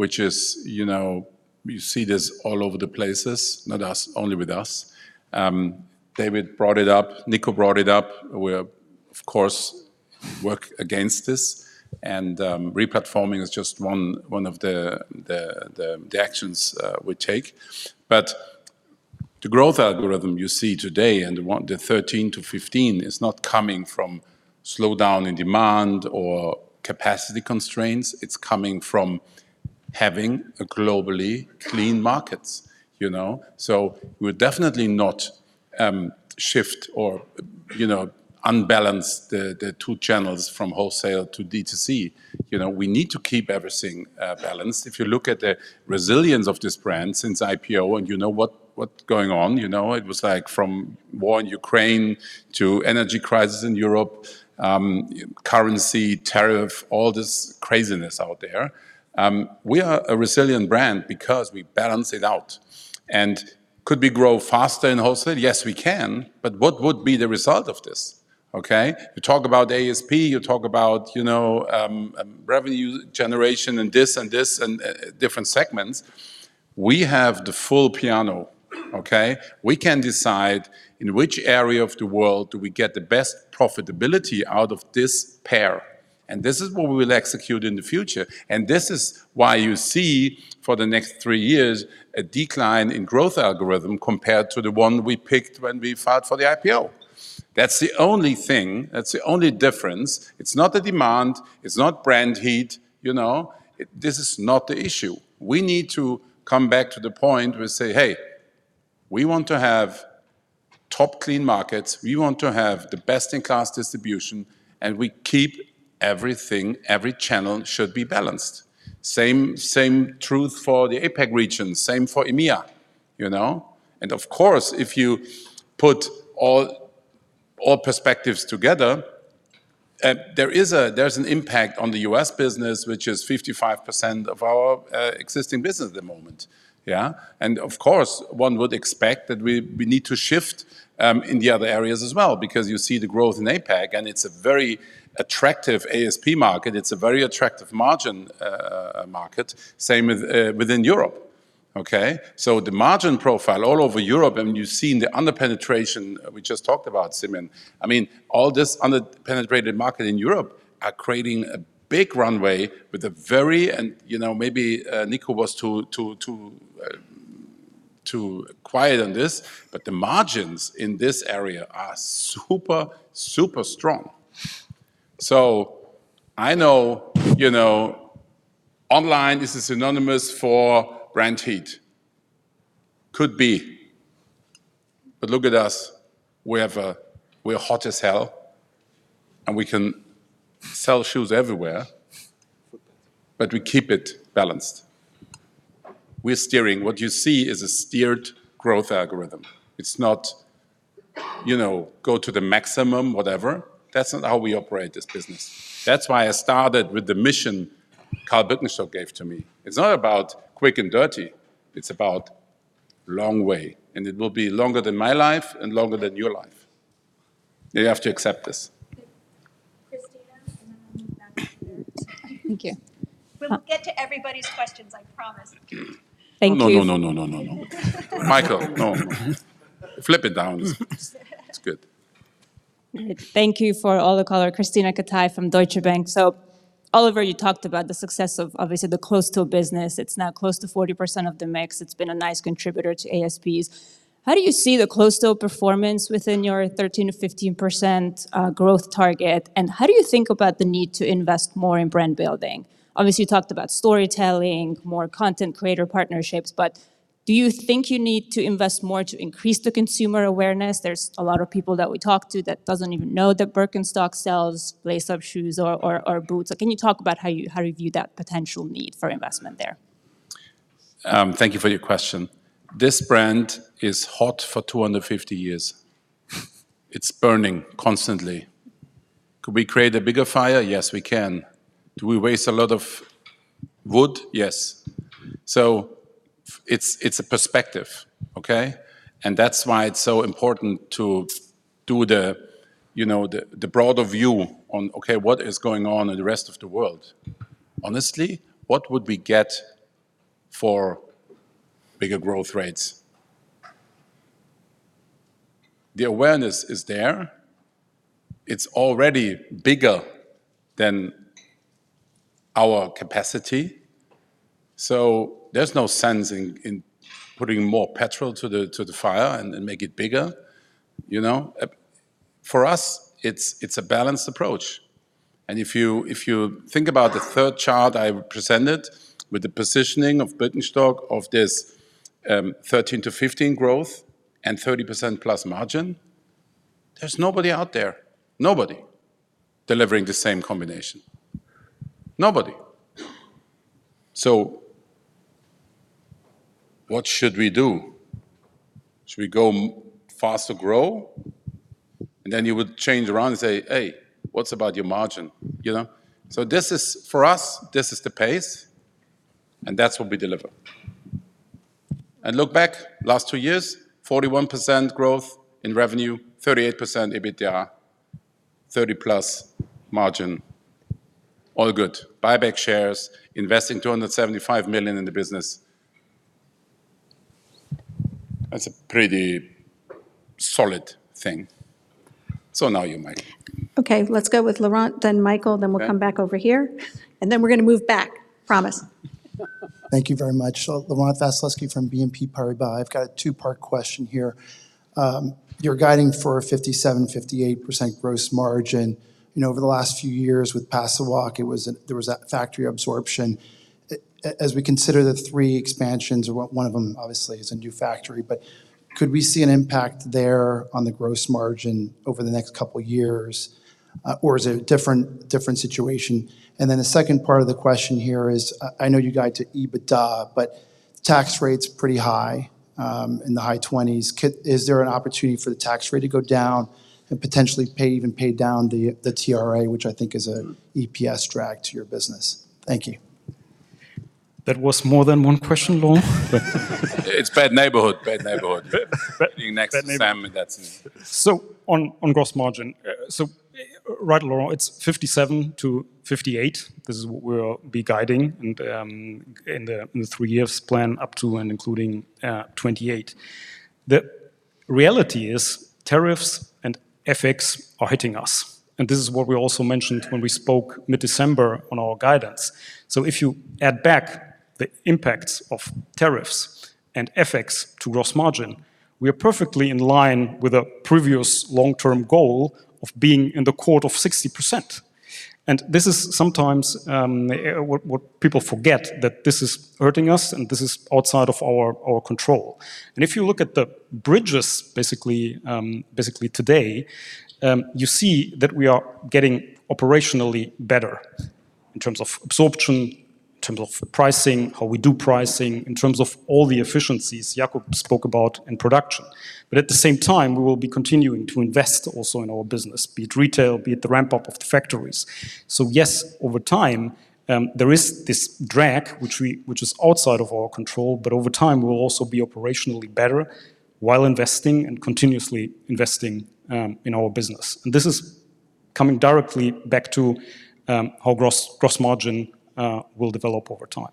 which is, you know, you see this all over the places, not us, only with us. David brought it up, Nico brought it up. We, of course, work against this, and re-platforming is just one of the actions we take. But the growth algorithm you see today and the one... the 13-15 is not coming from slowdown in demand or capacity constraints. It's coming from having a globally clean markets, you know? So we're definitely not shift or, you know, unbalance the two channels from wholesale to D2C. You know, we need to keep everything balanced. If you look at the resilience of this brand since IPO, and you know what, what's going on, you know, it was like from war in Ukraine to energy crisis in Europe, currency, tariff, all this craziness out there. We are a resilient brand because we balance it out. And could we grow faster in wholesale? Yes, we can, but what would be the result of this, okay? You talk about ASP, you talk about, you know, revenue generation and this and this, and, different segments. We have the full piano, okay? We can decide in which area of the world do we get the best profitability out of this pair, and this is what we will execute in the future. And this is why you see, for the next three years, a decline in growth algorithm compared to the one we picked when we filed for the IPO. That's the only thing, that's the only difference. It's not the demand, it's not brand heat, you know. This is not the issue. We need to come back to the point where we say, "Hey, we want to have top clean markets, we want to have the best-in-class distribution, and we keep everything, every channel should be balanced." Same, same truth for the APAC region, same for EMEA, you know? And of course, if you put all, all perspectives together, there is a- there's an impact on the US business, which is 55% of our existing business at the moment, yeah? Of course, one would expect that we need to shift in the other areas as well, because you see the growth in APAC, and it's a very attractive ASP market. It's a very attractive margin market. Same with within Europe. Okay? So the margin profile all over Europe, and you've seen the under-penetration we just talked about, Simeon. I mean, all this under-penetrated market in Europe are creating a big runway with a very-- and, you know, maybe Nico was too quiet on this, but the margins in this area are super, super strong. So I know, you know, online is synonymous for brand heat. Could be. But look at us, we have, we're hot as hell, and we can sell shoes everywhere, but we keep it balanced. We're steering. What you see is a steered growth algorithm. It's not, you know, go to the maximum, whatever. That's not how we operate this business. That's why I started with the mission Karl Birkenstock gave to me. It's not about quick and dirty. It's about long way, and it will be longer than my life and longer than your life. You have to accept this. Christina, and then we'll move back over here. Thank you. We'll get to everybody's questions, I promise. Thank you. No, no, no, no, no, no, no. Michael, no. Flip it down. It's good. Thank you for all the color. Krisztina Katai from Deutsche Bank. Oliver, you talked about the success of obviously the closed-toe business. It's now close to 40% of the mix. It's been a nice contributor to ASPs. How do you see the closed-toe performance within your 13%-15% growth target? And how do you think about the need to invest more in brand building? Obviously, you talked about storytelling, more content creator partnerships, but do you think you need to invest more to increase the consumer awareness? There's a lot of people that we talk to that doesn't even know that Birkenstock sells lace-up shoes or, or, or boots. Can you talk about how you, how you view that potential need for investment there? Thank you for your question. This brand is hot for 250 years. It's burning constantly. Could we create a bigger fire? Yes, we can. Do we waste a lot of wood? Yes. So it's a perspective, okay? And that's why it's so important to do the, you know, broader view on, okay, what is going on in the rest of the world? Honestly, what would we get for bigger growth rates? The awareness is there. It's already bigger than our capacity, so there's no sense in putting more petrol to the fire and make it bigger, you know? For us, it's a balanced approach. If you think about the third chart I presented with the positioning of Birkenstock, of this, 13%-15% growth and 30%+ margin, there's nobody out there, nobody, delivering the same combination. Nobody. So what should we do? Should we go faster grow? And then you would change around and say, "Hey, what's about your margin?" You know? So this is—for us, this is the pace, and that's what we deliver. And look back, last two years, 41% growth in revenue, 38% EBITDA, 30+ margin, all good. Buy back shares, investing 275 million in the business. That's a pretty solid thing. So now you, Mike. Okay, let's go with Laurent, then Michael, then we'll come back over here, and then we're gonna move back. Promise. Thank you very much. Laurent Vasilescu from BNP Paribas. I've got a two-part question here. You're guiding for a 57%-58% gross margin. You know, over the last few years with Pasewalk, it was a-- there was that factory absorption. As we consider the three expansions, or one of them obviously is a new factory, but could we see an impact there on the gross margin over the next couple of years? Or is it a different situation? And then the second part of the question here is, I know you guide to EBITDA, but tax rate's pretty high in the high 20s. Is there an opportunity for the tax rate to go down and potentially pay, even pay down the, the TRA, which I think is an EPS drag to your business? Thank you. That was more than one question, Laurent. It's bad neighborhood, bad neighborhood. Bad neighbor- Being next to Sam, that's... So on gross margin. So right, Laurent, it's 57%-58%. This is what we'll be guiding in the three years plan, up to and including 2028. The reality is tariffs and FX are hitting us, and this is what we also mentioned when we spoke mid-December on our guidance. So if you add back the impacts of tariffs and FX to gross margin, we are perfectly in line with a previous long-term goal of being in the 60% range. And this is sometimes what people forget, that this is hurting us, and this is outside of our control. And if you look at the bridges, basically today, you see that we are getting operationally better in terms of absorption, in terms of the pricing, how we do pricing, in terms of all the efficiencies Jakob spoke about in production. But at the same time, we will be continuing to invest also in our business, be it retail, be it the ramp-up of the factories. So yes, over time, there is this drag, which is outside of our control, but over time, we will also be operationally better while investing and continuously investing in our business. And this is coming directly back to how gross, gross margin will develop over time.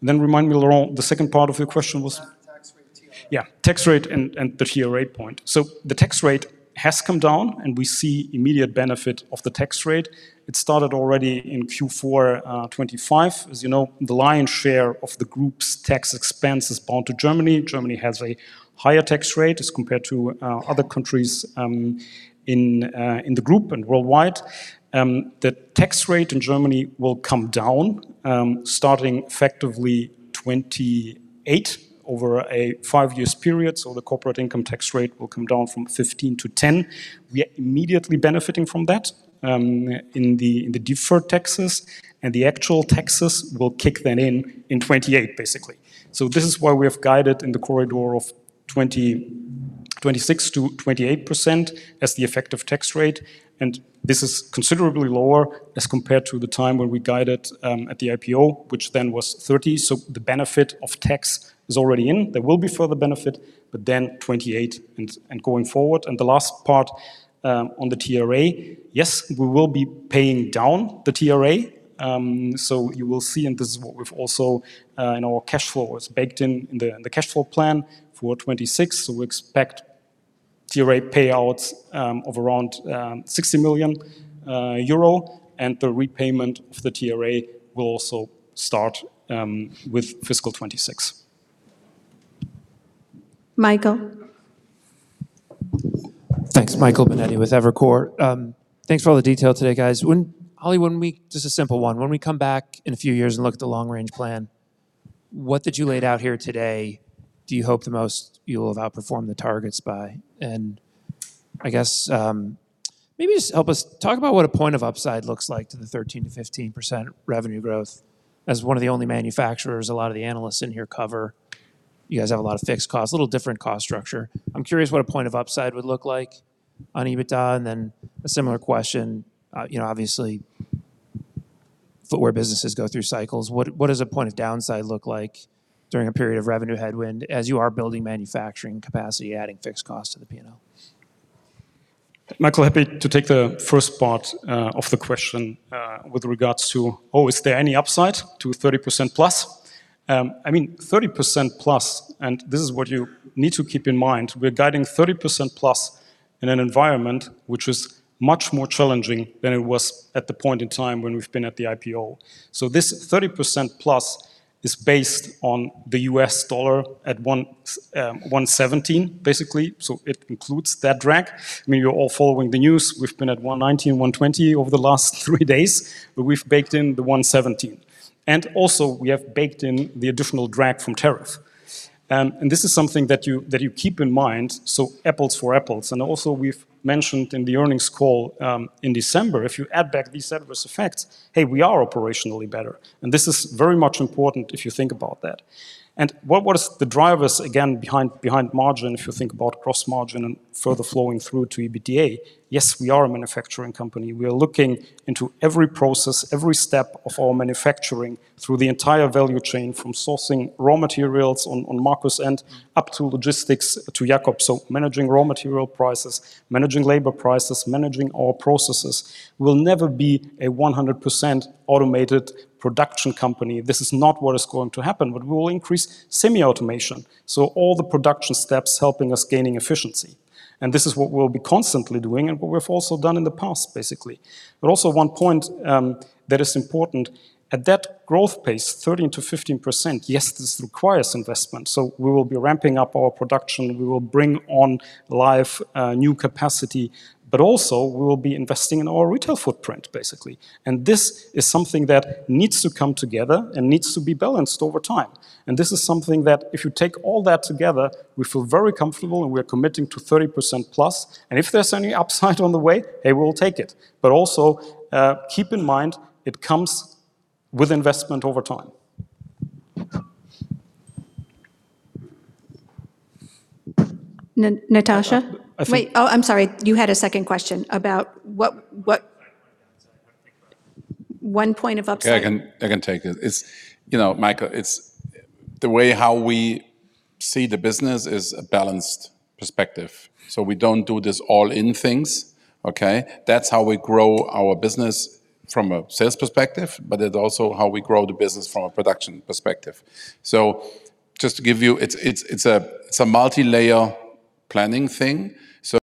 And then remind me, Laurent, the second part of your question was? Tax rate and TRA. Yeah, tax rate and the TRA point. So the tax rate has come down, and we see immediate benefit of the tax rate. It started already in Q4 2025. As you know, the lion's share of the group's tax expense is bound to Germany. Germany has a higher tax rate as compared to other countries in the group and worldwide. The tax rate in Germany will come down starting effectively 2028 over a five-years period. So the corporate income tax rate will come down from 15 to 10. We are immediately benefiting from that in the deferred taxes, and the actual taxes will kick then in 2028, basically. So this is why we have guided in the corridor of 26%-28% as the effective tax rate, and this is considerably lower as compared to the time when we guided at the IPO, which then was 30%. So the benefit of tax is already in. There will be further benefit, but then 28% and going forward. And the last part on the TRA, yes, we will be paying down the TRA. So you will see, and this is what we've also in our cash flow is baked in, in the cash flow plan for 2026. So we expect TRA payouts of around 60 million euro, and the repayment of the TRA will also start with fiscal 2026. Michael? Thanks. Michael Binetti with Evercore. Thanks for all the detail today, guys. Just a simple one. When we come back in a few years and look at the long-range plan, what that you laid out here today, do you hope the most you'll have outperformed the targets by? And I guess, maybe just help us talk about what a point of upside looks like to the 13%-15% revenue growth. As one of the only manufacturers, a lot of the analysts in here cover, you guys have a lot of fixed costs, a little different cost structure. I'm curious what a point of upside would look like on EBITDA, and then a similar question, you know, obviously, footwear businesses go through cycles. What does a point of downside look like during a period of revenue headwind as you are building manufacturing capacity, adding fixed costs to the P&L? Michael, happy to take the first part, of the question, with regards to, oh, is there any upside to 30%+? I mean, 30%+, and this is what you need to keep in mind, we're guiding 30%+ in an environment which is much more challenging than it was at the point in time when we've been at the IPO. So this 30%+ is based on the U.S. dollar at 1.17, basically, so it includes that drag. I mean, you're all following the news. We've been at 1.19, 1.20 over the last three days, but we've baked in the 1.17. And also, we have baked in the additional drag from tariff. And this is something that you, that you keep in mind, so apples for apples. Also, we've mentioned in the earnings call in December, if you add back these adverse effects, hey, we are operationally better. This is very much important if you think about that. What is the drivers again behind margin, if you think about gross margin and further flowing through to EBITDA? Yes, we are a manufacturing company. We are looking into every process, every step of our manufacturing through the entire value chain, from sourcing raw materials on Marcus' end, up to logistics to Jakob. So managing raw material prices, managing labor prices, managing all processes. We'll never be a 100% automated production company. This is not what is going to happen, but we will increase semi-automation, so all the production steps helping us gaining efficiency. This is what we'll be constantly doing and what we've also done in the past, basically. Also, one point that is important, at that growth pace, 13%-15%, yes, this requires investment. We will be ramping up our production. We will bring online new capacity, but also, we will be investing in our retail footprint, basically. This is something that needs to come together and needs to be balanced over time. This is something that if you take all that together, we feel very comfortable, and we are committing to 30%+. If there's any upside on the way, they will take it. Also, keep in mind, it comes with investment over time. Na- Natasha? I think- Wait. Oh, I'm sorry. You had a second question about what, what- One point of upside. One point of upside. Yeah, I can take it. You know, Michael, it's the way how we see the business is a balanced perspective. So we don't do this all-in things, okay? That's how we grow our business from a sales perspective, but it's also how we grow the business from a production perspective. So just to give you, it's a multilayer planning thing. So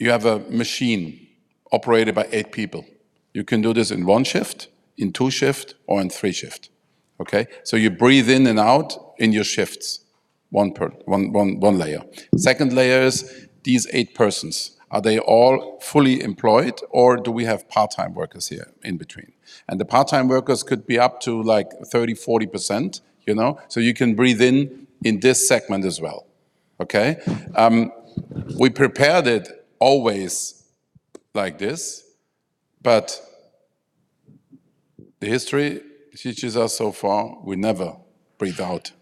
you have a machine operated by eight people. You can do this in one shift, in two shift, or in three shift, okay? So you breathe in and out in your shifts, one per one layer. Second layer is these eight persons, are they all fully employed, or do we have part-time workers here in between? And the part-time workers could be up to, like, 30, 40%, you know? So you can breathe in, in this segment as well, okay? We prepared it always like this, but the history teaches us so far, we never breathe out.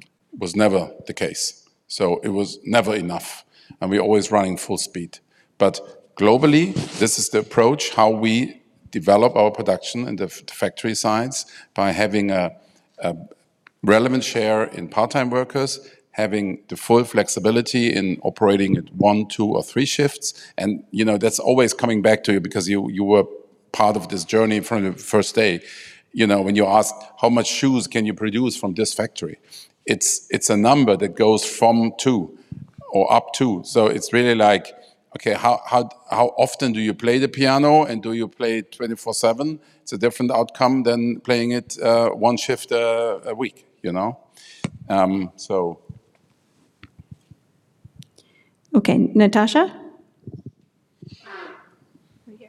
It was never the case. So it was never enough, and we're always running full speed. But globally, this is the approach, how we develop our production and the factory sides by having a relevant share in part-time workers, having the full flexibility in operating at one, two, or three shifts. And, you know, that's always coming back to you because you, you were part of this journey from the first day. You know, when you ask: "How much shoes can you produce from this factory?" It's a number that goes from two or up two. So it's really like, okay, how, how, how often do you play the piano, and do you play it 24/7? It's a different outcome than playing it one shift a week, you know? So. Okay, Natasha? Over here.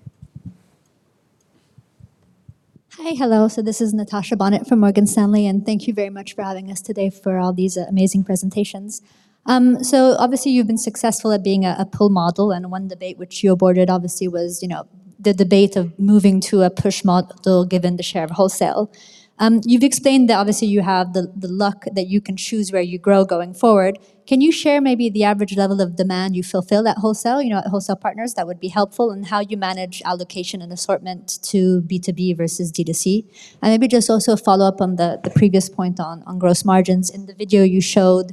Hi. Hello. So this is Natasha Bonnet from Morgan Stanley, and thank you very much for having us today for all these amazing presentations. So obviously, you've been successful at being a pull model, and one debate which you boarded obviously was, you know, the debate of moving to a push model given the share of wholesale. You've explained that obviously you have the luck that you can choose where you grow going forward. Can you share maybe the average level of demand you fulfill at wholesale, you know, at wholesale partners? That would be helpful. And how you manage allocation and assortment to B2B versus D2C. And maybe just also a follow-up on the previous point on gross margins. In the video you showed,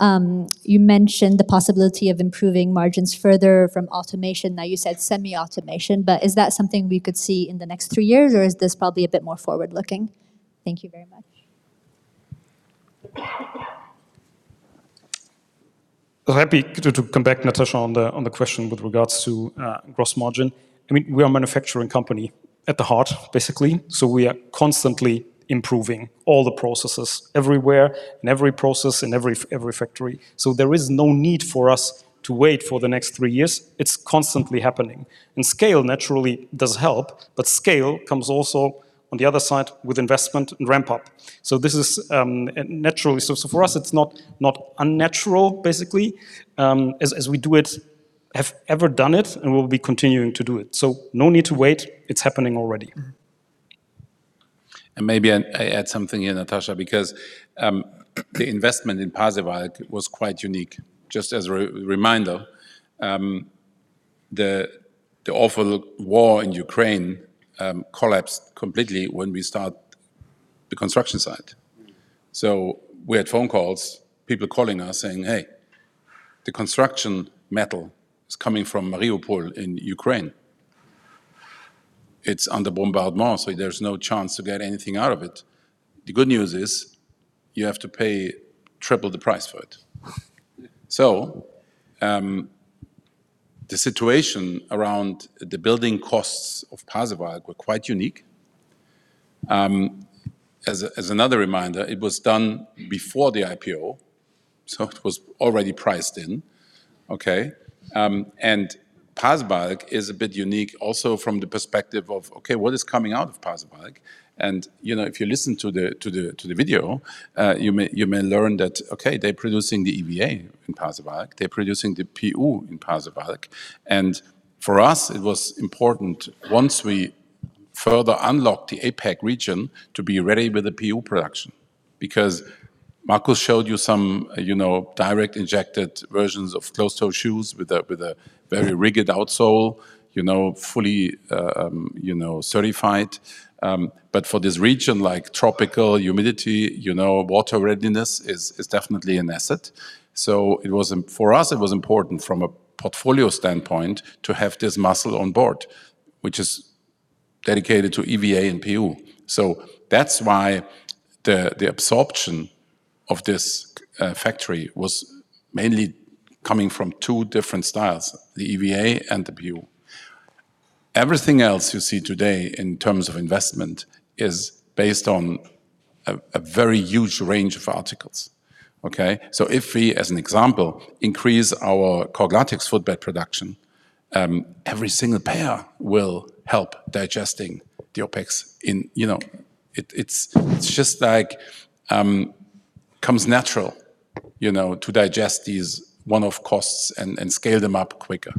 you mentioned the possibility of improving margins further from automation. Now, you said semi-automation, but is that something we could see in the next three years, or is this probably a bit more forward-looking? Thank you very much. Happy to come back, Natasha, on the question with regards to gross margin. I mean, we are a manufacturing company at the heart, basically, so we are constantly improving all the processes everywhere, in every process, in every factory. So there is no need for us to wait for the next three years. It's constantly happening. And scale naturally does help, but scale comes also on the other side with investment and ramp up. So this is naturally. So for us, it's not unnatural, basically, as we do it, have ever done it, and we'll be continuing to do it. So no need to wait. It's happening already. And maybe I add something here, Natasha, because the investment in Pasewalk was quite unique. Just as a reminder, the awful war in Ukraine collapsed completely when we start the construction site. So we had phone calls, people calling us saying, "Hey, the construction steel is coming from Mariupol in Ukraine. It's under bombardment, so there's no chance to get anything out of it. The good news is, you have to pay triple the price for it." So, the situation around the building costs of Pasewalk were quite unique. As another reminder, it was done before the IPO, so it was already priced in. Okay? And Pasewalk is a bit unique also from the perspective of, okay, what is coming out of Pasewalk? You know, if you listen to the video, you may learn that, okay, they're producing the EVA in Pasewalk, they're producing the PU in Pasewalk. And for us, it was important, once we further unlocked the APAC region, to be ready with the PU production. Because Marcus showed you some, you know, direct injected versions of closed-toe shoes with a very rigid outsole, you know, fully certified. But for this region, like tropical humidity, you know, water readiness is definitely an asset. So it was important for us from a portfolio standpoint to have this muscle on board, which is dedicated to EVA and PU. So that's why the absorption of this factory was mainly coming from two different styles, the EVA and the PU. Everything else you see today in terms of investment is based on a very huge range of articles. Okay? So if we, as an example, increase our cork latex footbed production, every single pair will help digesting the OpEx in... You know, it, it's, it's just like, comes natural, you know, to digest these one-off costs and, and scale them up quicker,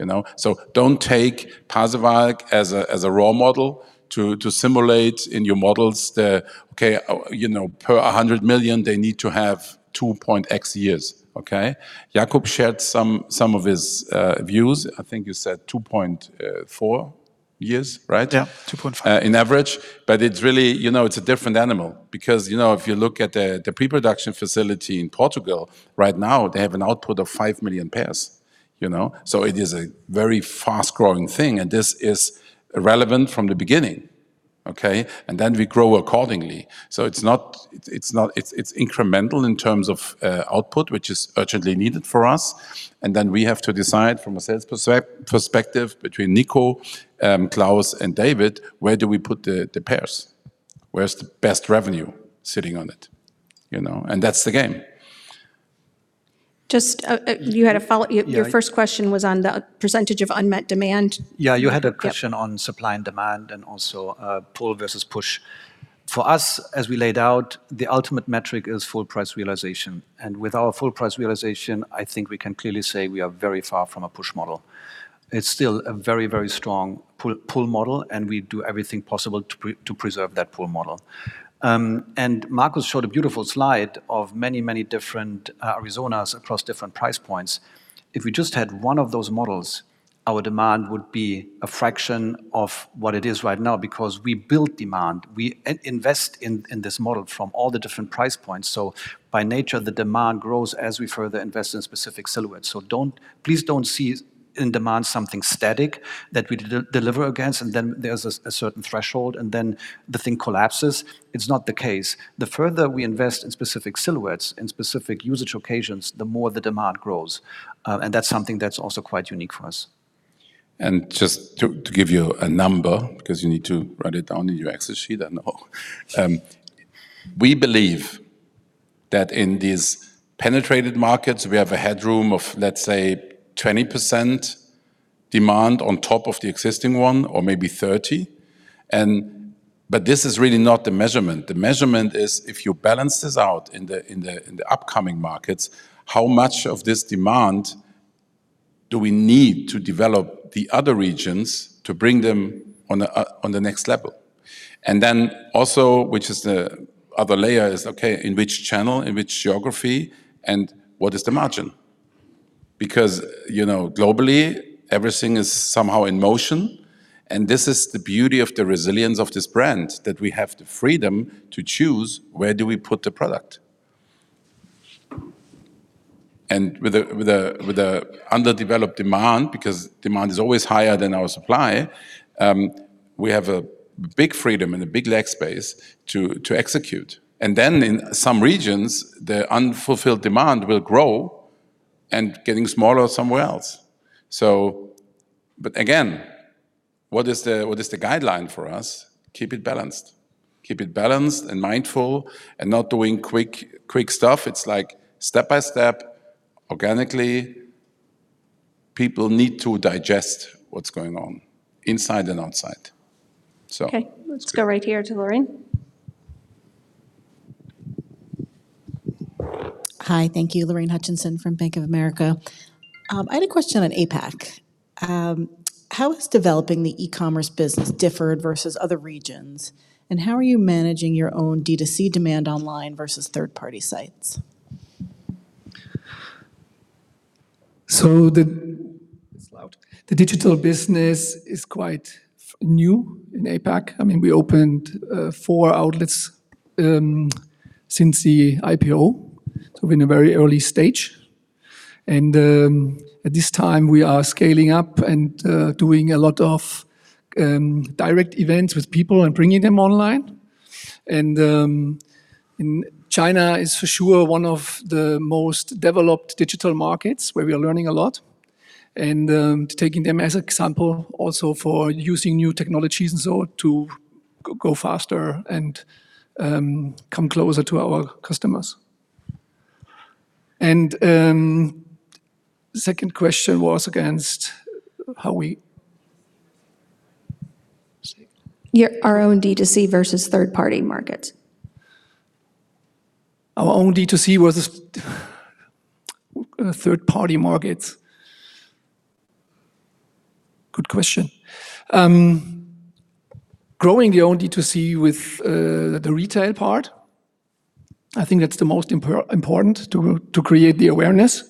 you know? So don't take Pasewalk as a role model to simulate in your models the, okay, you know, per 100 million, they need to have 2.X years, okay? Jakob shared some of his views. I think you said 2.4 years, right? Yeah, 2.5. On average. But it's really... You know, it's a different animal. Because, you know, if you look at the pre-production facility in Portugal, right now, they have an output of 5 million pairs, you know? So it is a very fast-growing thing, and this is relevant from the beginning. Okay? And then we grow accordingly. So it's not. It's incremental in terms of output, which is urgently needed for us. And then we have to decide from a sales perspective between Nico, Klaus, and David, where do we put the pairs? Where's the best revenue sitting on it, you know? And that's the game. Just, You, yeah. Your first question was on the percentage of unmet demand. Yeah, you had a question- Yep... on supply and demand and also pull versus push. For us, as we laid out, the ultimate metric is full price realization. And with our full price realization, I think we can clearly say we are very far from a push model. It's still a very, very strong pull, pull model, and we do everything possible to preserve that pull model. And Marcus showed a beautiful slide of many, many different Arizonas across different price points. If we just had one of those models, our demand would be a fraction of what it is right now, because we build demand. We invest in this model from all the different price points. So by nature, the demand grows as we further invest in specific silhouettes. Don't, please don't see demand as something static that we deliver against, and then there's a certain threshold, and then the thing collapses. It's not the case. The further we invest in specific silhouettes, in specific usage occasions, the more the demand grows. And that's something that's also quite unique for us. Just to give you a number, because you need to write it down in your Excel sheet, I know. We believe that in these penetrated markets, we have a headroom of, let's say, 20% demand on top of the existing one, or maybe 30%. But this is really not the measurement. The measurement is, if you balance this out in the upcoming markets, how much of this demand do we need to develop the other regions to bring them on the next level? And then also, which is the other layer, is, okay, in which channel, in which geography, and what is the margin? Because, you know, globally, everything is somehow in motion, and this is the beauty of the resilience of this brand, that we have the freedom to choose where do we put the product. With an underdeveloped demand, because demand is always higher than our supply, we have a big freedom and a big leg space to execute. And then in some regions, the unfulfilled demand will grow and getting smaller somewhere else. So, but again, what is the guideline for us? Keep it balanced. Keep it balanced and mindful and not doing quick, quick stuff. It's like step by step, organically. People need to digest what's going on inside and outside. So- Okay, let's go right here to Lorraine. Hi. Thank you. Lorraine Hutchinson from Bank of America. I had a question on APAC. How is developing the e-commerce business differed versus other regions? And how are you managing your own D2C demand online versus third-party sites? It's loud. The digital business is quite new in APAC. I mean, we opened four outlets since the IPO, so we're in a very early stage. And at this time, we are scaling up and doing a lot of direct events with people and bringing them online. And, and China is for sure one of the most developed digital markets, where we are learning a lot and taking them as example also for using new technologies and so to go faster and come closer to our customers. And second question was against how we... Our own DTC versus third-party market. Our own DTC versus third-party markets? Good question. Growing your own DTC with the retail part, I think that's the most important to create the awareness.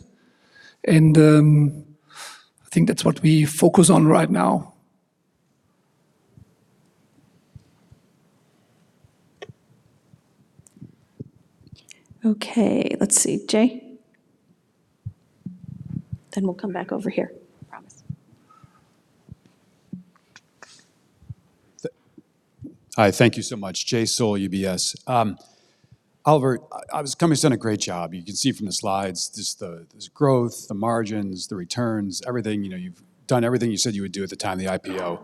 I think that's what we focus on right now. Okay, let's see. Jay? Then we'll come back over here. Promise. Hi, thank you so much. Jay Sole, UBS. Oliver, the company's done a great job. You can see from the slides, just the, there's growth, the margins, the returns, everything. You know, you've done everything you said you would do at the time of the IPO.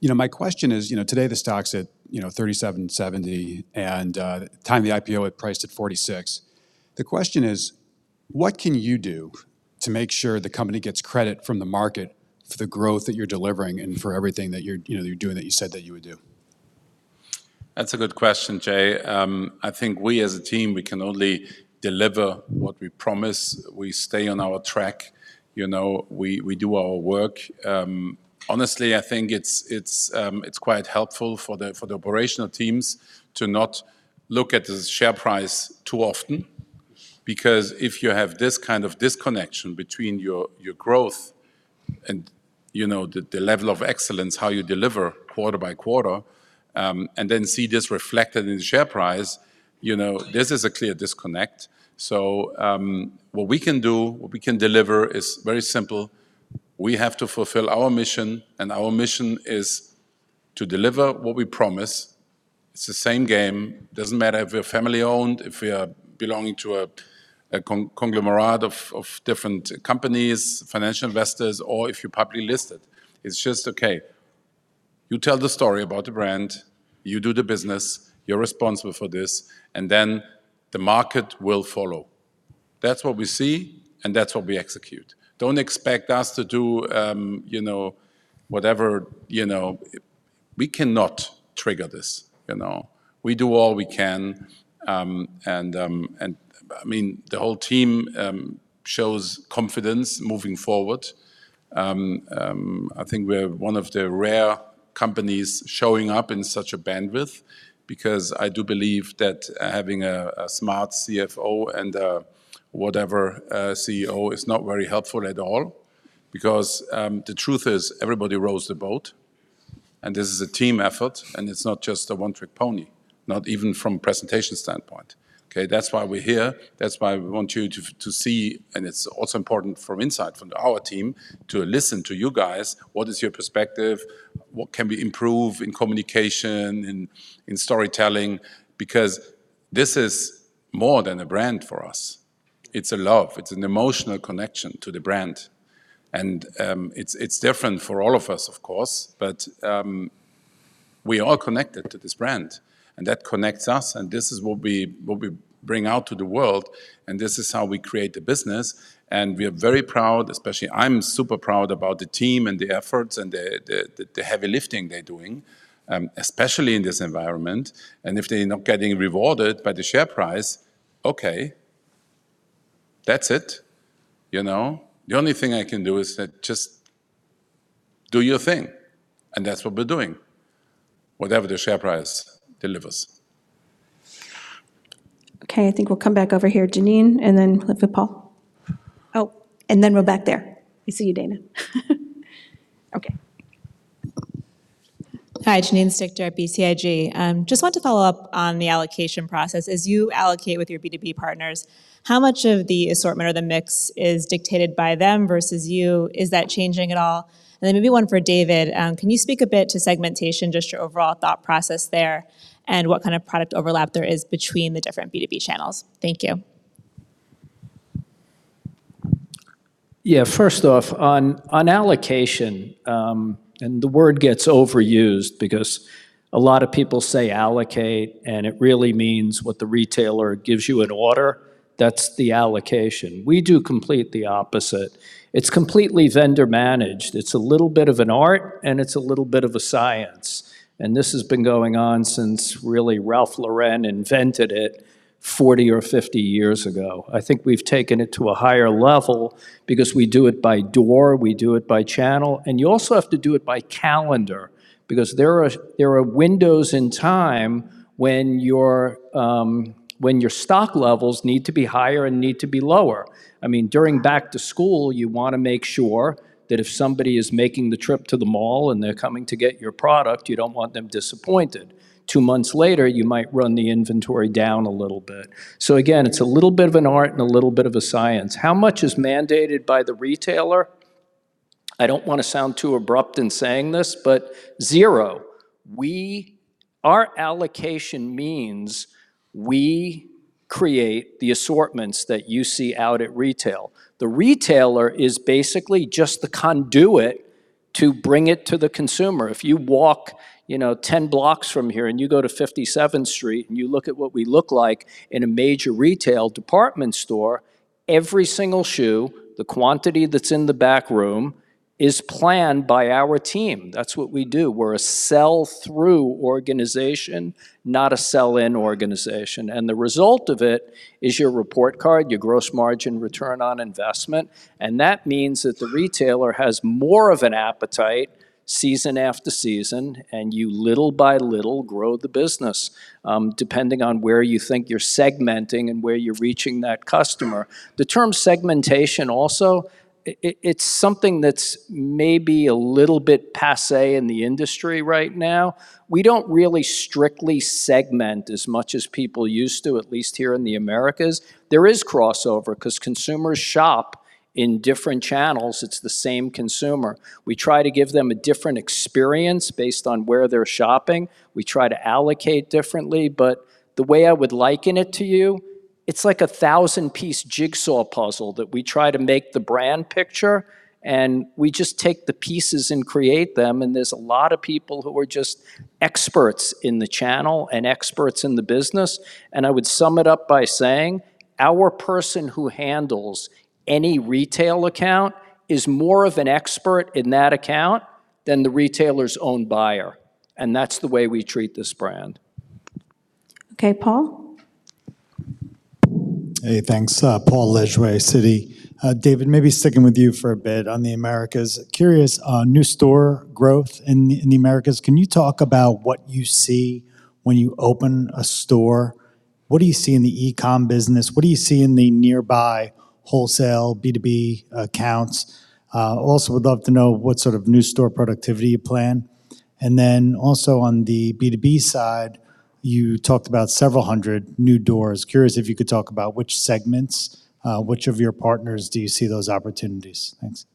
You know, my question is, you know, today, the stock's at $37.70, and at the time of the IPO it priced at $46. The question is: What can you do to make sure the company gets credit from the market for the growth that you're delivering and for everything that you're, you know, you're doing, that you said that you would do? That's a good question, Jay. I think we, as a team, we can only deliver what we promise. We stay on our track. You know, we, we do our work. Honestly, I think it's, it's, it's quite helpful for the, for the operational teams to not look at the share price too often. Because if you have this kind of disconnection between your, your growth and, you know, the, the level of excellence, how you deliver quarter by quarter, and then see this reflected in the share price, you know, this is a clear disconnect. So, what we can do, what we can deliver is very simple. We have to fulfill our mission, and our mission is to deliver what we promise. It's the same game. Doesn't matter if we're family-owned, if we are belonging to a conglomerate of different companies, financial investors, or if you're publicly listed. It's just, okay, you tell the story about the brand, you do the business, you're responsible for this, and then the market will follow. That's what we see, and that's what we execute. Don't expect us to do, you know, whatever, you know. We cannot trigger this, you know? We do all we can, and, I mean, the whole team shows confidence moving forward. I think we're one of the rare companies showing up in such a bandwidth, because I do believe that having a smart CFO and a whatever CEO is not very helpful at all. Because, the truth is, everybody rows the boat, and this is a team effort, and it's not just a one-trick pony, not even from a presentation standpoint, okay? That's why we're here. That's why we want you to, to see, and it's also important from insight from our team, to listen to you guys. What is your perspective? What can we improve in communication, in, in storytelling? Because this is more than a brand for us. It's a love. It's an emotional connection to the brand, and, it's, it's different for all of us, of course, but, we are all connected to this brand, and that connects us, and this is what we, what we bring out to the world, and this is how we create the business. We are very proud, especially I'm super proud about the team and the efforts and the heavy lifting they're doing, especially in this environment. If they're not getting rewarded by the share price, okay, that's it. You know? The only thing I can do is say, "Just do your thing," and that's what we're doing, whatever the share price delivers. Okay, I think we'll come back over here, Janine, and then flip with Paul. Oh, and then we're back there. I see you, Dana. Okay. Hi, Janine Stichter at BTIG. Just want to follow up on the allocation process. As you allocate with your B2B partners, how much of the assortment or the mix is dictated by them versus you? Is that changing at all? And then maybe one for David, can you speak a bit to segmentation, just your overall thought process there, and what kind of product overlap there is between the different B2B channels? Thank you. Yeah, first off, on allocation, and the word gets overused because a lot of people say allocate, and it really means what the retailer gives you an order, that's the allocation. We do the complete opposite. It's completely vendor-managed. It's a little bit of an art, and it's a little bit of a science, and this has been going on since really Ralph Lauren invented it 40 or 50 years ago. I think we've taken it to a higher level because we do it by door, we do it by channel, and you also have to do it by calendar because there are windows in time when your stock levels need to be higher and need to be lower. I mean, during back-to-school, you want to make sure that if somebody is making the trip to the mall, and they're coming to get your product, you don't want them disappointed. Two months later, you might run the inventory down a little bit. So again, it's a little bit of an art and a little bit of a science. How much is mandated by the retailer? I don't want to sound too abrupt in saying this, but zero. Our allocation means we create the assortments that you see out at retail. The retailer is basically just the conduit to bring it to the consumer. If you walk, you know, 10 blocks from here, and you go to 57th Street, and you look at what we look like in a major retail department store, every single shoe, the quantity that's in the back room, is planned by our team. That's what we do. We're a sell-through organization, not a sell-in organization. And the result of it is your report card, your gross margin return on investment, and that means that the retailer has more of an appetite season after season, and you little by little grow the business, depending on where you think you're segmenting and where you're reaching that customer. The term segmentation also, it's something that's maybe a little bit passé in the industry right now. We don't really strictly segment as much as people used to, at least here in the Americas. There is crossover 'cause consumers shop in different channels. It's the same consumer. We try to give them a different experience based on where they're shopping. We try to allocate differently, but the way I would liken it to you, it's like a 1,000-piece jigsaw puzzle that we try to make the brand picture, and we just take the pieces and create them, and there's a lot of people who are just experts in the channel and experts in the business. I would sum it up by saying, our person who handles any retail account is more of an expert in that account than the retailer's own buyer, and that's the way we treat this brand. Okay, Paul? Hey, thanks. Paul Lejuez, Citi. David, maybe sticking with you for a bit on the Americas. Curious on new store growth in the, in the Americas. Can you talk about what you see when you open a store? What do you see in the e-com business? What do you see in the nearby wholesale B2B accounts? Also would love to know what sort of new store productivity you plan. And then also on the B2B side, you talked about several hundred new doors. Curious if you could talk about which segments, which of your partners do you see those opportunities? Thanks.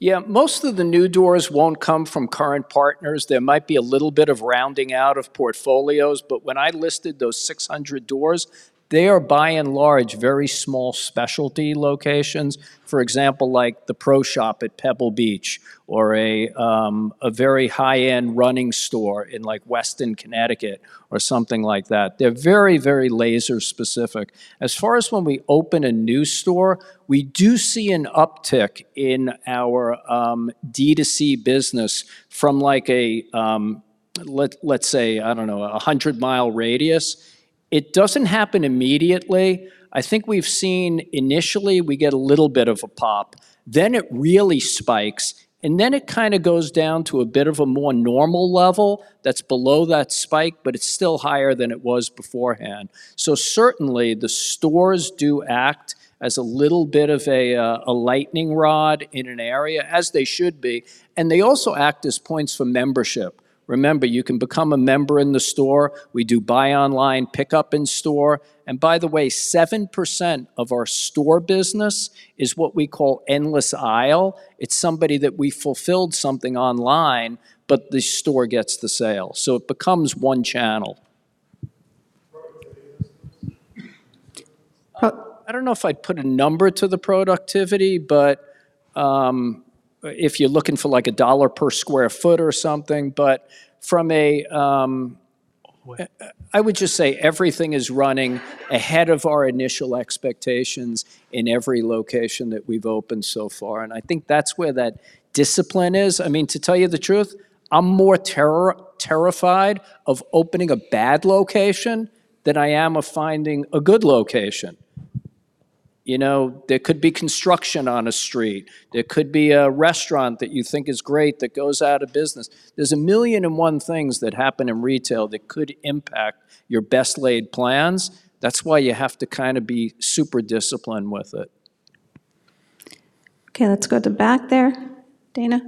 Yeah, most of the new doors won't come from current partners. There might be a little bit of rounding out of portfolios, but when I listed those 600 doors, they are by and large very small specialty locations. For example, like the pro shop at Pebble Beach or a very high-end running store in, like, Weston, Connecticut, or something like that. They're very, very laser specific. As far as when we open a new store, we do see an uptick in our D2C business from, like, let's say, I don't know, a 100-mile radius, it doesn't happen immediately. I think we've seen initially we get a little bit of a pop, then it really spikes, and then it kind of goes down to a bit of a more normal level that's below that spike, but it's still higher than it was beforehand. So certainly, the stores do act as a little bit of a, a lightning rod in an area, as they should be, and they also act as points for membership. Remember, you can become a member in the store. We do buy online, pickup in-store. And by the way, 7% of our store business is what we call endless aisle. It's somebody that we fulfilled something online, but the store gets the sale, so it becomes one channel. Productivity? I don't know if I'd put a number to the productivity, but if you're looking for, like, a dollar per sq ft or something, but from a, Way. I would just say everything is running ahead of our initial expectations in every location that we've opened so far, and I think that's where that discipline is. I mean, to tell you the truth, I'm more terrified of opening a bad location than I am of finding a good location. You know, there could be construction on a street. There could be a restaurant that you think is great that goes out of business. There's a million and one things that happen in retail that could impact your best-laid plans. That's why you have to kind of be super disciplined with it. Okay, let's go to the back there. Dana?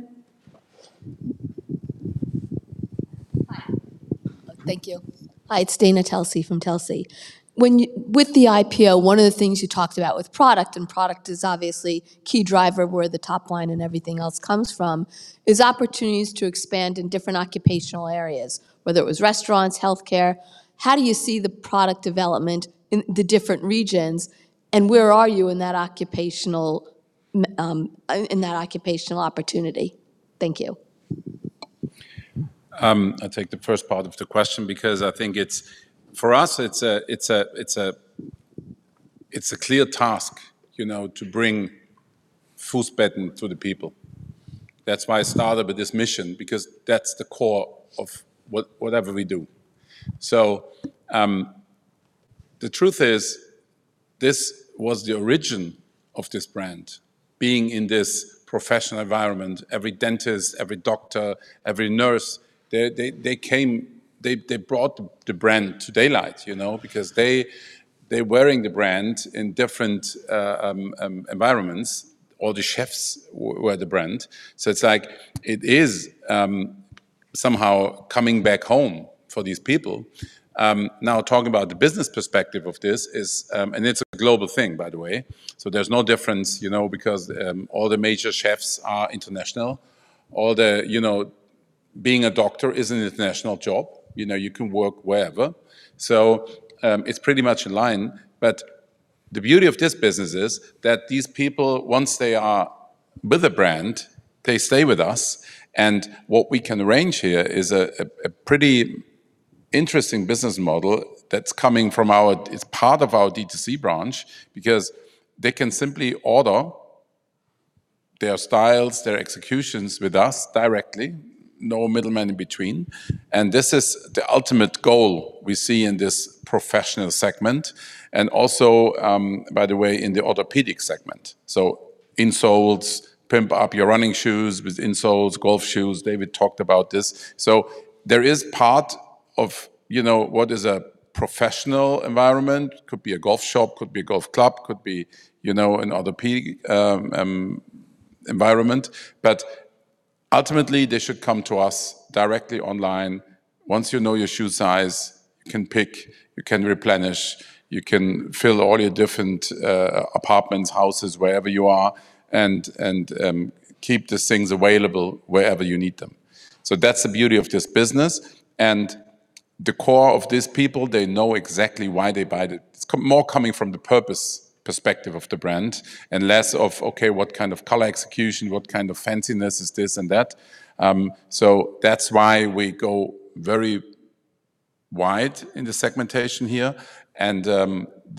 Thank you. Hi, it's Dana Telsey from Telsey. When with the IPO, one of the things you talked about with product, and product is obviously key driver, where the top line and everything else comes from, is opportunities to expand in different occupational areas, whether it was restaurants, healthcare. How do you see the product development in the different regions, and where are you in that occupational opportunity? Thank you. I'll take the first part of the question because I think it's for us, it's a clear task, you know, to bring footbed to the people. That's why I started with this mission, because that's the core of whatever we do. So, the truth is, this was the origin of this brand, being in this professional environment. Every dentist, every doctor, every nurse, they brought the brand to daylight, you know, because they're wearing the brand in different environments, or the chefs wear the brand. So it's like it is, somehow coming back home for these people. Now, talking about the business perspective of this is, and it's a global thing, by the way, so there's no difference, you know, because all the major chefs are international. All the... You know, being a doctor is an international job. You know, you can work wherever. So, it's pretty much in line, but the beauty of this business is that these people, once they are with a brand, they stay with us, and what we can arrange here is a pretty interesting business model that's coming from our, it's part of our D2C brand because they can simply order their styles, their executions with us directly, no middleman in between. And this is the ultimate goal we see in this professional segment and also, by the way, in the orthopedic segment. So insoles, pimp up your running shoes with insoles, golf shoes. David talked about this. So there is part of, you know, what is a professional environment. Could be a golf shop, could be a golf club, could be, you know, an orthopedic environment, but ultimately, they should come to us directly online. Once you know your shoe size, you can pick, you can replenish, you can fill all your different apartments, houses, wherever you are, and keep these things available wherever you need them. So that's the beauty of this business, and the core of these people, they know exactly why they buy it. It's coming more from the purpose perspective of the brand and less of, okay, what kind of color execution, what kind of fanciness is this and that? So that's why we go very wide in the segmentation here, and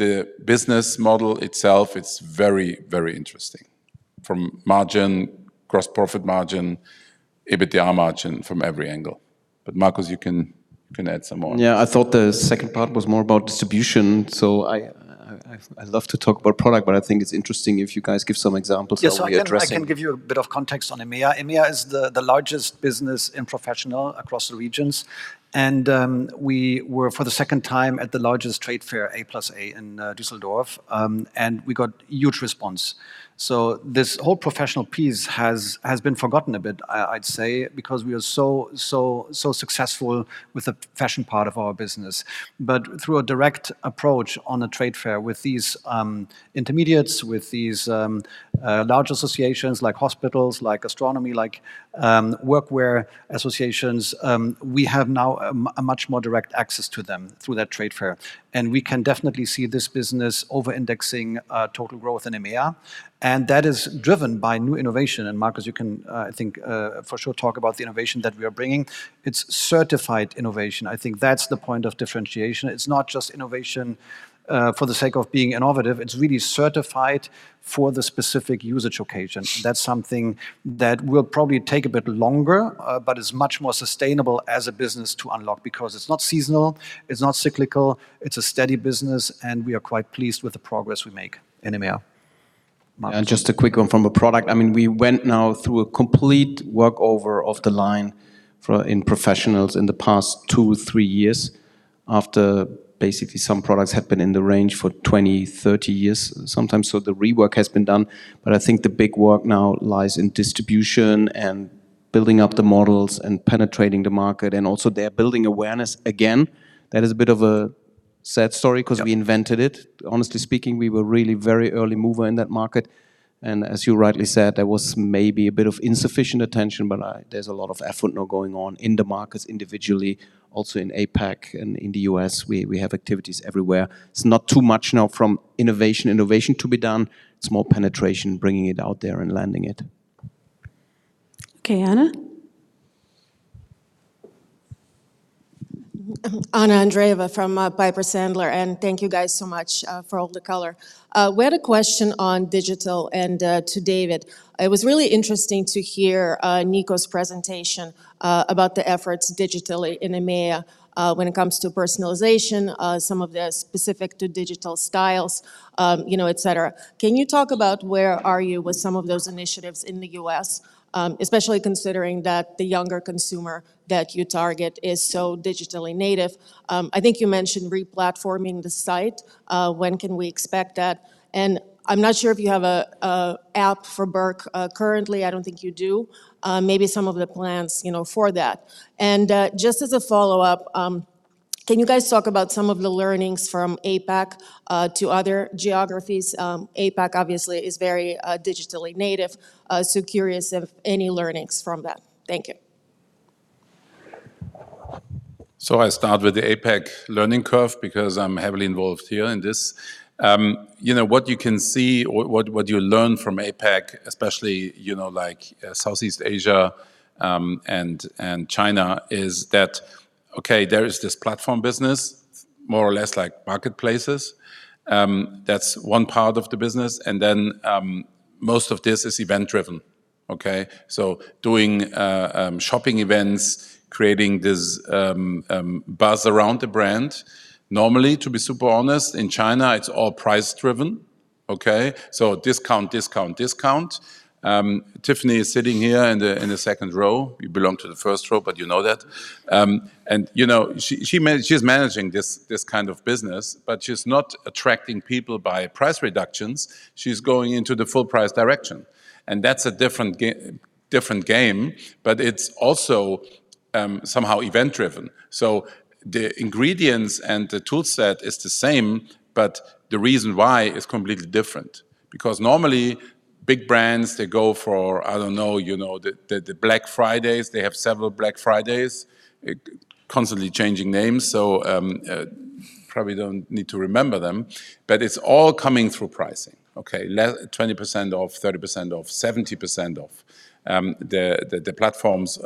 the business model itself, it's very, very interesting from margin, gross profit margin, EBITDA margin, from every angle. Marcus, you can, you can add some more. Yeah, I thought the second part was more about distribution, so I'd love to talk about product, but I think it's interesting if you guys give some examples of how we are addressing- Yeah, so I can give you a bit of context on EMEA. EMEA is the largest business in professional across the regions, and we were, for the second time, at the largest trade fair, A+A, in Düsseldorf, and we got huge response. So this whole professional piece has been forgotten a bit, I'd say, because we are so, so, so successful with the fashion part of our business. But through a direct approach on a trade fair with these intermediaries, with these large associations like hospitals, like industry, like workwear associations, we have now a much more direct access to them through that trade fair. And we can definitely see this business over-indexing total growth in EMEA, and that is driven by new innovation. And, Marcus, you can, I think, for sure, talk about the innovation that we are bringing. It's certified innovation. I think that's the point of differentiation. It's not just innovation, for the sake of being innovative. It's really certified for the specific usage occasion. That's something that will probably take a bit longer, but it's much more sustainable as a business to unlock because it's not seasonal, it's not cyclical, it's a steady business, and we are quite pleased with the progress we make in EMEA. … Just a quick one from a product. I mean, we went now through a complete workover of the line for professionals in the past 2, 3 years, after basically some products have been in the range for 20, 30 years, sometimes. So the rework has been done, but I think the big work now lies in distribution and building up the models and penetrating the market, and also there building awareness again. That is a bit of a sad story- Yep 'Cause we invented it. Honestly speaking, we were really very early mover in that market, and as you rightly said, there was maybe a bit of insufficient attention, but there's a lot of effort now going on in the markets individually. Also, in APAC and in the U.S., we have activities everywhere. It's not too much now from innovation to be done. It's more penetration, bringing it out there and landing it. Okay, Anna? Anna Andreeva from Piper Sandler, and thank you guys so much for all the color. We had a question on digital and to David. It was really interesting to hear Nico's presentation about the efforts digitally in EMEA when it comes to personalization some of the specific to digital styles, you know, et cetera. Can you talk about where are you with some of those initiatives in the U.S.? Especially considering that the younger consumer that you target is so digitally native. I think you mentioned re-platforming the site. When can we expect that? And I'm not sure if you have a app for Birk currently. I don't think you do. Maybe some of the plans, you know, for that. Just as a follow-up, can you guys talk about some of the learnings from APAC to other geographies? APAC obviously is very digitally native. So curious of any learnings from that. Thank you. So I start with the APAC learning curve because I'm heavily involved here in this. You know, what you can see or what, what you learn from APAC, especially, you know, like, Southeast Asia, and, and China, is that, okay, there is this platform business, more or less like marketplaces. That's one part of the business, and then, most of this is event-driven, okay? So doing, shopping events, creating this, buzz around the brand. Normally, to be super honest, in China, it's all price-driven, okay? So discount, discount, discount. Tiffany is sitting here in the, in the second row. You belong to the first row, but you know that. And you know, she, she man- she's managing this, this kind of business, but she's not attracting people by price reductions. She's going into the full price direction, and that's a different game, but it's also somehow event-driven. So the ingredients and the tool set is the same, but the reason why is completely different. Because normally, big brands, they go for, I don't know, you know, the Black Fridays. They have several Black Fridays constantly changing names, so probably don't need to remember them, but it's all coming through pricing, okay? 20% off, 30% off, 70% off. The platforms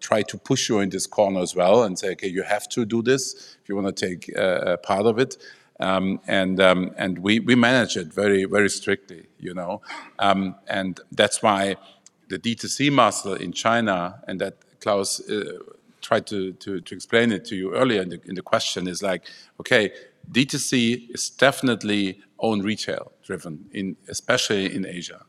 try to push you in this corner as well and say: "Okay, you have to do this if you want to take a part of it." And we manage it very, very strictly, you know. And that's why the D2C muscle in China, and that Klaus tried to explain it to you earlier in the question, is like, okay, D2C is definitely own retail driven in, especially in Asia.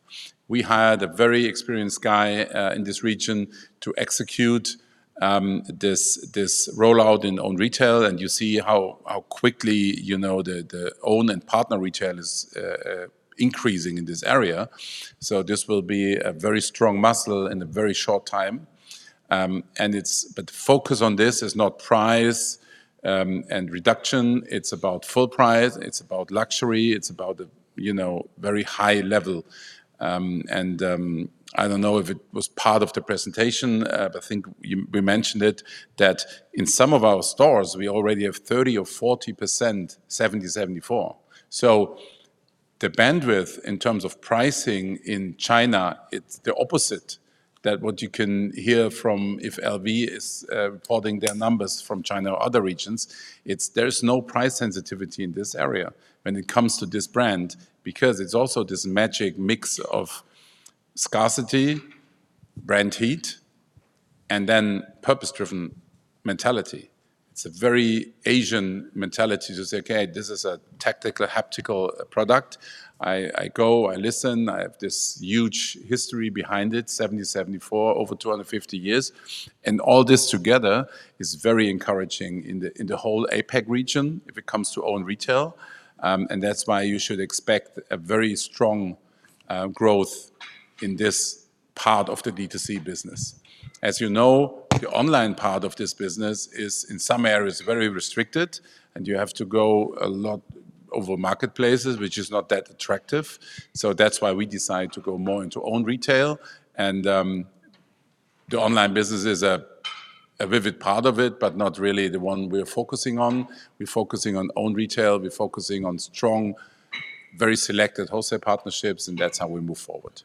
We hired a very experienced guy in this region to execute this rollout in own retail, and you see how quickly, you know, the own and partner retail is increasing in this area. So this will be a very strong muscle in a very short time. And it's... But the focus on this is not price and reduction. It's about full price, it's about luxury, it's about the, you know, very high level. I don't know if it was part of the presentation, but I think you, we mentioned it, that in some of our stores, we already have 30 or 40%, 1774. So the bandwidth in terms of pricing in China, it's the opposite, that what you can hear from if LV is reporting their numbers from China or other regions. It's- There is no price sensitivity in this area when it comes to this brand because it's also this magic mix of scarcity, brand heat, and then purpose-driven mentality. It's a very Asian mentality to say: "Okay, this is a tactical, haptical product. I go, I listen. I have this huge history behind it, 1774, over 250 years." And all this together is very encouraging in the whole APAC region if it comes to own retail, and that's why you should expect a very strong growth in this part of the D2C business. As you know, the online part of this business is, in some areas, very restricted, and you have to go a lot over marketplaces, which is not that attractive. So that's why we decided to go more into own retail, and the online business is a vivid part of it, but not really the one we're focusing on. We're focusing on own retail, we're focusing on strong, very selected wholesale partnerships, and that's how we move forward.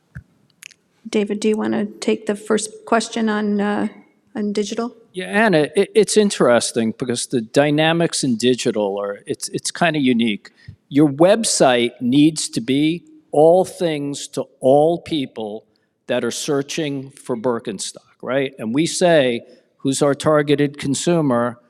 David, do you want to take the first question on digital? Yeah, Anna, it's interesting because the dynamics in digital are... It's kind of unique. Your website needs to be all things to all people that are searching for Birkenstock, right? And we say, who's our targeted consumer?...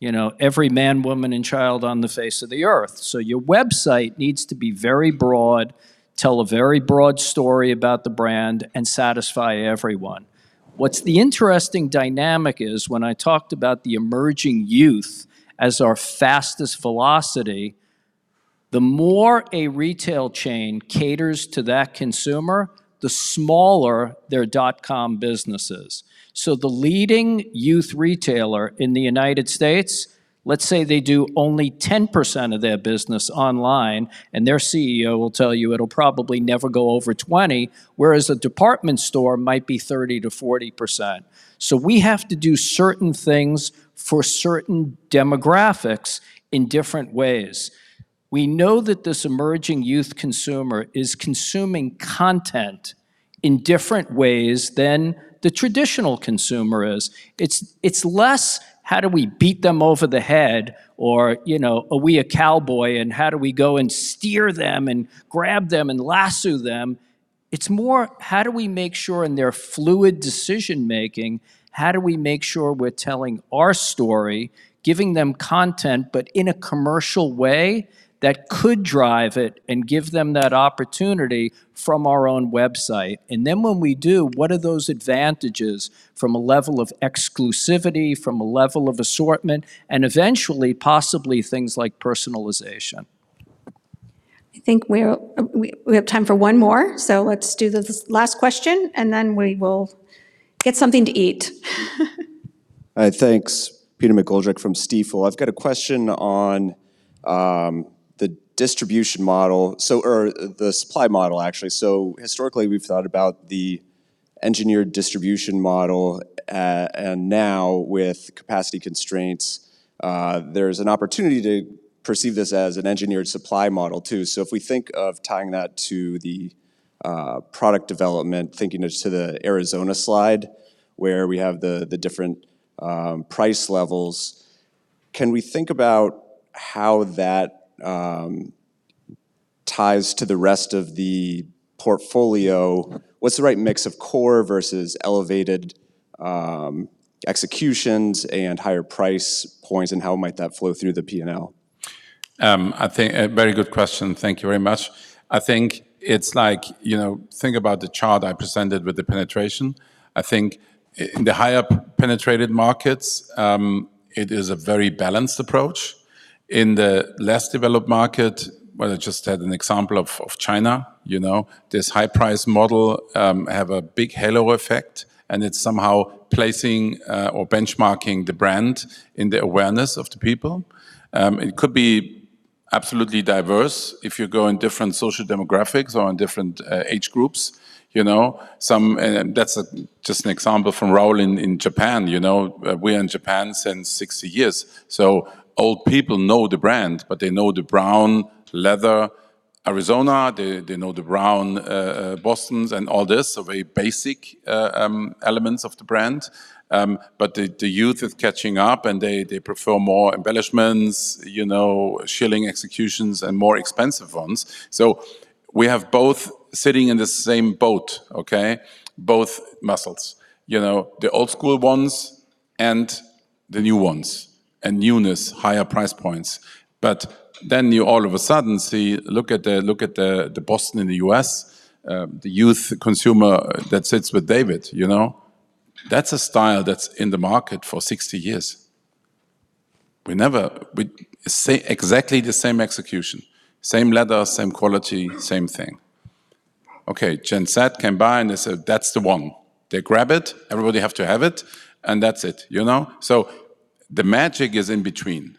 you know, every man, woman, and child on the face of the earth. So your website needs to be very broad, tell a very broad story about the brand, and satisfy everyone. What's the interesting dynamic is when I talked about the emerging youth as our fastest velocity, the more a retail chain caters to that consumer, the smaller their dot-com business is. So the leading youth retailer in the United States, let's say they do only 10% of their business online, and their CEO will tell you it'll probably never go over 20, whereas a department store might be 30%-40%. So we have to do certain things for certain demographics in different ways. We know that this emerging youth consumer is consuming content in different ways than the traditional consumer is. It's less how do we beat them over the head, or, you know, are we a cowboy, and how do we go and steer them and grab them and lasso them? It's more, how do we make sure in their fluid decision-making, how do we make sure we're telling our story, giving them content, but in a commercial way that could drive it and give them that opportunity from our own website? And then when we do, what are those advantages from a level of exclusivity, from a level of assortment, and eventually, possibly things like personalization? I think we have time for one more, so let's do this last question, and then we will get something to eat. Hi, thanks. Peter McGoldrick from Stifel. I've got a question on the distribution model, or the supply model, actually. So historically, we've thought about the engineered distribution model, and now, with capacity constraints, there's an opportunity to perceive this as an engineered supply model, too. So if we think of tying that to the product development, thinking to the Arizona slide, where we have the different price levels, can we think about how that ties to the rest of the portfolio? What's the right mix of core versus elevated executions and higher price points, and how might that flow through the P&L? I think a very good question. Thank you very much. I think it's like, you know, think about the chart I presented with the penetration. I think in the higher penetrated markets, it is a very balanced approach. In the less developed market, I just had an example of China, you know. This high-price model have a big halo effect, and it's somehow placing or benchmarking the brand in the awareness of the people. It could be absolutely diverse if you go in different social demographics or in different age groups, you know. And that's just an example from Raoul in Japan, you know. We're in Japan since 60 years. So old people know the brand, but they know the brown leather Arizona. They know the brown Bostons and all this, so very basic elements of the brand. But the youth is catching up, and they prefer more embellishments, you know, shearling executions and more expensive ones. So we have both sitting in the same boat, okay? Both models, you know, the old school ones and the new ones, and newness, higher price points. But then you all of a sudden see, look at the Boston in the U.S., the youth consumer that sits with David, you know? That's a style that's in the market for 60 years. We never, we say exactly the same execution, same leather, same quality, same thing. Okay, Gen Z came by, and they said, "That's the one." They grab it, everybody have to have it, and that's it, you know? So the magic is in between.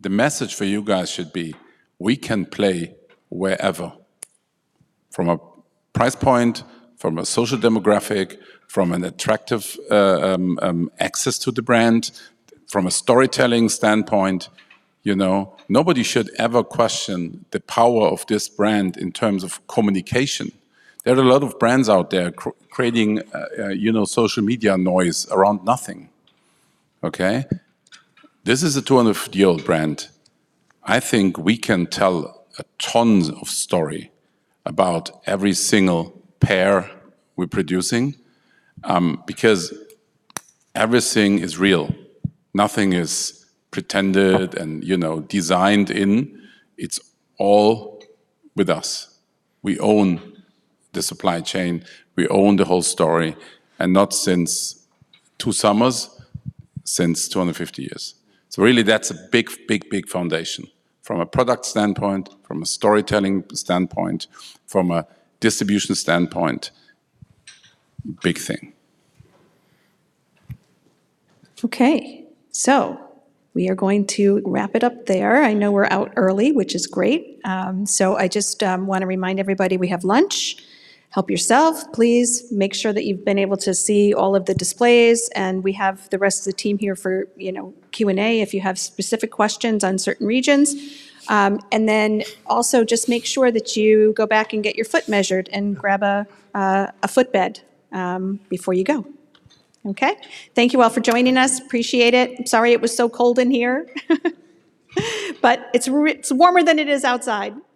The message for you guys should be, we can play wherever, from a price point, from a social demographic, from an attractive access to the brand, from a storytelling standpoint, you know. Nobody should ever question the power of this brand in terms of communication. There are a lot of brands out there creating, you know, social media noise around nothing, okay? This is a 200-year-old brand. I think we can tell a tons of story about every single pair we're producing, because everything is real. Nothing is pretended and, you know, designed in. It's all with us. We own the supply chain. We own the whole story, and not since two summers, since 250 years. So really, that's a big, big, big foundation from a product standpoint, from a storytelling standpoint, from a distribution standpoint. Big thing. Okay, so we are going to wrap it up there. I know we're out early, which is great. So I just wanna remind everybody, we have lunch. Help yourself. Please make sure that you've been able to see all of the displays, and we have the rest of the team here for, you know, Q&A, if you have specific questions on certain regions. And then also just make sure that you go back and get your foot measured and grab a footbed before you go. Okay? Thank you all for joining us. Appreciate it. Sorry, it was so cold in here. But it's warmer than it is outside. Oh, great.